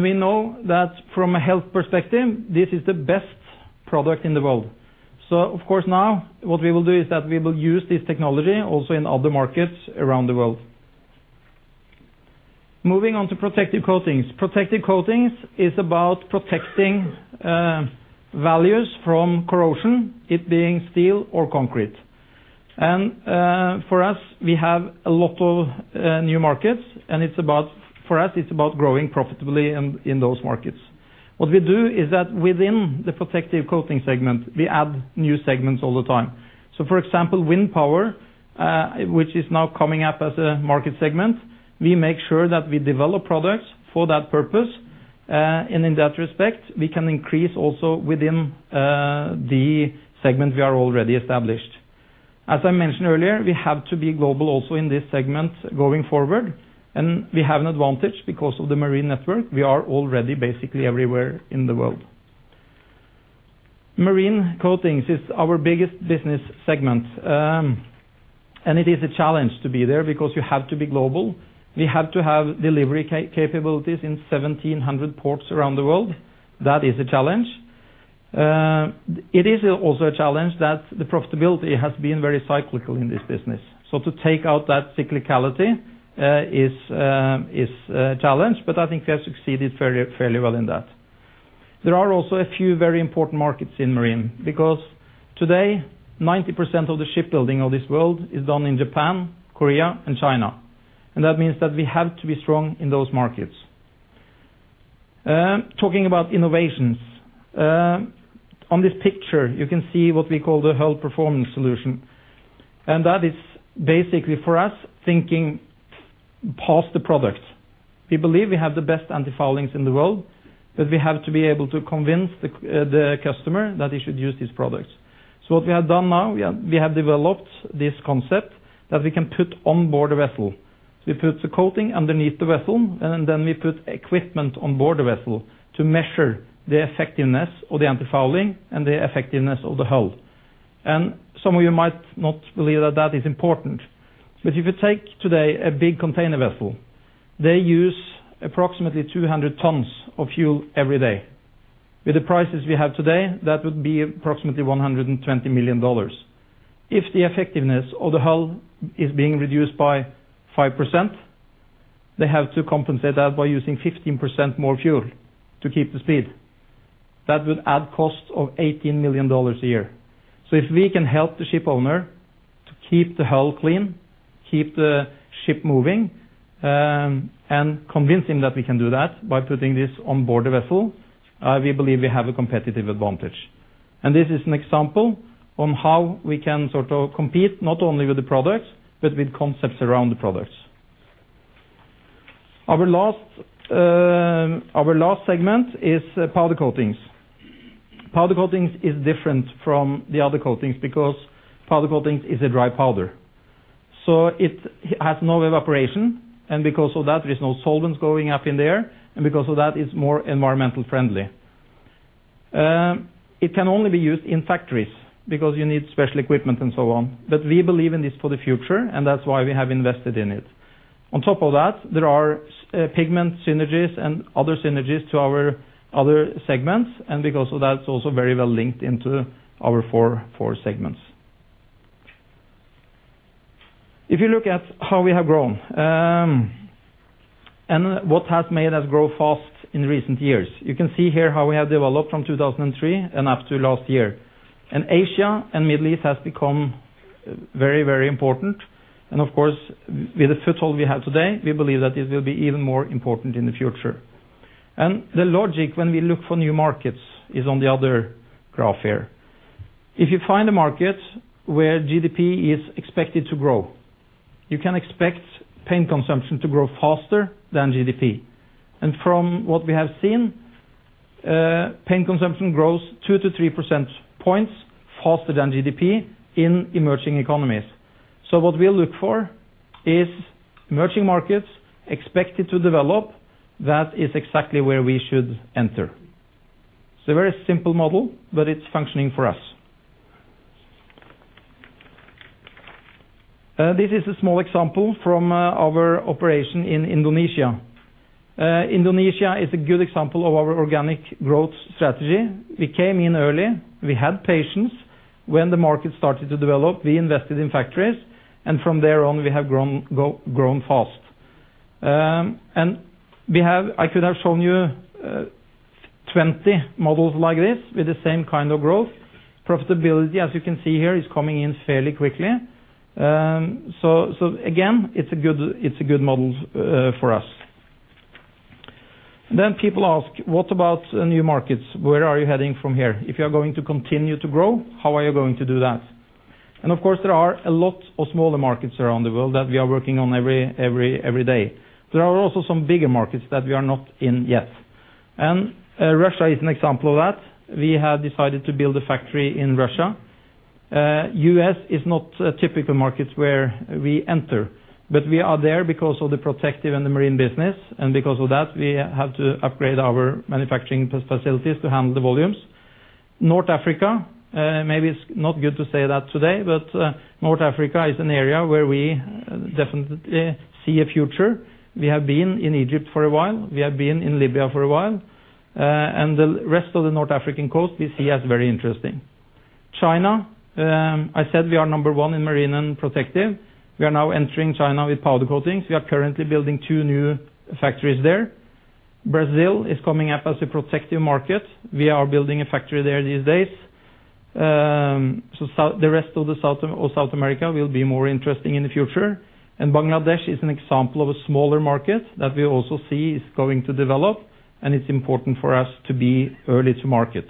We know that from a health perspective, this is the best product in the world. Of course, now, what we will do is that we will use this technology also in other markets around the world. Moving on to protective coatings. Protective coatings is about protecting values from corrosion, it being steel or concrete. For us, we have a lot of new markets, and it's about, for us, it's about growing profitably in those markets. What we do is that within the protective coating segment, we add new segments all the time. For example, wind power, which is now coming up as a market segment, we make sure that we develop products for that purpose. In that respect, we can increase also within the segment we are already established. As I mentioned earlier, we have to be global also in this segment going forward. We have an advantage because of the marine network. We are already basically everywhere in the world. Marine coatings is our biggest business segment. It is a challenge to be there because you have to be global. We have to have delivery capabilities in 1,700 ports around the world. That is a challenge. It is also a challenge that the profitability has been very cyclical in this business. To take out that cyclicality is a challenge, but I think we have succeeded fairly well in that. There are also a few very important markets in marine, because today, 90% of the shipbuilding of this world is done in Japan, Korea, and China, and that means that we have to be strong in those markets. Talking about innovations, on this picture, you can see what we call the Hull Performance Solutions. That is basically for us, thinking past the products. We believe we have the best antifoulings in the world. We have to be able to convince the customer that they should use these products. What we have done now, we have developed this concept that we can put on board a vessel. We put the coating underneath the vessel. We put equipment on board the vessel to measure the effectiveness of the antifouling and the effectiveness of the hull. Some of you might not believe that that is important, but if you take today a big container vessel, they use approximately 200 tons of fuel every day. With the prices we have today, that would be approximately $120 million. If the effectiveness of the hull is being reduced by 5%, they have to compensate that by using 15% more fuel to keep the speed. That would add cost of $18 million a year. If we can help the ship owner to keep the hull clean, keep the ship moving, and convince him that we can do that by putting this on board the vessel, we believe we have a competitive advantage. This is an example on how we can sort of compete not only with the products, but with concepts around the products. Our last, our last segment is powder coatings. Powder coatings is different from the other coatings because powder coatings is a dry powder. It has no evaporation, and because of that, there is no solvents going up in there, and because of that, it's more environmental friendly. It can only be used in factories because you need special equipment and so on. We believe in this for the future, and that's why we have invested in it. There are pigment synergies and other synergies to our other segments, and because of that, it's also very well linked into our 4 segments. If you look at how we have grown, and what has made us grow fast in recent years, you can see here how we have developed from 2003 and up to last year. Asia and Middle East has become very, very important. Of course, with the foothold we have today, we believe that this will be even more important in the future. The logic when we look for new markets is on the other graph here. If you find a market where GDP is expected to grow, you can expect paint consumption to grow faster than GDP. From what we have seen, paint consumption grows 2 to 3 percentage points faster than GDP in emerging economies. What we'll look for is emerging markets expected to develop, that is exactly where we should enter. It's a very simple model, but it's functioning for us. This is a small example from our operation in Indonesia. Indonesia is a good example of our organic growth strategy. We came in early, we had patience. When the market started to develop, we invested in factories, from there on, we have grown fast. I could have shown you 20 models like this with the same kind of growth. Profitability, as you can see here, is coming in fairly quickly. Again, it's a good, it's a good model for us. People ask: What about new markets? Where are you heading from here? If you are going to continue to grow, how are you going to do that? Of course, there are a lot of smaller markets around the world that we are working on every day. There are also some bigger markets that we are not in yet. Russia is an example of that. We have decided to build a factory in Russia. U.S. is not a typical market where we enter. We are there because of the protective and the marine business, and because of that, we have to upgrade our manufacturing facilities to handle the volumes. North Africa, maybe it's not good to say that today. North Africa is an area where we definitely see a future. We have been in Egypt for a while, we have been in Libya for a while. The rest of the North African coast, we see as very interesting. China, I said we are number one in marine and protective. We are now entering China with powder coatings. We are currently building two new factories there. Brazil is coming up as a protective market. We are building a factory there these days. The rest of South America will be more interesting in the future. Bangladesh is an example of a smaller market that we also see is going to develop, and it's important for us to be early to market.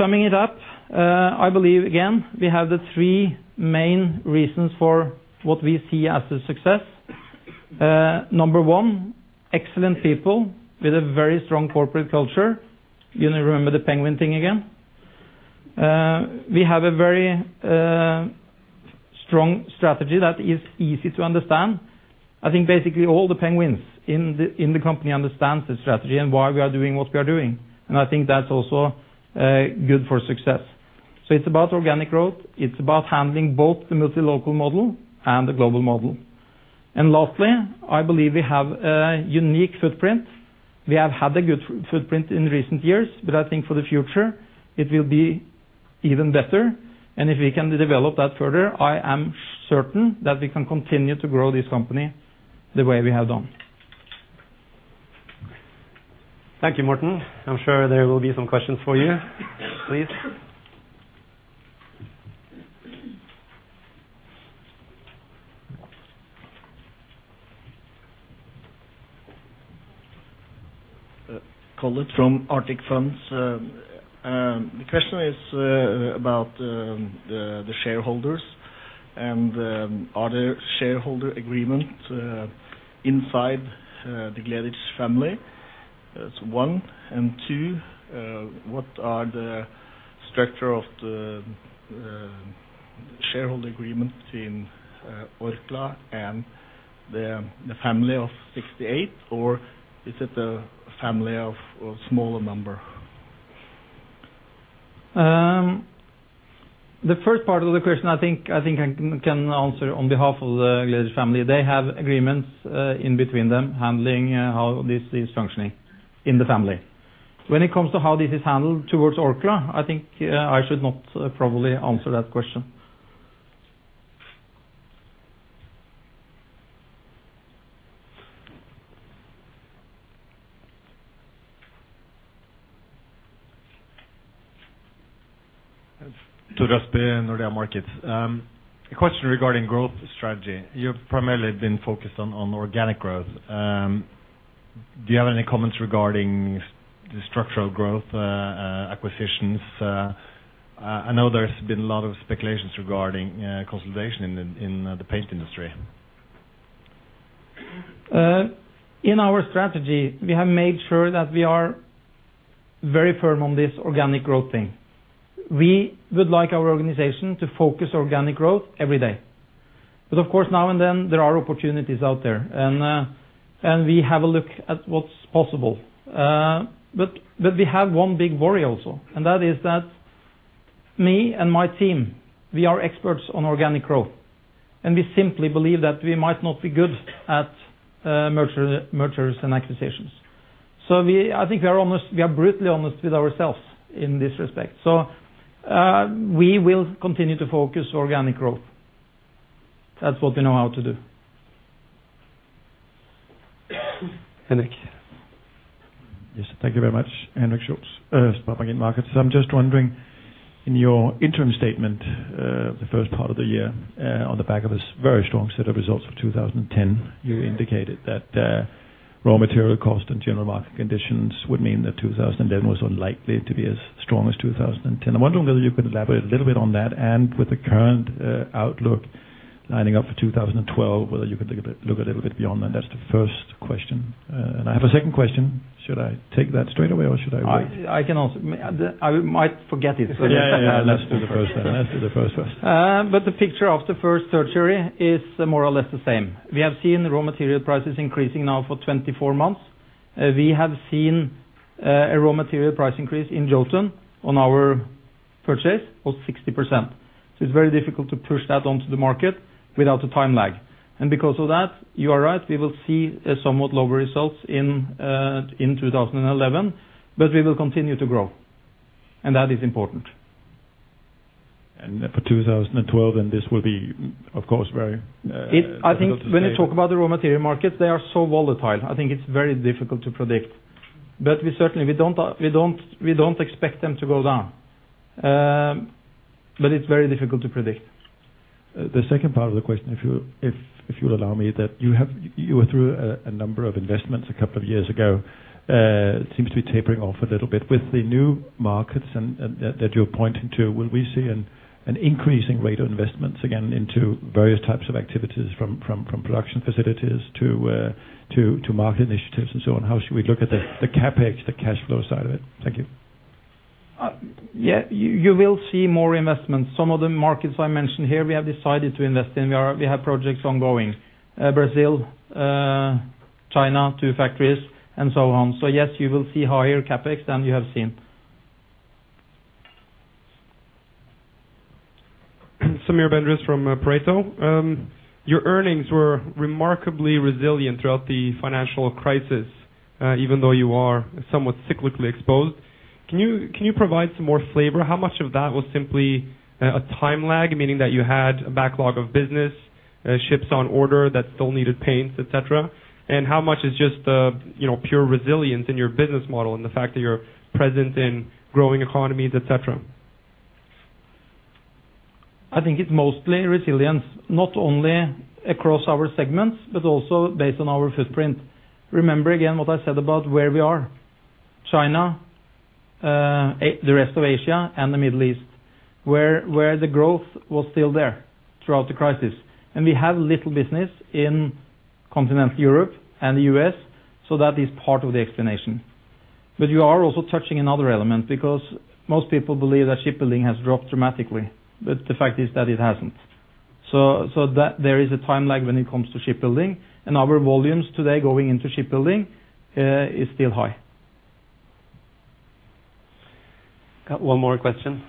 Summing it up, I believe, again, we have the three main reasons for what we see as a success. Number one, excellent people with a very strong corporate culture. You may remember the penguin thing again. We have a very strong strategy that is easy to understand. I think basically all the penguins in the company understands the strategy and why we are doing what we are doing, and I think that's also good for success. It's about organic growth, it's about handling both the multi-local model and the global model. Lastly, I believe we have a unique footprint. We have had a good footprint in recent years, but I think for the future, it will be even better. If we can develop that further, I am certain that we can continue to grow this company the way we have done. Thank you, Morten. I'm sure there will be some questions for you. Please. Collett from Arctic Funds. The question is about the shareholders and are there shareholder agreement inside the Gleditsch family? That's one. Two, what are the structure of the shareholder agreement in Orkla and the family of 68, or is it a family of a smaller number? The first part of the question, I think, I can answer on behalf of the Gleditsch family. They have agreements in between them, handling how this is functioning in the family. When it comes to how this is handled towards Orkla, I think, I should not probably answer that question. Torasp, Nordea Markets. A question regarding growth strategy. You've primarily been focused on organic growth. Do you have any comments regarding the structural growth acquisitions? I know there's been a lot of speculations regarding consolidation in the paint industry. In our strategy, we have made sure that we are very firm on this organic growth thing. We would like our organization to focus organic growth every day. Of course, now and then, there are opportunities out there, and we have a look at what's possible. We have one big worry also, and that is that me and my team, we are experts on organic growth, and we simply believe that we might not be good at mergers and acquisitions. I think we are honest, we are brutally honest with ourselves in this respect. We will continue to focus organic growth. That's what we know how to do. Henrik? Yes, thank you very much. Henrik Schultz, SpareBank 1 Markets. I'm just wondering, in your interim statement, the first part of the year, on the back of this very strong set of results for 2010, you indicated that raw material cost and general market conditions would mean that 2011 was unlikely to be as strong as 2010. I wonder whether you could elaborate a little bit on that, and with the current outlook lining up for 2012, whether you could look a little bit beyond that. That's the first question. I have a second question. Should I take that straight away, or should I wait? I can answer. I might forget it. Yeah, yeah. Let's do the first then. Let's do the first first. The picture of the first surgery is more or less the same. We have seen raw material prices increasing now for 24 months. We have seen a raw material price increase in Jotun on our purchase of 60%. It's very difficult to push that onto the market without a time lag. Because of that, you are right, we will see a somewhat lower results in 2011, but we will continue to grow, and that is important. For 2012, this will be, of course, very difficult to say. I think when you talk about the raw material markets, they are so volatile. I think it's very difficult to predict, but we certainly don't expect them to go down. It's very difficult to predict. The second part of the question, if you, if you'll allow me, that you were through a number of investments a couple of years ago. It seems to be tapering off a little bit. With the new markets and that you're pointing to, will we see an increasing rate of investments again into various types of activities, from production facilities to market initiatives and so on? How should we look at the CapEx, the cash flow side of it? Thank you. Yeah, you will see more investments. Some of the markets I mentioned here, we have decided to invest in. We have projects ongoing, Brazil, China, 2 factories, and so on. Yes, you will see higher CapEx than you have seen. Samir Bendriss from Pareto. Your earnings were remarkably resilient throughout the financial crisis, even though you are somewhat cyclically exposed. Can you provide some more flavor? How much of that was simply a time lag, meaning that you had a backlog of business, ships on order that still needed paints, et cetera? How much is just the, you know, pure resilience in your business model and the fact that you're present in growing economies, et cetera? I think it's mostly resilience, not only across our segments, but also based on our footprint. Remember, again, what I said about where we are, China, the rest of Asia, and the Middle East, where the growth was still there throughout the crisis. We have little business in continental Europe and the U.S. That is part of the explanation. You are also touching another element, because most people believe that shipbuilding has dropped dramatically, but the fact is that it hasn't. There is a time lag when it comes to shipbuilding, and our volumes today going into shipbuilding, is still high. Got one more question.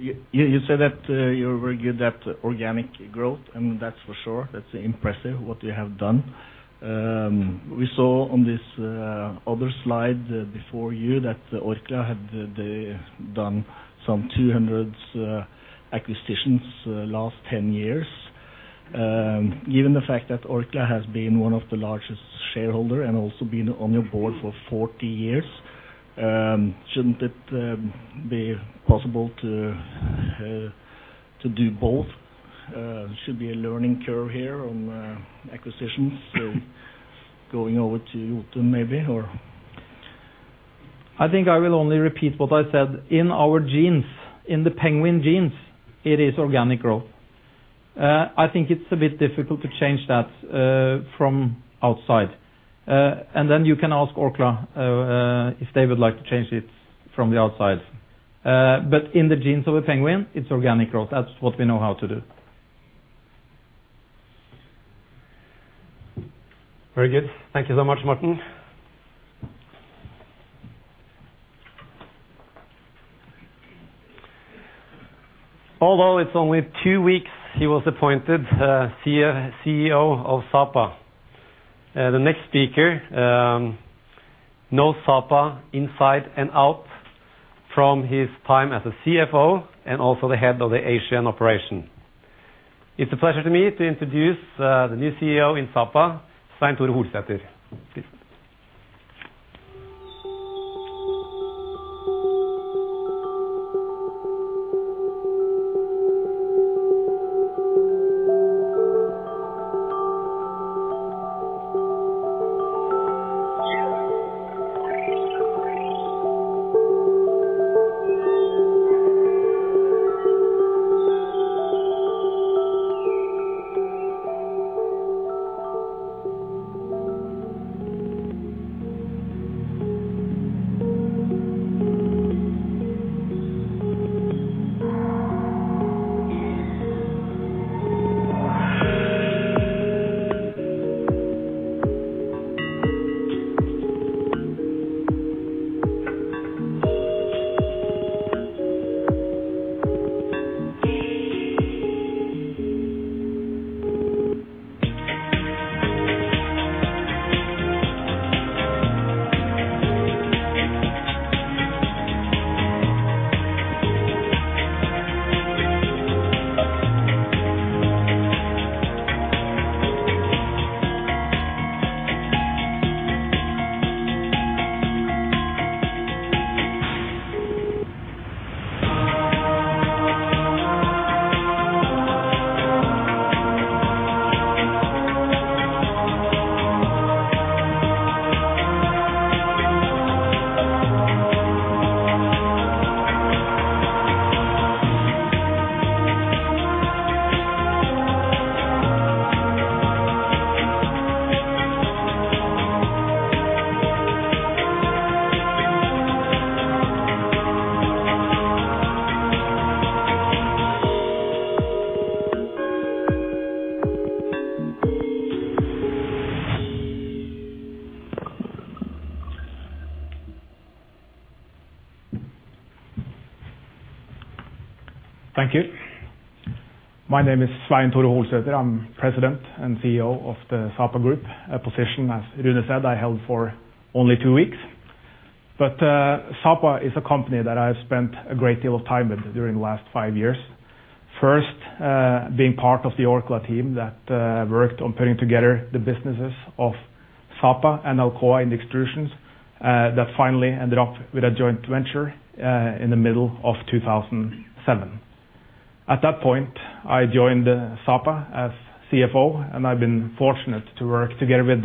You said that you're very good at organic growth, that's for sure. That's impressive, what you have done. We saw on this other slide before you that Orkla had, they done some 200 acquisitions last 10 years. Given the fact that Orkla has been one of the largest shareholder and also been on your board for 40 years, shouldn't it be possible to do both? Should there be a learning curve here on acquisitions, going over to Jotun maybe, or? I think I will only repeat what I said. In our genes, in the Penguin genes, it is organic growth. I think it's a bit difficult to change that from outside. Then you can ask Orkla, if they would like to change it from the outside. In the genes of a Penguin, it's organic growth. That's what we know how to do. Very good. Thank you so much, Morten. Although it's only two weeks he was appointed, CEO of Sapa, the next speaker knows Sapa inside and out from his time as a CFO and also the head of the Asian operation. It's a pleasure to me to introduce the new CEO in Sapa, Svein Tore Holsether. Please. Thank you. My name is Svein Tore Holsether. I'm President and CEO of the Sapa Group, a position, as Rune said, I held for only two weeks. Sapa is a company that I've spent a great deal of time with during the last five years. First, being part of the Orkla team that worked on putting together the businesses of Sapa and Alcoa in extrusions, that finally ended up with a joint venture in the middle of 2007. At that point, I joined Sapa as CFO, and I've been fortunate to work together with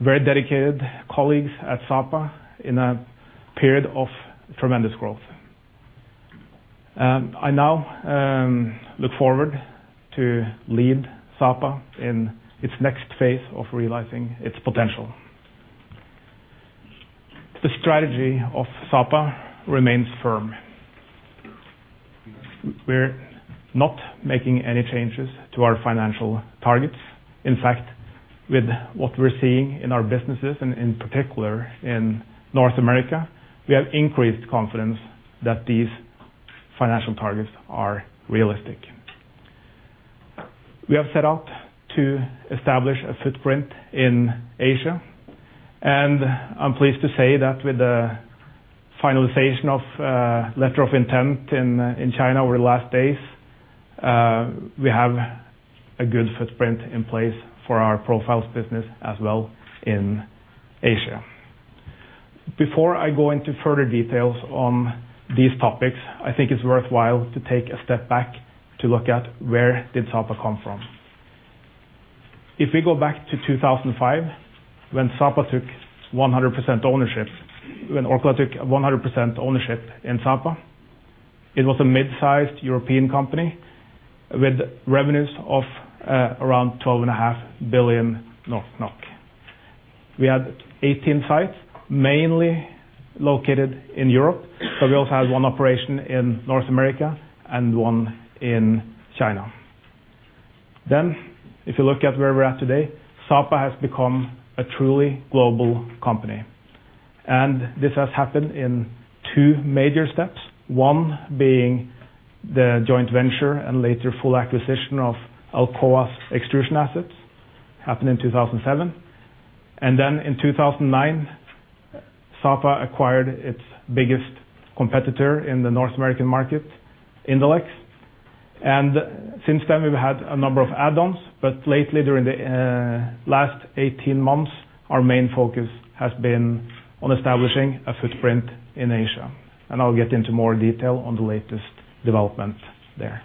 very dedicated colleagues at Sapa in a period of tremendous growth. I now look forward to lead Sapa in its next phase of realizing its potential. The strategy of Sapa remains firm. We're not making any changes to our financial targets. In fact, with what we're seeing in our businesses, and in particular in North America, we have increased confidence that these financial targets are realistic. We have set out to establish a footprint in Asia, and I'm pleased to say that with the finalization of letter of intent in China over the last days, we have a good footprint in place for our profiles business as well in Asia. Before I go into further details on these topics, I think it's worthwhile to take a step back to look at where did Sapa come from. If we go back to 2005, when Orkla took 100% ownership in Sapa, it was a mid-sized European company with revenues of around 12.5 billion NOK. We had 18 sites, mainly located in Europe, but we also had 1 operation in North America and 1 in China. If you look at where we're at today, Sapa has become a truly global company, and this has happened in 2 major steps. One, being the joint venture and later, full acquisition of Alcoa's extrusion assets, happened in 2007. In 2009, Sapa acquired its biggest competitor in the North American market, Indalex. Since then, we've had a number of add-ons, but lately, during the last 18 months, our main focus has been on establishing a footprint in Asia. I'll get into more detail on the latest development there.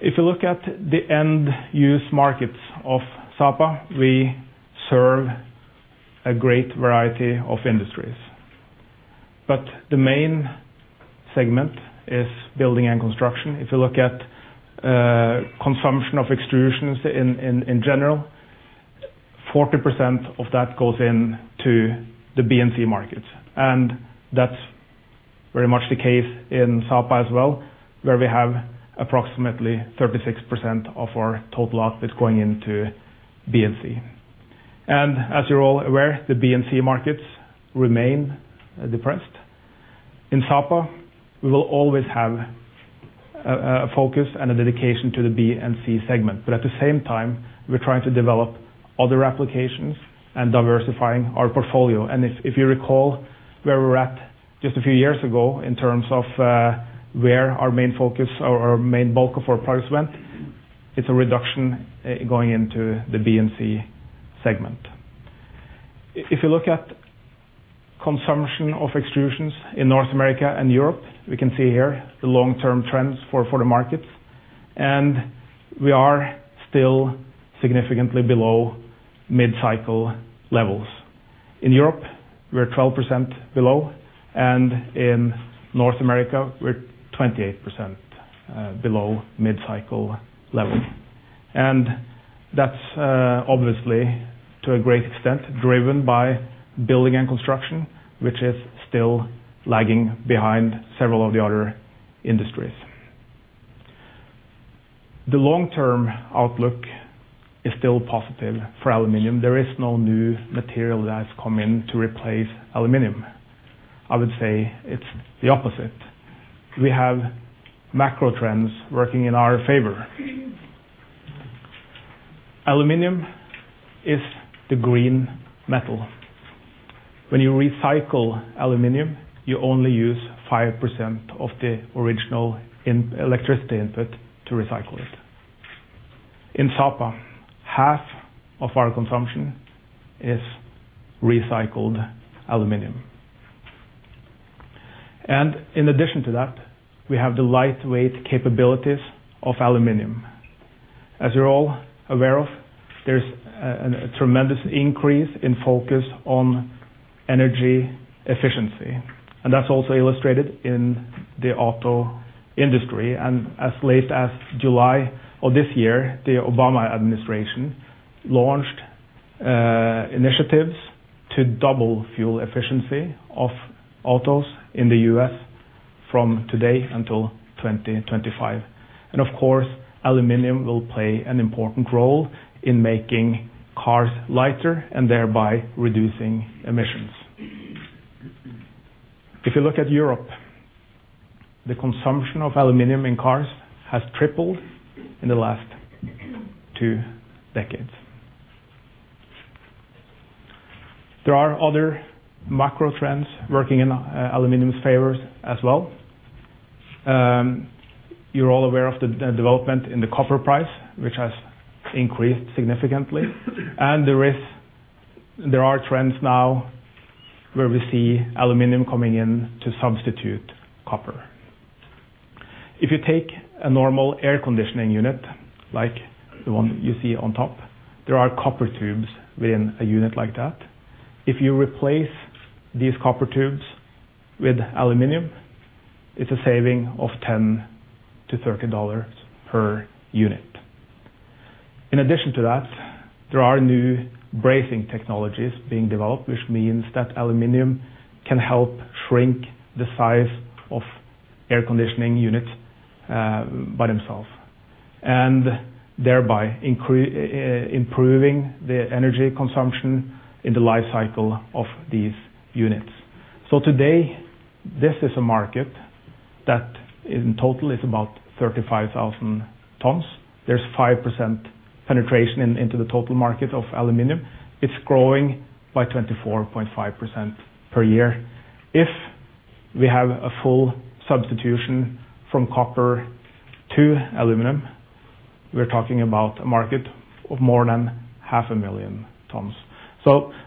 If you look at the end use markets of Sapa, we serve a great variety of industries, but the main segment is building and construction. If you look at consumption of extrusions in general, 40% of that goes into the B&C markets, that's very much the case in Sapa as well, where we have approximately 36% of our total output going into B&C. As you're all aware, the B&C markets remain depressed. In Sapa, we will always have a focus and a dedication to the B&C segment, at the same time, we're trying to develop other applications and diversifying our portfolio. If you recall where we were at just a few years ago in terms of where our main focus or our main bulk of our products went, it's a reduction going into the B&C segment. If you look at consumption of extrusions in North America and Europe, we can see here the long-term trends for the markets. We are still significantly below mid-cycle levels. In Europe, we're 12% below, and in North America, we're 28% below mid-cycle level. That's obviously, to a great extent, driven by building and construction, which is still lagging behind several of the other industries. The long-term outlook is still positive for aluminum. There is no new material that has come in to replace aluminum. I would say it's the opposite. We have macro trends working in our favor. Aluminum is the green metal. When you recycle aluminum, you only use 5% of the original electricity input to recycle it. In Sapa, half of our consumption is recycled aluminum. In addition to that, we have the lightweight capabilities of aluminum. As you're all aware of, there's a tremendous increase in focus on energy efficiency, and that's also illustrated in the auto industry. As late as July of this year, the Obama administration launched initiatives to double fuel efficiency of autos in the U.S. from today until 2025. Of course, aluminum will play an important role in making cars lighter and thereby reducing emissions. If you look at Europe, the consumption of aluminum in cars has tripled in the last two decades. There are other macro trends working in aluminum's favors as well. You're all aware of the development in the copper price, which has increased significantly, and there are trends now where we see aluminum coming in to substitute copper. If you take a normal air conditioning unit, like the one you see on top, there are copper tubes within a unit like that. If you replace these copper tubes with aluminum, it's a saving of $10-$13 per unit. In addition to that, there are new bracing technologies being developed, which means that aluminum can help shrink the size of air conditioning units by themselves, and thereby increase, improving the energy consumption in the life cycle of these units. Today, this is a market that in total is about 35,000 tons. There's 5% penetration into the total market of aluminum. It's growing by 24.5% per year. If we have a full substitution from copper to aluminum, we're talking about a market of more than 500,000 tons.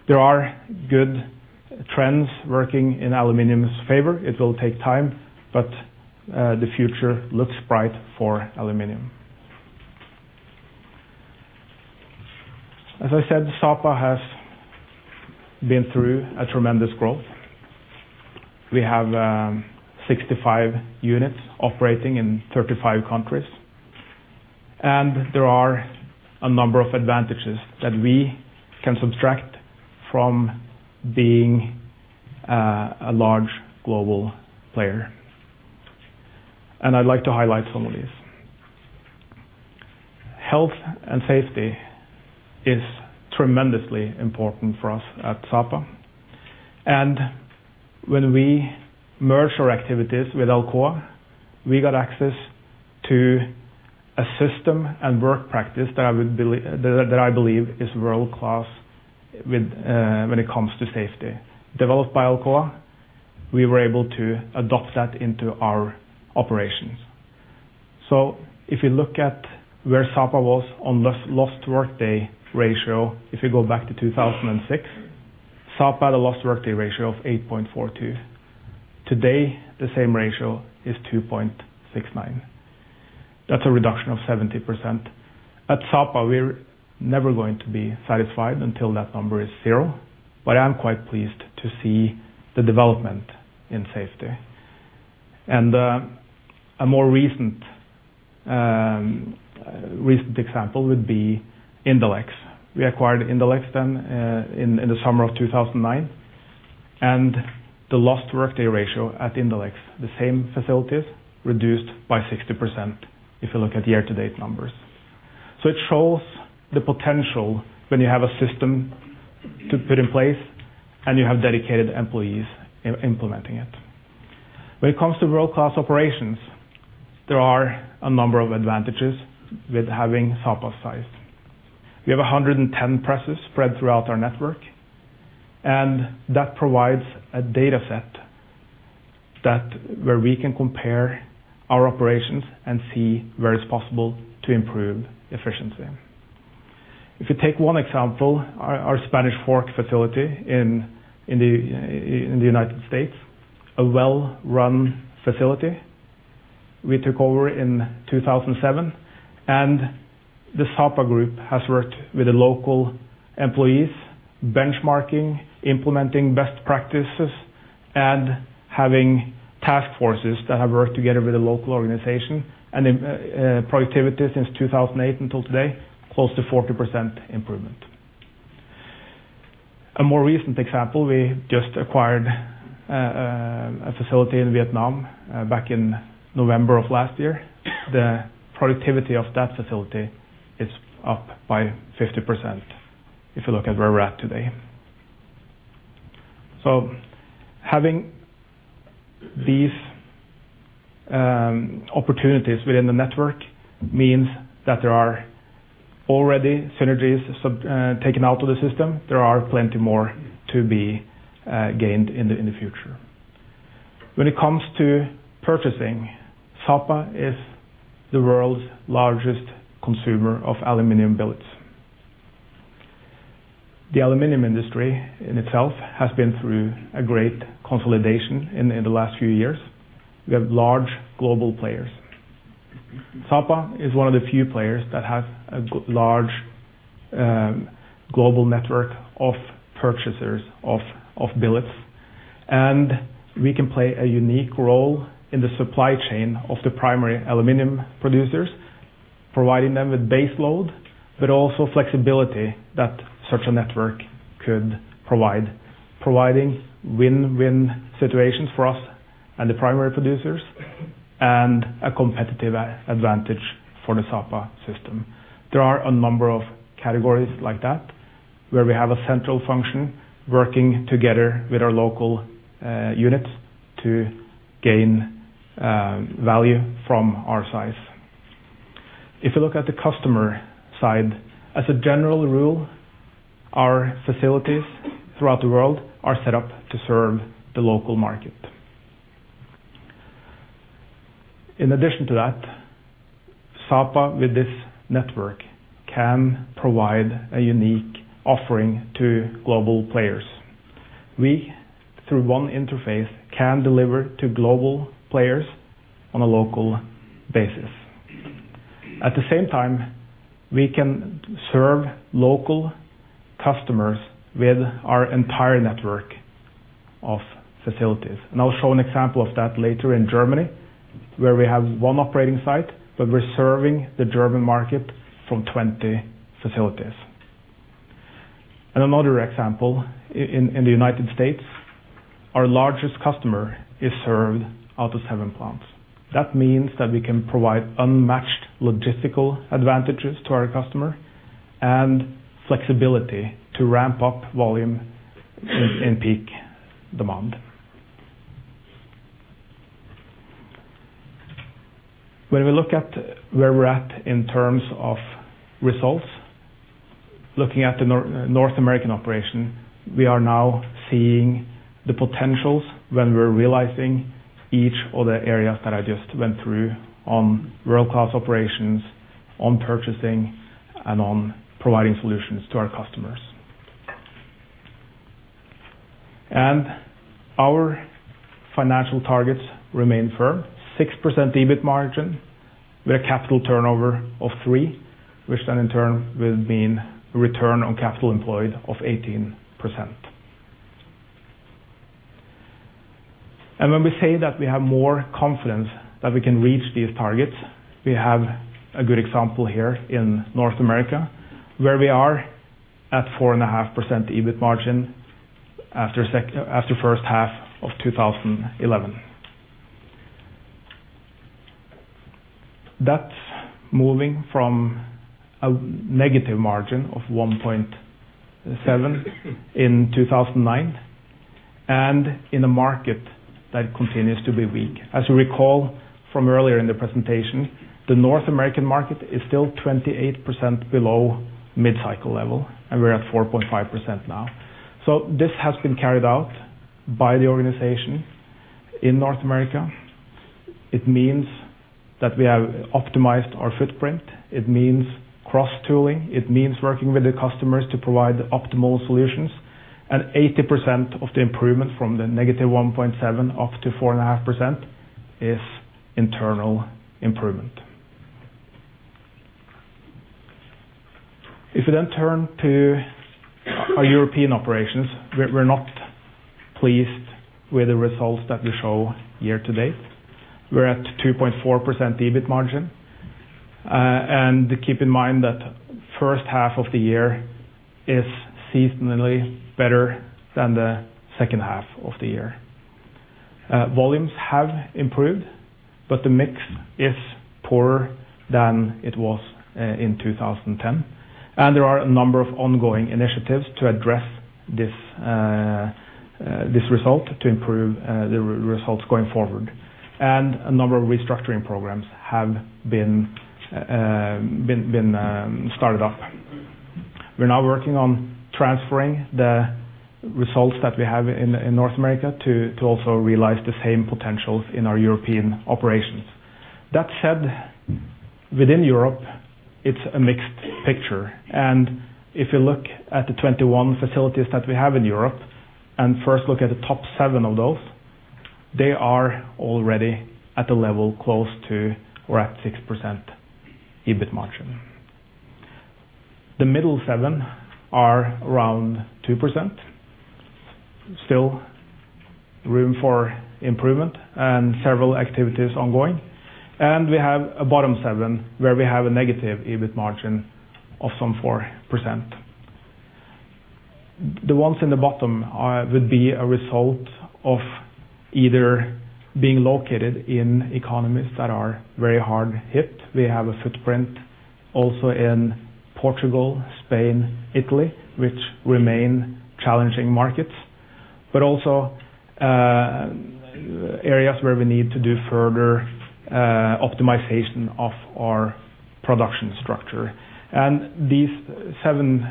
There are good trends working in aluminum's favor. It will take time, the future looks bright for aluminum. As I said, Sapa has been through a tremendous growth. We have 65 units operating in 35 countries, there are a number of advantages that we can subtract from being a large global player. I'd like to highlight some of these. Health and safety is tremendously important for us at Sapa. When we merged our activities with Alcoa, we got access to a system and work practice that I believe is world-class when it comes to safety. Developed by Alcoa, we were able to adopt that into our operations. If you look at where Sapa was on lost work day ratio, if you go back to 2006, Sapa had a lost work day ratio of 8.42. Today, the same ratio is 2.69. That's a reduction of 70%. At Sapa, we're never going to be satisfied until that number is 0, but I'm quite pleased to see the development in safety. A more recent example would be Indalex. We acquired Indalex in the summer of 2009, and the lost workday ratio at Indalex, the same facilities, reduced by 60%, if you look at year-to-date numbers. It shows the potential when you have a system to put in place and you have dedicated employees implementing it. When it comes to world-class operations, there are a number of advantages with having Sapa size. We have 110 presses spread throughout our network. That provides a data set that where we can compare our operations and see where it's possible to improve efficiency. If you take one example, our Spanish Fork facility in the United States, a well-run facility we took over in 2007. The Sapa Group has worked with the local employees, benchmarking, implementing best practices, and having task forces that have worked together with the local organization. Productivity since 2008 until today, close to 40% improvement. A more recent example, we just acquired a facility in Vietnam back in November of last year. The productivity of that facility is up by 50%, if you look at where we're at today. Having these opportunities within the network means that there are already synergies taken out of the system. There are plenty more to be gained in the future. When it comes to purchasing, Sapa is the world's largest consumer of aluminum billets. The aluminum industry in itself has been through a great consolidation in the last few years. We have large global players. Sapa is one of the few players that have a large global network of purchasers of billets, and we can play a unique role in the supply chain of the primary aluminum producers, providing them with base load, but also flexibility that such a network could provide, providing win-win situations for us and the primary producers, and a competitive advantage for the Sapa system. There are a number of categories like that, where we have a central function working together with our local units to gain value from our size. If you look at the customer side, as a general rule, our facilities throughout the world are set up to serve the local market. In addition to that, Sapa, with this network, can provide a unique offering to global players. We, through one interface, can deliver to global players on a local basis. At the same time, we can serve local customers with our entire network of facilities. I'll show an example of that later in Germany, where we have one operating site, but we're serving the German market from 20 facilities. Another example, in the United States, our largest customer is served out of seven plants. That means that we can provide unmatched logistical advantages to our customer and flexibility to ramp up volume in peak demand. When we look at where we're at in terms of results, looking at the North American operation, we are now seeing the potentials when we're realizing each of the areas that I just went through on world-class operations, on purchasing, and on providing solutions to our customers. Our financial targets remain firm, 6% EBIT margin, with a capital turnover of 3, which then in turn will mean return on capital employed of 18%. When we say that we have more confidence that we can reach these targets, we have a good example here in North America, where we are at 4.5% EBIT margin after first half of 2011. That's moving from a negative margin of -1.7% in 2009, in a market that continues to be weak. As you recall from earlier in the presentation, the North American market is still 28% below mid-cycle level, we're at 4.5% now. This has been carried out by the organization in North America. It means that we have optimized our footprint, it means cross-tooling, it means working with the customers to provide optimal solutions, 80% of the improvement from the negative -1.7% up to 4.5% is internal improvement. If you turn to our European operations, we're not pleased with the results that we show year to date. We're at 2.4% EBIT margin. Keep in mind that first half of the year is seasonally better than the second half of the year. Volumes have improved, but the mix is poorer than it was in 2010, and there are a number of ongoing initiatives to address this result, to improve the results going forward. A number of restructuring programs have been started up. We're now working on transferring the results that we have in North America to also realize the same potentials in our European operations. That said, within Europe, it's a mixed picture, and if you look at the 21 facilities that we have in Europe, and first look at the top 7 of those, they are already at a level close to or at 6% EBIT margin. The middle seven are around 2%, still room for improvement and several activities ongoing. We have a bottom seven, where we have a negative EBIT margin of some 4%. The ones in the bottom are either being located in economies that are very hard hit. We have a footprint also in Portugal, Spain, Italy, which remain challenging markets, but also areas where we need to do further optimization of our production structure. These seven,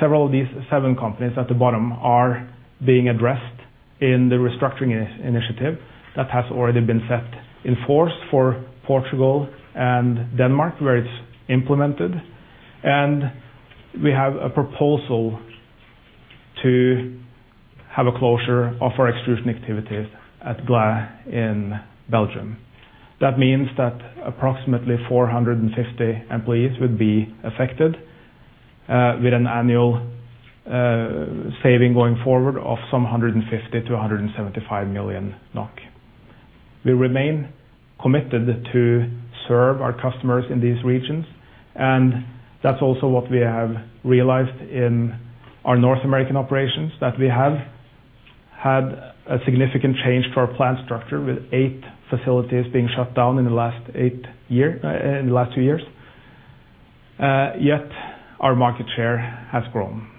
several of these seven companies at the bottom are being addressed in the restructuring initiative that has already been set in force for Portugal and Denmark, where it's implemented. We have a proposal to have a closure of our extrusion activities at Ghlin in Belgium. That means that approximately 450 employees would be affected, with an annual saving going forward of some 150 million-175 million NOK. We remain committed to serve our customers in these regions. That's also what we have realized in our North American operations, that we have had a significant change to our plant structure, with 8 facilities being shut down in the last 2 years. Yet, our market share has grown.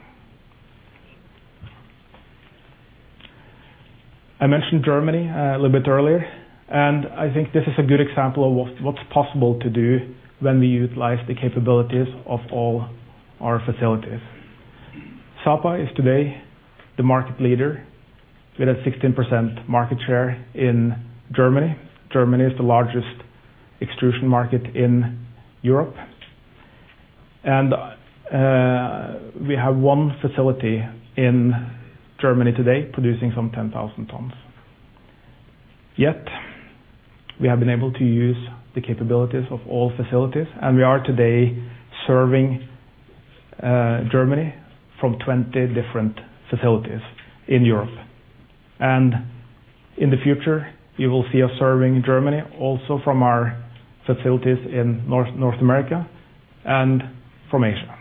I mentioned Germany a little bit earlier, I think this is a good example of what's possible to do when we utilize the capabilities of all our facilities. Sapa is today the market leader with a 16% market share in Germany. Germany is the largest extrusion market in Europe. We have one facility in Germany today producing some 10,000 tons. Yet we have been able to use the capabilities of all facilities. We are today serving Germany from 20 different facilities in Europe. In the future, you will see us serving Germany, also from our facilities in North America and from Asia.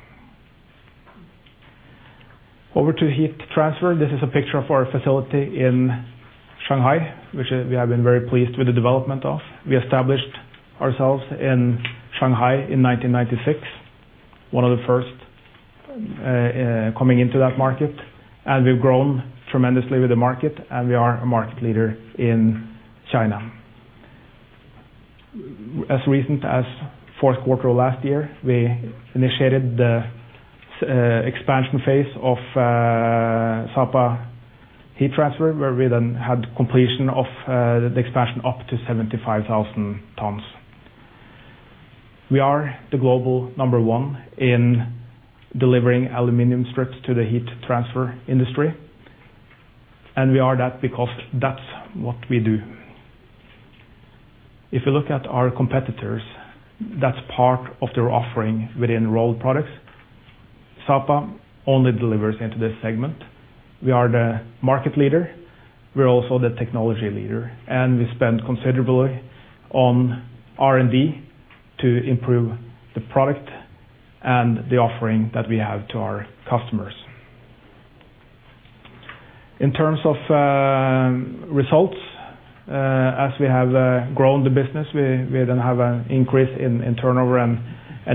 Over to heat transfer. This is a picture of our facility in Shanghai, which we have been very pleased with the development of. We established ourselves in Shanghai in 1996, one of the first coming into that market. We've grown tremendously with the market. We are a market leader in China. As recent as fourth quarter of last year, we initiated the expansion phase of Sapa Heat Transfer, where we then had completion of the expansion up to 75,000 tons. We are the global number one in delivering aluminum strips to the heat transfer industry, and we are that because that's what we do. If you look at our competitors, that's part of their offering within rolled products. Sapa only delivers into this segment. We are the market leader, we are also the technology leader, and we spend considerably on R&D to improve the product and the offering that we have to our customers. In terms of results, as we have grown the business, we then have an increase in turnover and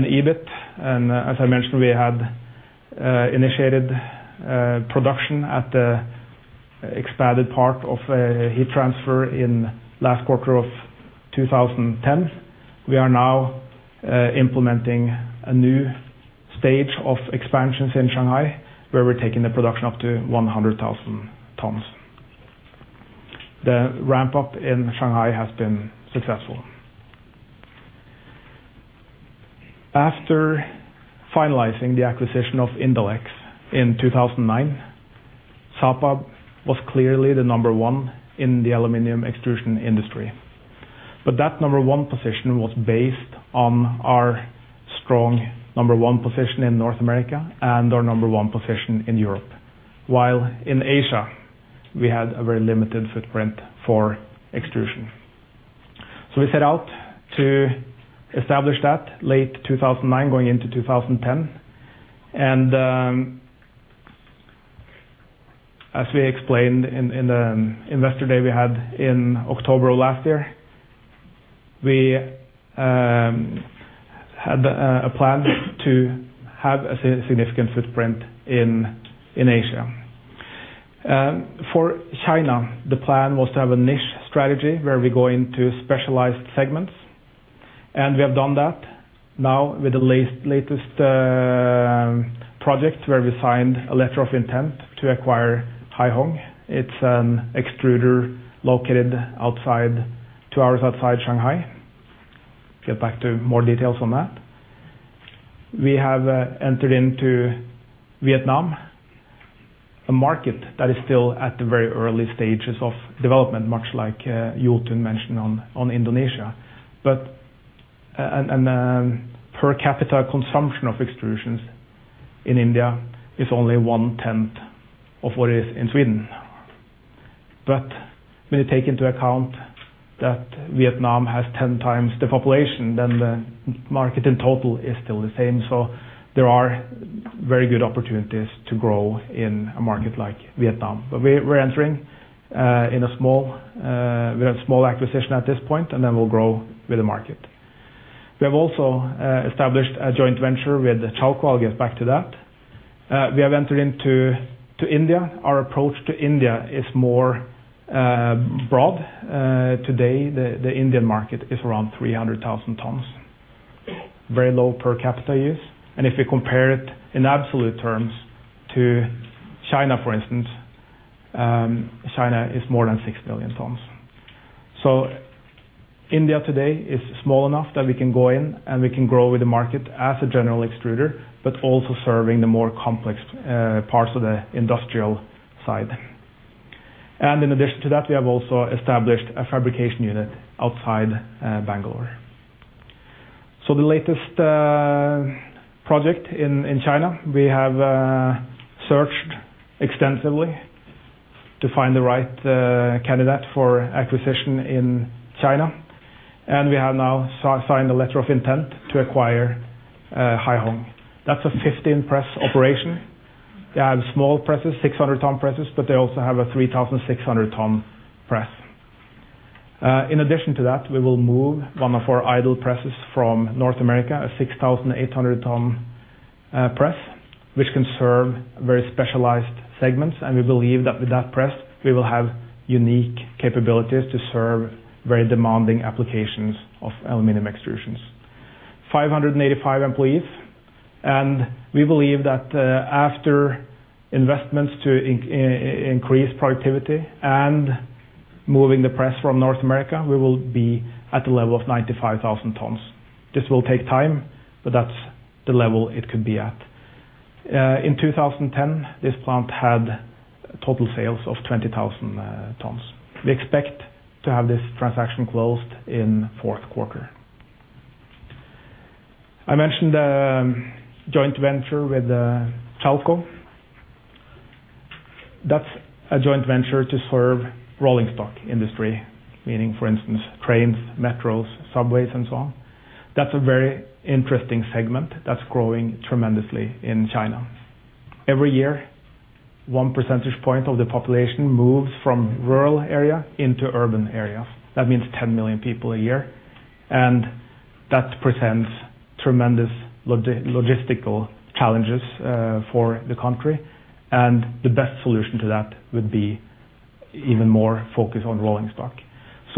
EBIT. As I mentioned, we had initiated production at the expanded part of Heat Transfer in last quarter of 2010. We are now implementing a new stage of expansions in Shanghai, where we're taking the production up to 100,000 tons. The ramp up in Shanghai has been successful. After finalizing the acquisition of Indalex in 2009, Sapa was clearly the number one in the aluminum extrusion industry. That number one position was based on our strong number one position in North America and our number one position in Europe. While in Asia, we had a very limited footprint for extrusion. We set out to establish that late 2009, going into 2010, as we explained in the Investor Day we had in October of last year, we had a plan to have a significant footprint in Asia. For China, the plan was to have a niche strategy where we go into specialized segments, and we have done that now with the latest project, where we signed a letter of intent to acquire Haihong. It's an extruder located outside, two hours outside Shanghai. Get back to more details on that. We have entered into Vietnam, a market that is still at the very early stages of development, much like Jotun mentioned on Indonesia. Per capita consumption of extrusions in India is only one-tenth of what it is in Sweden. When you take into account that Vietnam has 10 times the population than the market in total is still the same. There are very good opportunities to grow in a market like Vietnam. We're entering in a small, with a small acquisition at this point, and then we'll grow with the market. We have also established a joint venture with the Chalco, I'll get back to that. We have entered into India. Our approach to India is more broad. Today, the Indian market is around 300,000 tons, very low per capita use. If we compare it in absolute terms to China, for instance, China is more than 6 million tons. India today is small enough that we can go in, and we can grow with the market as a general extruder, but also serving the more complex parts of the industrial side. In addition to that, we have also established a fabrication unit outside Bangalore. The latest project in China, we have searched extensively to find the right candidate for acquisition in China, and we have now signed a letter of intent to acquire Haihong. That's a 15-press operation. They have small presses, 600 ton presses, but they also have a 3,600 ton press. In addition to that, we will move one of our idle presses from North America, a 6,800 ton press, which can serve very specialized segments, and we believe that with that press, we will have unique capabilities to serve very demanding applications of aluminum extrusions. 585 employees, and we believe that after investments to increase productivity and moving the press from North America, we will be at the level of 95,000 tons. This will take time, but that's the level it could be at. In 2010, this plant had total sales of 20,000 tons. We expect to have this transaction closed in fourth quarter. I mentioned a joint venture with Chalco. That's a joint venture to serve rolling stock industry, meaning, for instance, trains, metros, subways, and so on. That's a very interesting segment that's growing tremendously in China. Every year, 1 percentage point of the population moves from rural area into urban area. That means 10 million people a year, and that presents tremendous logistical challenges for the country, and the best solution to that would be even more focus on rolling stock.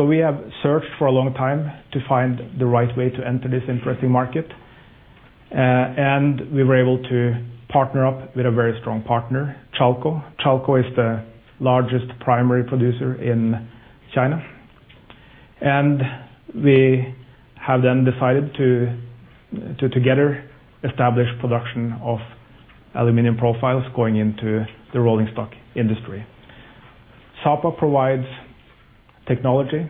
We have searched for a long time to find the right way to enter this interesting market, and we were able to partner up with a very strong partner, Chalco. Chalco is the largest primary producer in China. We have decided to together establish production of aluminum profiles going into the rolling stock industry. Sapa provides technology.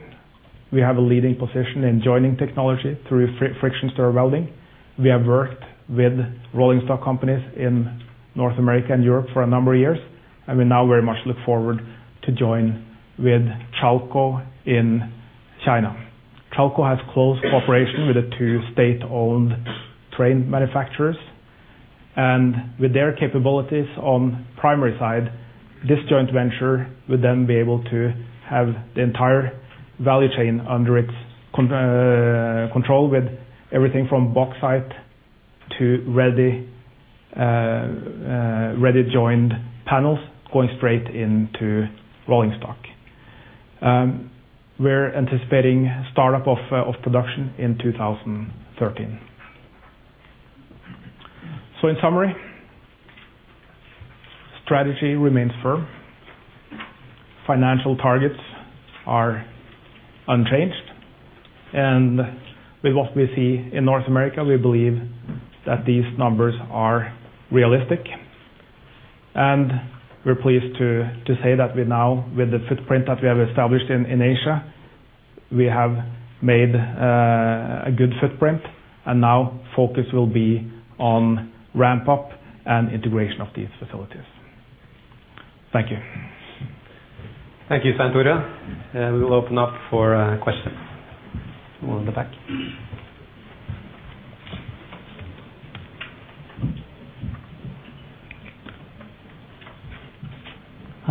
We have a leading position in joining technology through friction stir welding. We have worked with rolling stock companies in North America and Europe for a number of years, and we now very much look forward to join with Chalco in China. Chalco has close cooperation with the two state-owned train manufacturers, with their capabilities on primary side, this joint venture would then be able to have the entire value chain under its control, with everything from bauxite to ready joined panels going straight into rolling stock. We're anticipating startup of production in 2013. In summary, strategy remains firm, financial targets are unchanged, and with what we see in North America, we believe that these numbers are realistic. We're pleased to say that we now, with the footprint that we have established in Asia, we have made a good footprint, and now focus will be on ramp up and integration of these facilities. Thank you. Thank you, Svein Tore. We will open up for questions. The one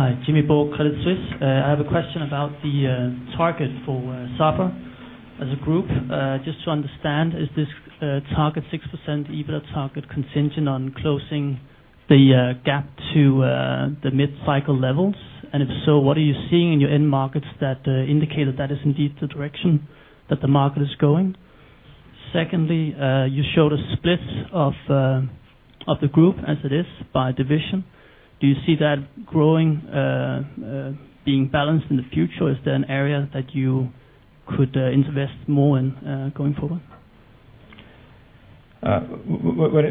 in the back. Hi, Jimmy Bo, Credit Suisse. I have a question about the target for Sapa as a group. Just to understand, is this target 6%, EBITDA target, contingent on closing the gap to the mid-cycle levels? If so, what are you seeing in your end markets that indicate that that is indeed the direction that the market is going? Secondly, you showed a split of the group as it is by division. Do you see that growing being balanced in the future? Is there an area that you could invest more in going forward?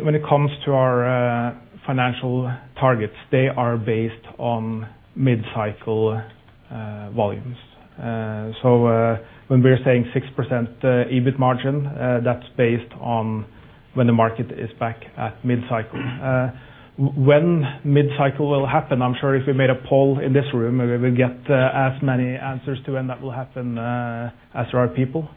When it comes to our financial targets, they are based on mid-cycle volumes. When we are saying 6% EBIT margin, that's based on when the market is back at mid-cycle. When mid-cycle will happen, I'm sure if we made a poll in this room, we will get as many answers to when that will happen as there are people.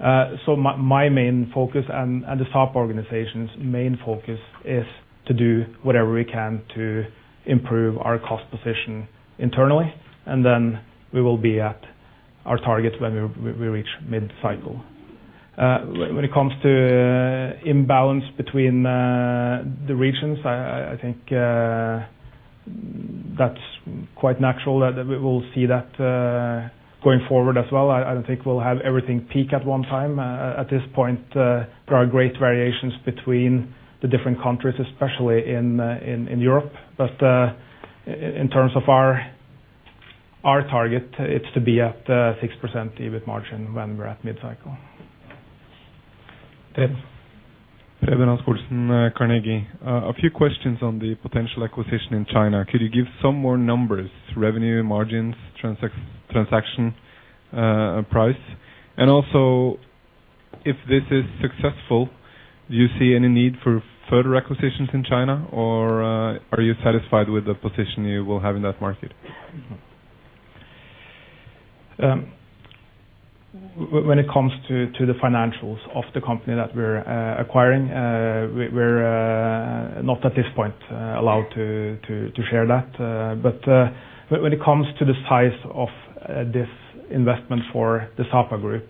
My main focus and the top organization's main focus is to do whatever we can to improve our cost position internally, and then we will be at our targets when we reach mid-cycle. When it comes to imbalance between the regions, I think that's quite natural that we will see that going forward as well. I don't think we'll have everything peak at one time. At this point, there are great variations between the different countries, especially in Europe. In terms of our target, it's to be at, 6% EBIT margin when we're at mid-cycle. A few questions on the potential acquisition in China. Could you give some more numbers, revenue, margins, transaction price? Also, if this is successful, do you see any need for further acquisitions in China, or are you satisfied with the position you will have in that market? When it comes to the financials of the company that we're acquiring, we're not at this point, allowed to share that. When it comes to the size of this investment for the Sapa Group,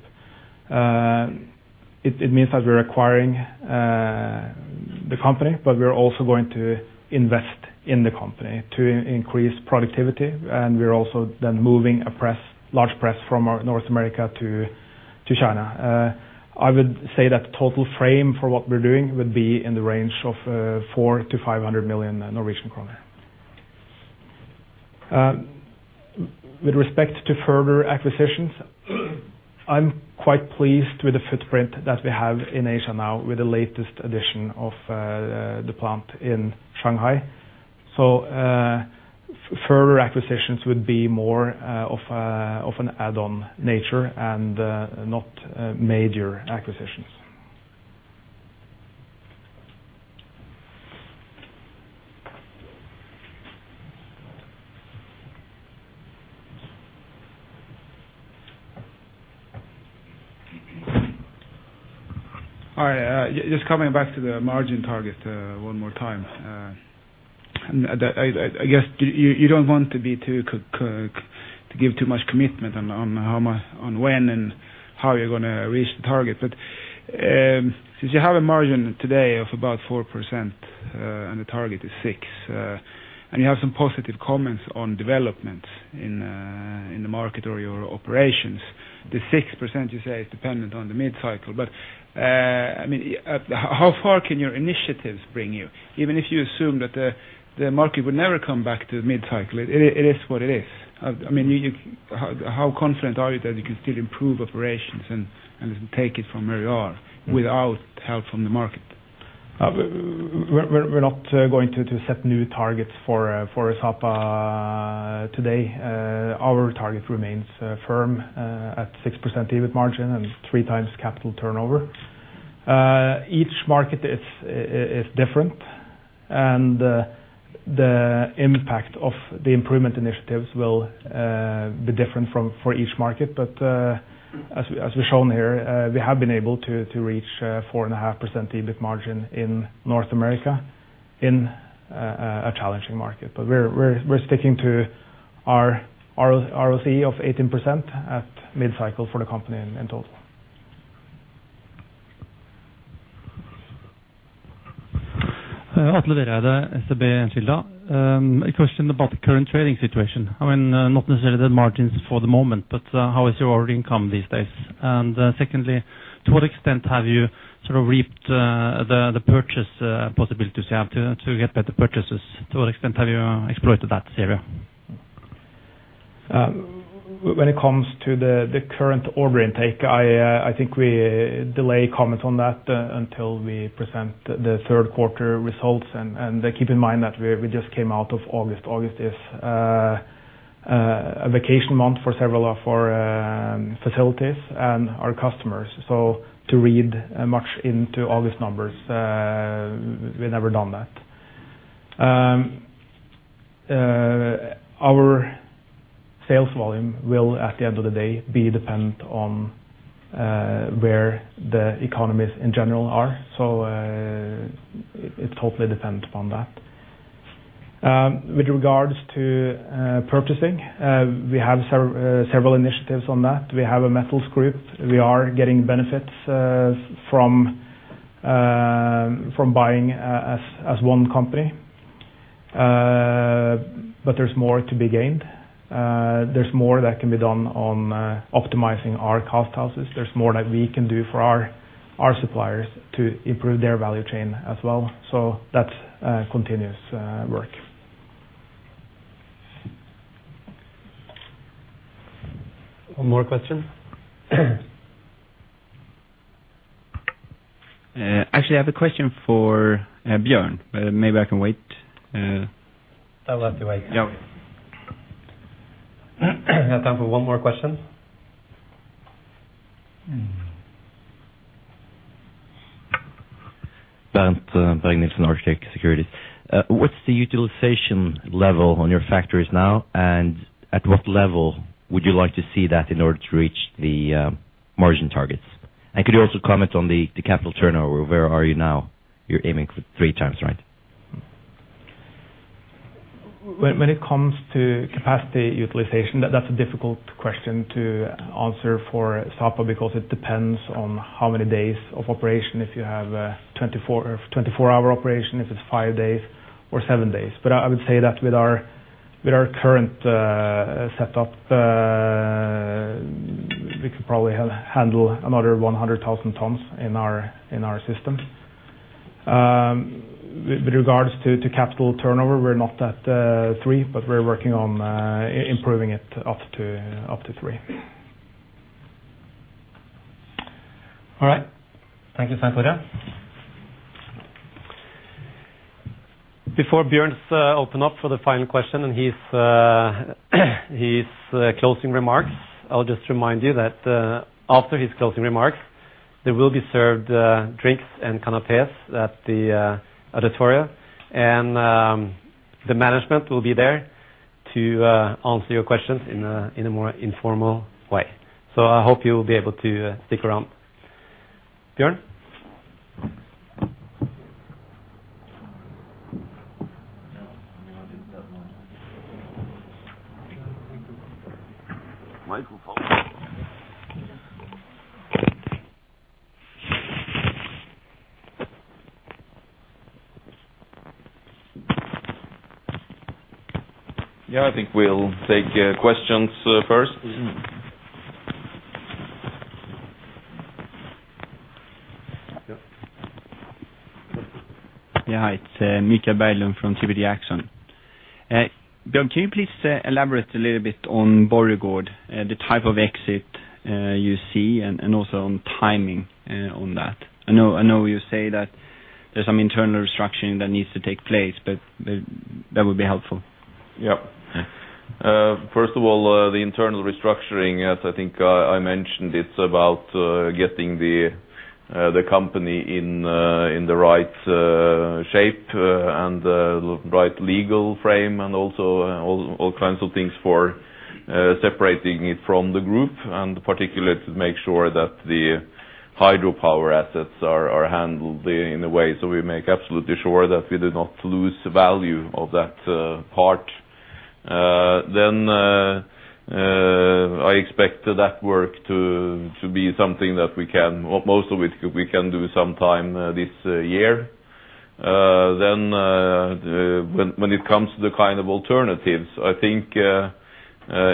it means that we're acquiring the company, but we're also going to invest in the company to increase productivity, and we're also then moving a large press from North America to China. I would say that the total frame for what we're doing would be in the range of 400-500 million Norwegian kroner. With respect to further acquisitions, I'm quite pleased with the footprint that we have in Asia now, with the latest addition of the plant in Shanghai. Further acquisitions would be more of an add-on nature and not major acquisitions. All right, just coming back to the margin target, one more time. I guess you don't want to give too much commitment on how much, on when and how you're going to reach the target. Since you have a margin today of about 4%, and the target is 6, and you have some positive comments on development in the market or your operations, the 6% you say, is dependent on the mid-cycle. I mean, how far can your initiatives bring you? Even if you assume that the market would never come back to mid-cycle, it is what it is. I mean, how confident are you that you can still improve operations and take it from where you are without help from the market? We're not going to set new targets for Sapa today. Our target remains firm at 6% EBIT margin and three times capital turnover. Each market is different, and the impact of the improvement initiatives will be different for each market. As we've shown here, we have been able to reach four and a half percent EBIT margin in North America in a challenging market. We're sticking to our ROC of 18% at mid-cycle for the company in total. Atle Vereide, SEB Enskilda. A question about the current trading situation. I mean, not necessarily the margins for the moment, but how is your order income these days? Secondly, to what extent have you sort of reaped the purchase possibilities you have to get better purchases? To what extent have you exploited that area? When it comes to the current order intake, I think we delay comments on that until we present the third quarter results. Keep in mind that we just came out of August. August is a vacation month for several of our facilities and our customers. To read much into August numbers, we've never done that. Our sales volume will, at the end of the day, be dependent on where the economies in general are. It totally depends upon that. With regards to purchasing, we have several initiatives on that. We have a metals group. We are getting benefits from buying as one company. There's more to be gained. There's more that can be done on optimizing our cost houses. There's more that we can do for our suppliers to improve their value chain as well. That's continuous work. One more question? actually, I have a question for, Bjørn. Maybe I can wait. I'll let you wait. Yeah. We have time for one more question.... Bernt Berg-Nilsen, Arctic Securities. What's the utilization level on your factories now? At what level would you like to see that in order to reach the margin targets? Could you also comment on the capital turnover, where are you now? You're aiming for three times, right? When it comes to capacity utilization, that's a difficult question to answer for Sapa, because it depends on how many days of operation. If you have 24 hour operation, if it's 5 days or 7 days. I would say that with our current setup, we could probably handle another 100,000 tons in our system. With regards to capital turnover, we're not at 3, we're working on improving it up to 3. All right. Thank you, Svein Tore. Before Bjørn open up for the final question, and his closing remarks. I'll just remind you that after his closing remarks, there will be served drinks and canapes at the auditorium. The management will be there to answer your questions in a more informal way. I hope you'll be able to stick around. Bjørn? Microphone. I think we'll take questions first. Yeah. Hi, it's Mikael Berglund from DPD Action. Bjørn, can you please elaborate a little bit on Borregaard, the type of exit you see, and also on timing on that? I know you say that there's some internal restructuring that needs to take place, but that would be helpful. Yeah. First of all, the internal restructuring, as I think, I mentioned, it's about getting the company in the right shape, and the right legal frame, and also all kinds of things for separating it from the group. Particularly, to make sure that the hydropower assets are handled in a way, so we make absolutely sure that we do not lose the value of that part. I expect that work to be something that Most of it, we can do sometime this year. When it comes to the kind of alternatives, I think,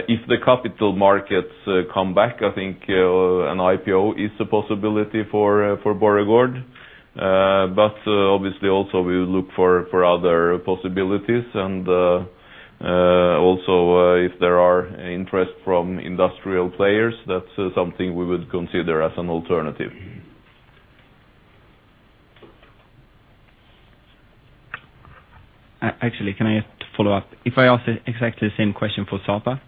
if the capital markets come back, I think, an IPO is a possibility for Borregaard. Obviously, also, we look for other possibilities, and also, if there are interest from industrial players, that's something we would consider as an alternative. Actually, can I just follow up? If I ask the exactly the same question for Sapa.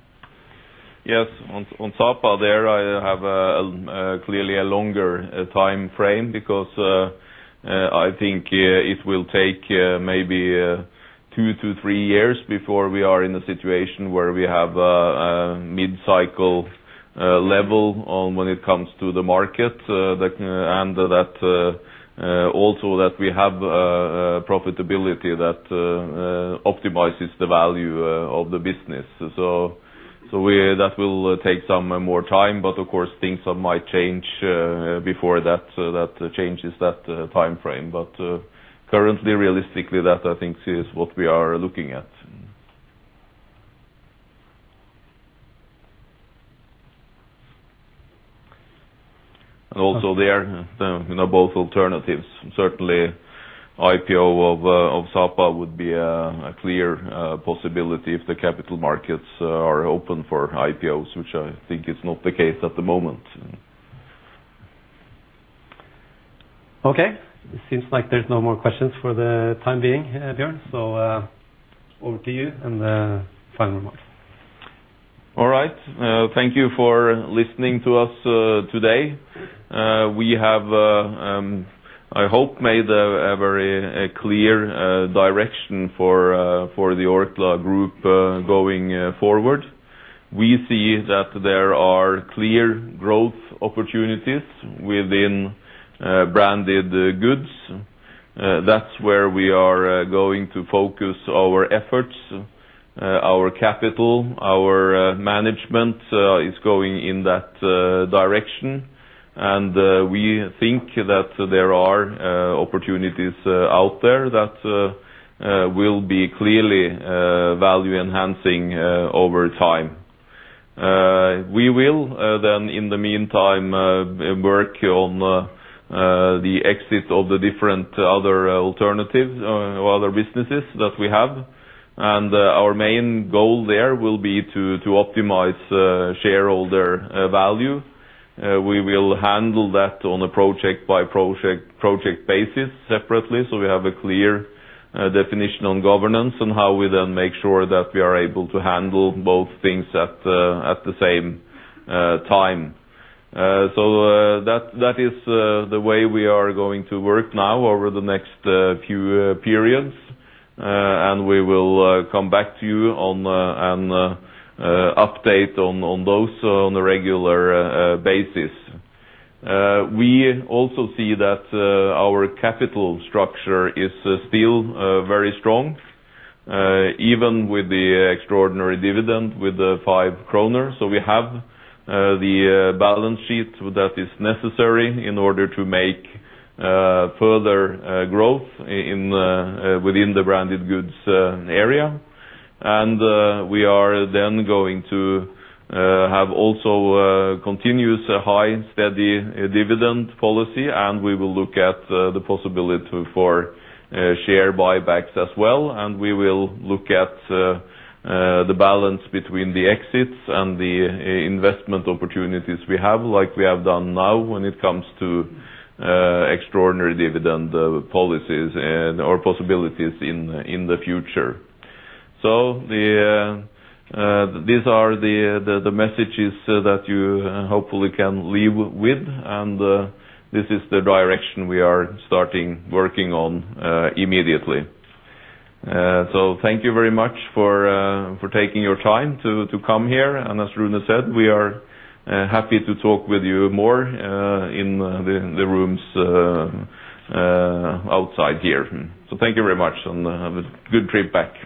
Yes. On Sapa there, I have clearly a longer time frame, because I think it will take maybe two to three years before we are in a situation where we have a mid-cycle level on when it comes to the market. That, and that also that we have a profitability that optimizes the value of the business. That will take some more time, but of course, things might change before that, so that changes that time frame. Currently, realistically, that I think is what we are looking at. Also, there, you know, both alternatives. Certainly, IPO of Sapa would be a clear possibility if the capital markets are open for IPOs, which I think is not the case at the moment. Okay. It seems like there's no more questions for the time being, Bjørn. Over to you and, final remarks. All right. Thank you for listening to us today. We have, I hope, made a very clear direction for the Orkla group going forward. We see that there are clear growth opportunities within branded goods. That's where we are going to focus our efforts, our capital, our management, is going in that direction. We think that there are opportunities out there that will be clearly value-enhancing over time. We will then, in the meantime, work on the exit of the different other alternatives, or other businesses that we have. Our main goal there will be to optimize shareholder value. We will handle that on a project-by-project basis separately. We have a clear definition on governance, and how we then make sure that we are able to handle both things at the same time. That is the way we are going to work now over the next few periods. We will come back to you on and update on those on a regular basis. We also see that our capital structure is still very strong, even with the extraordinary dividend, with the 5 kroner. We have the balance sheet that is necessary in order to make further growth within the branded goods area. We are then going to have also continuous high, steady dividend policy, and we will look at the possibility for share buybacks as well. We will look at the balance between the exits and the investment opportunities we have, like we have done now, when it comes to extraordinary dividend policies or possibilities in the future. The these are the messages that you hopefully can leave with, and this is the direction we are starting working on immediately. Thank you very much for taking your time to come here. As Rune said, we are happy to talk with you more in the rooms outside here. Thank you very much, and have a good trip back.